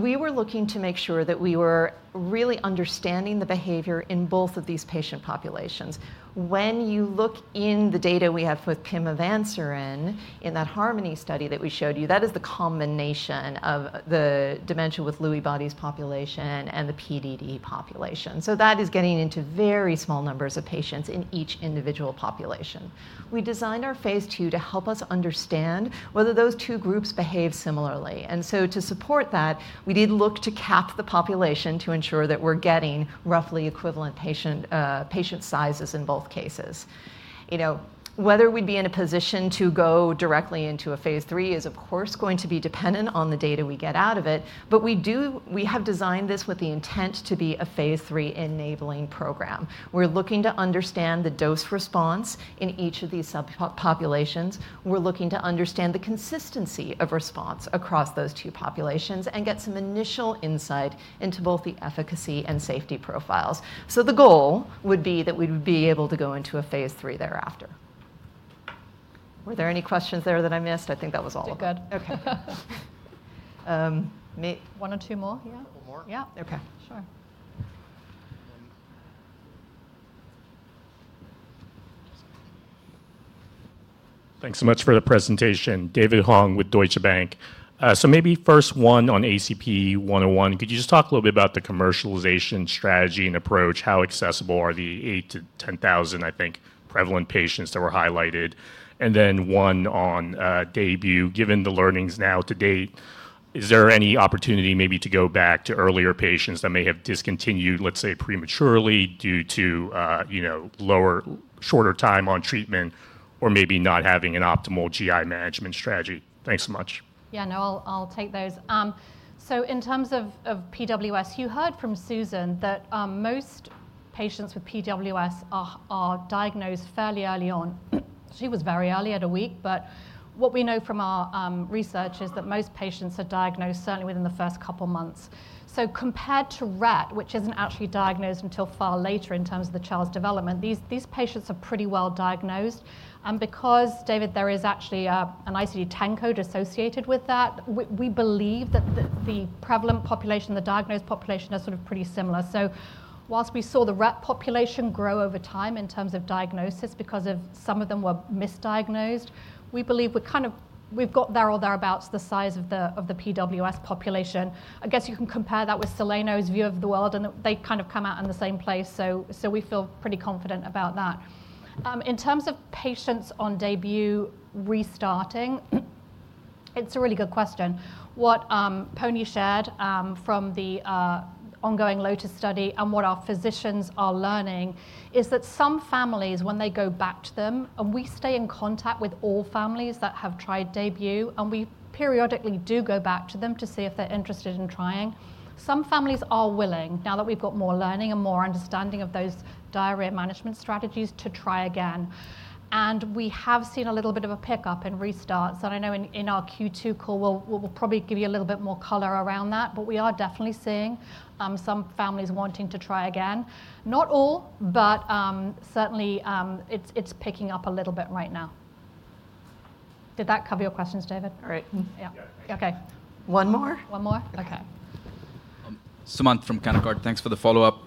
we were looking to make sure that we were really understanding the behavior in both of these patient populations. When you look in the data we have with pimavanserin in that HARMONY study that we showed you, that is the combination of the dementia with Lewy bodies population and the PDD population. That is getting into very small numbers of patients in each individual population. We designed our phase II to help us understand whether those two groups behave similarly. To support that, we did look to cap the population to ensure that we're getting roughly equivalent patient sizes in both cases. Whether we'd be in a position to go directly into a phase III is, of course, going to be dependent on the data we get out of it, but we have designed this with the intent to be a phase III enabling program. We're looking to understand the dose response in each of these subpopulations. We're looking to understand the consistency of response across those two populations and get some initial insight into both the efficacy and safety profiles. The goal would be that we'd be able to go into a phase III thereafter. Were there any questions there that I missed? I think that was all of them. We're good. Okay. One or two more, yeah? A couple more. Yeah. Okay. Sure. Thanks so much for the presentation. David Hong with Deutsche Bank. Maybe first one on ACP-101, could you just talk a little bit about the commercialization strategy and approach? How accessible are the 8,000-10,000, I think, prevalent patients that were highlighted? And then one on DAYBUE, given the learnings now to date, is there any opportunity maybe to go back to earlier patients that may have discontinued, let's say, prematurely due to shorter time on treatment or maybe not having an optimal GI management strategy? Thanks so much. Yeah, no, I'll take those. In terms of PWS, you heard from Susan that most patients with PWS are diagnosed fairly early on. She was very early at a week, but what we know from our research is that most patients are diagnosed certainly within the first couple of months. Compared to Rett, which isn't actually diagnosed until far later in terms of the child's development, these patients are pretty well diagnosed. Because, David, there is actually an ICD-10 code associated with that, we believe that the prevalent population, the diagnosed population, are sort of pretty similar. Whilst we saw the Rett population grow over time in terms of diagnosis because some of them were misdiagnosed, we believe we've got there or thereabouts the size of the PWS population. I guess you can compare that with Saniona's view of the world, and they kind of come out in the same place, so we feel pretty confident about that. In terms of patients on DAYBUE restarting, it's a really good question. What Ponni shared from the ongoing LOTUS study and what our physicians are learning is that some families, when they go back to them, and we stay in contact with all families that have tried DAYBUE, and we periodically do go back to them to see if they're interested in trying, some families are willing, now that we've got more learning and more understanding of those diarrhea management strategies, to try again. We have seen a little bit of a pickup in restarts. I know in our Q2 call, we'll probably give you a little bit more color around that, but we are definitely seeing some families wanting to try again. Not all, but certainly it's picking up a little bit right now. Did that cover your questions, David? All right. Yeah. Okay. One more? One more? Okay. Sumant from Canaccord, thanks for the follow-up.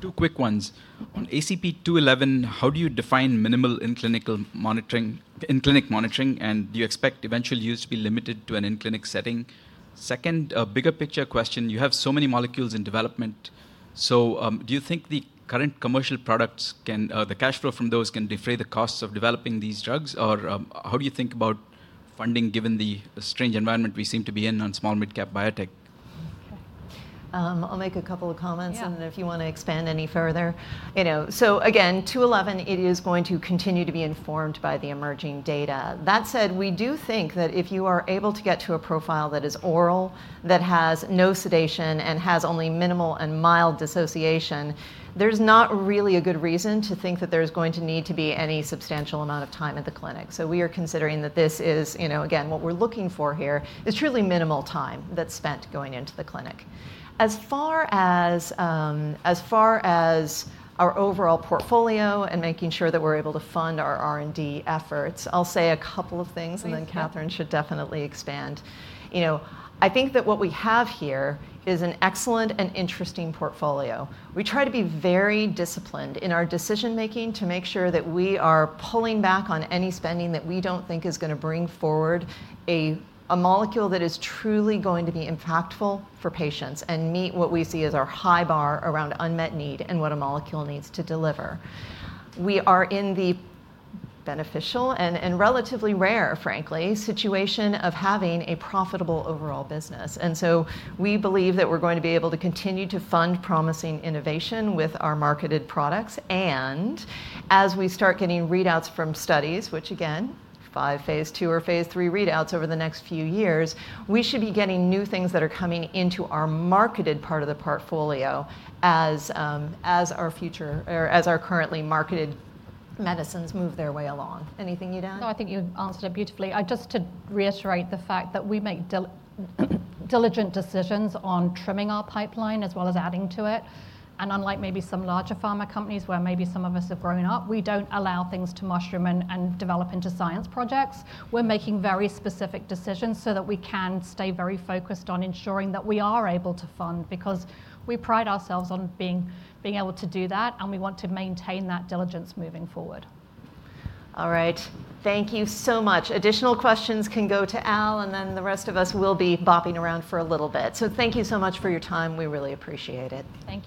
Two quick ones. On ACP-211, how do you define minimal in clinical monitoring, in clinic monitoring, and do you expect eventual use to be limited to an in-clinic setting? Second, a bigger picture question. You have so many molecules in development, so do you think the current commercial products, the cash flow from those, can defray the costs of developing these drugs, or how do you think about funding given the strange environment we seem to be in on small mid-cap biotech? I'll make a couple of comments, and then if you want to expand any further. Again, 211, it is going to continue to be informed by the emerging data. That said, we do think that if you are able to get to a profile that is oral, that has no sedation, and has only minimal and mild dissociation, there's not really a good reason to think that there's going to need to be any substantial amount of time at the clinic. We are considering that this is, again, what we're looking for here is truly minimal time that's spent going into the clinic. As far as our overall portfolio and making sure that we're able to fund our R&D efforts, I'll say a couple of things, and then Catherine should definitely expand. I think that what we have here is an excellent and interesting portfolio. We try to be very disciplined in our decision-making to make sure that we are pulling back on any spending that we do not think is going to bring forward a molecule that is truly going to be impactful for patients and meet what we see as our high bar around unmet need and what a molecule needs to deliver. We are in the beneficial and relatively rare, frankly, situation of having a profitable overall business. We believe that we are going to be able to continue to fund promising innovation with our marketed products. As we start getting readouts from studies, which again, five phase II or phase III readouts over the next few years, we should be getting new things that are coming into our marketed part of the portfolio as our currently marketed medicines move their way along. Anything you would add? No, I think you've answered it beautifully. Just to reiterate the fact that we make diligent decisions on trimming our pipeline as well as adding to it. Unlike maybe some larger pharma companies where maybe some of us have grown up, we do not allow things to mushroom and develop into science projects. We are making very specific decisions so that we can stay very focused on ensuring that we are able to fund because we pride ourselves on being able to do that, and we want to maintain that diligence moving forward. All right. Thank you so much. Additional questions can go to Al, and then the rest of us will be bopping around for a little bit. Thank you so much for your time. We really appreciate it. Thank you.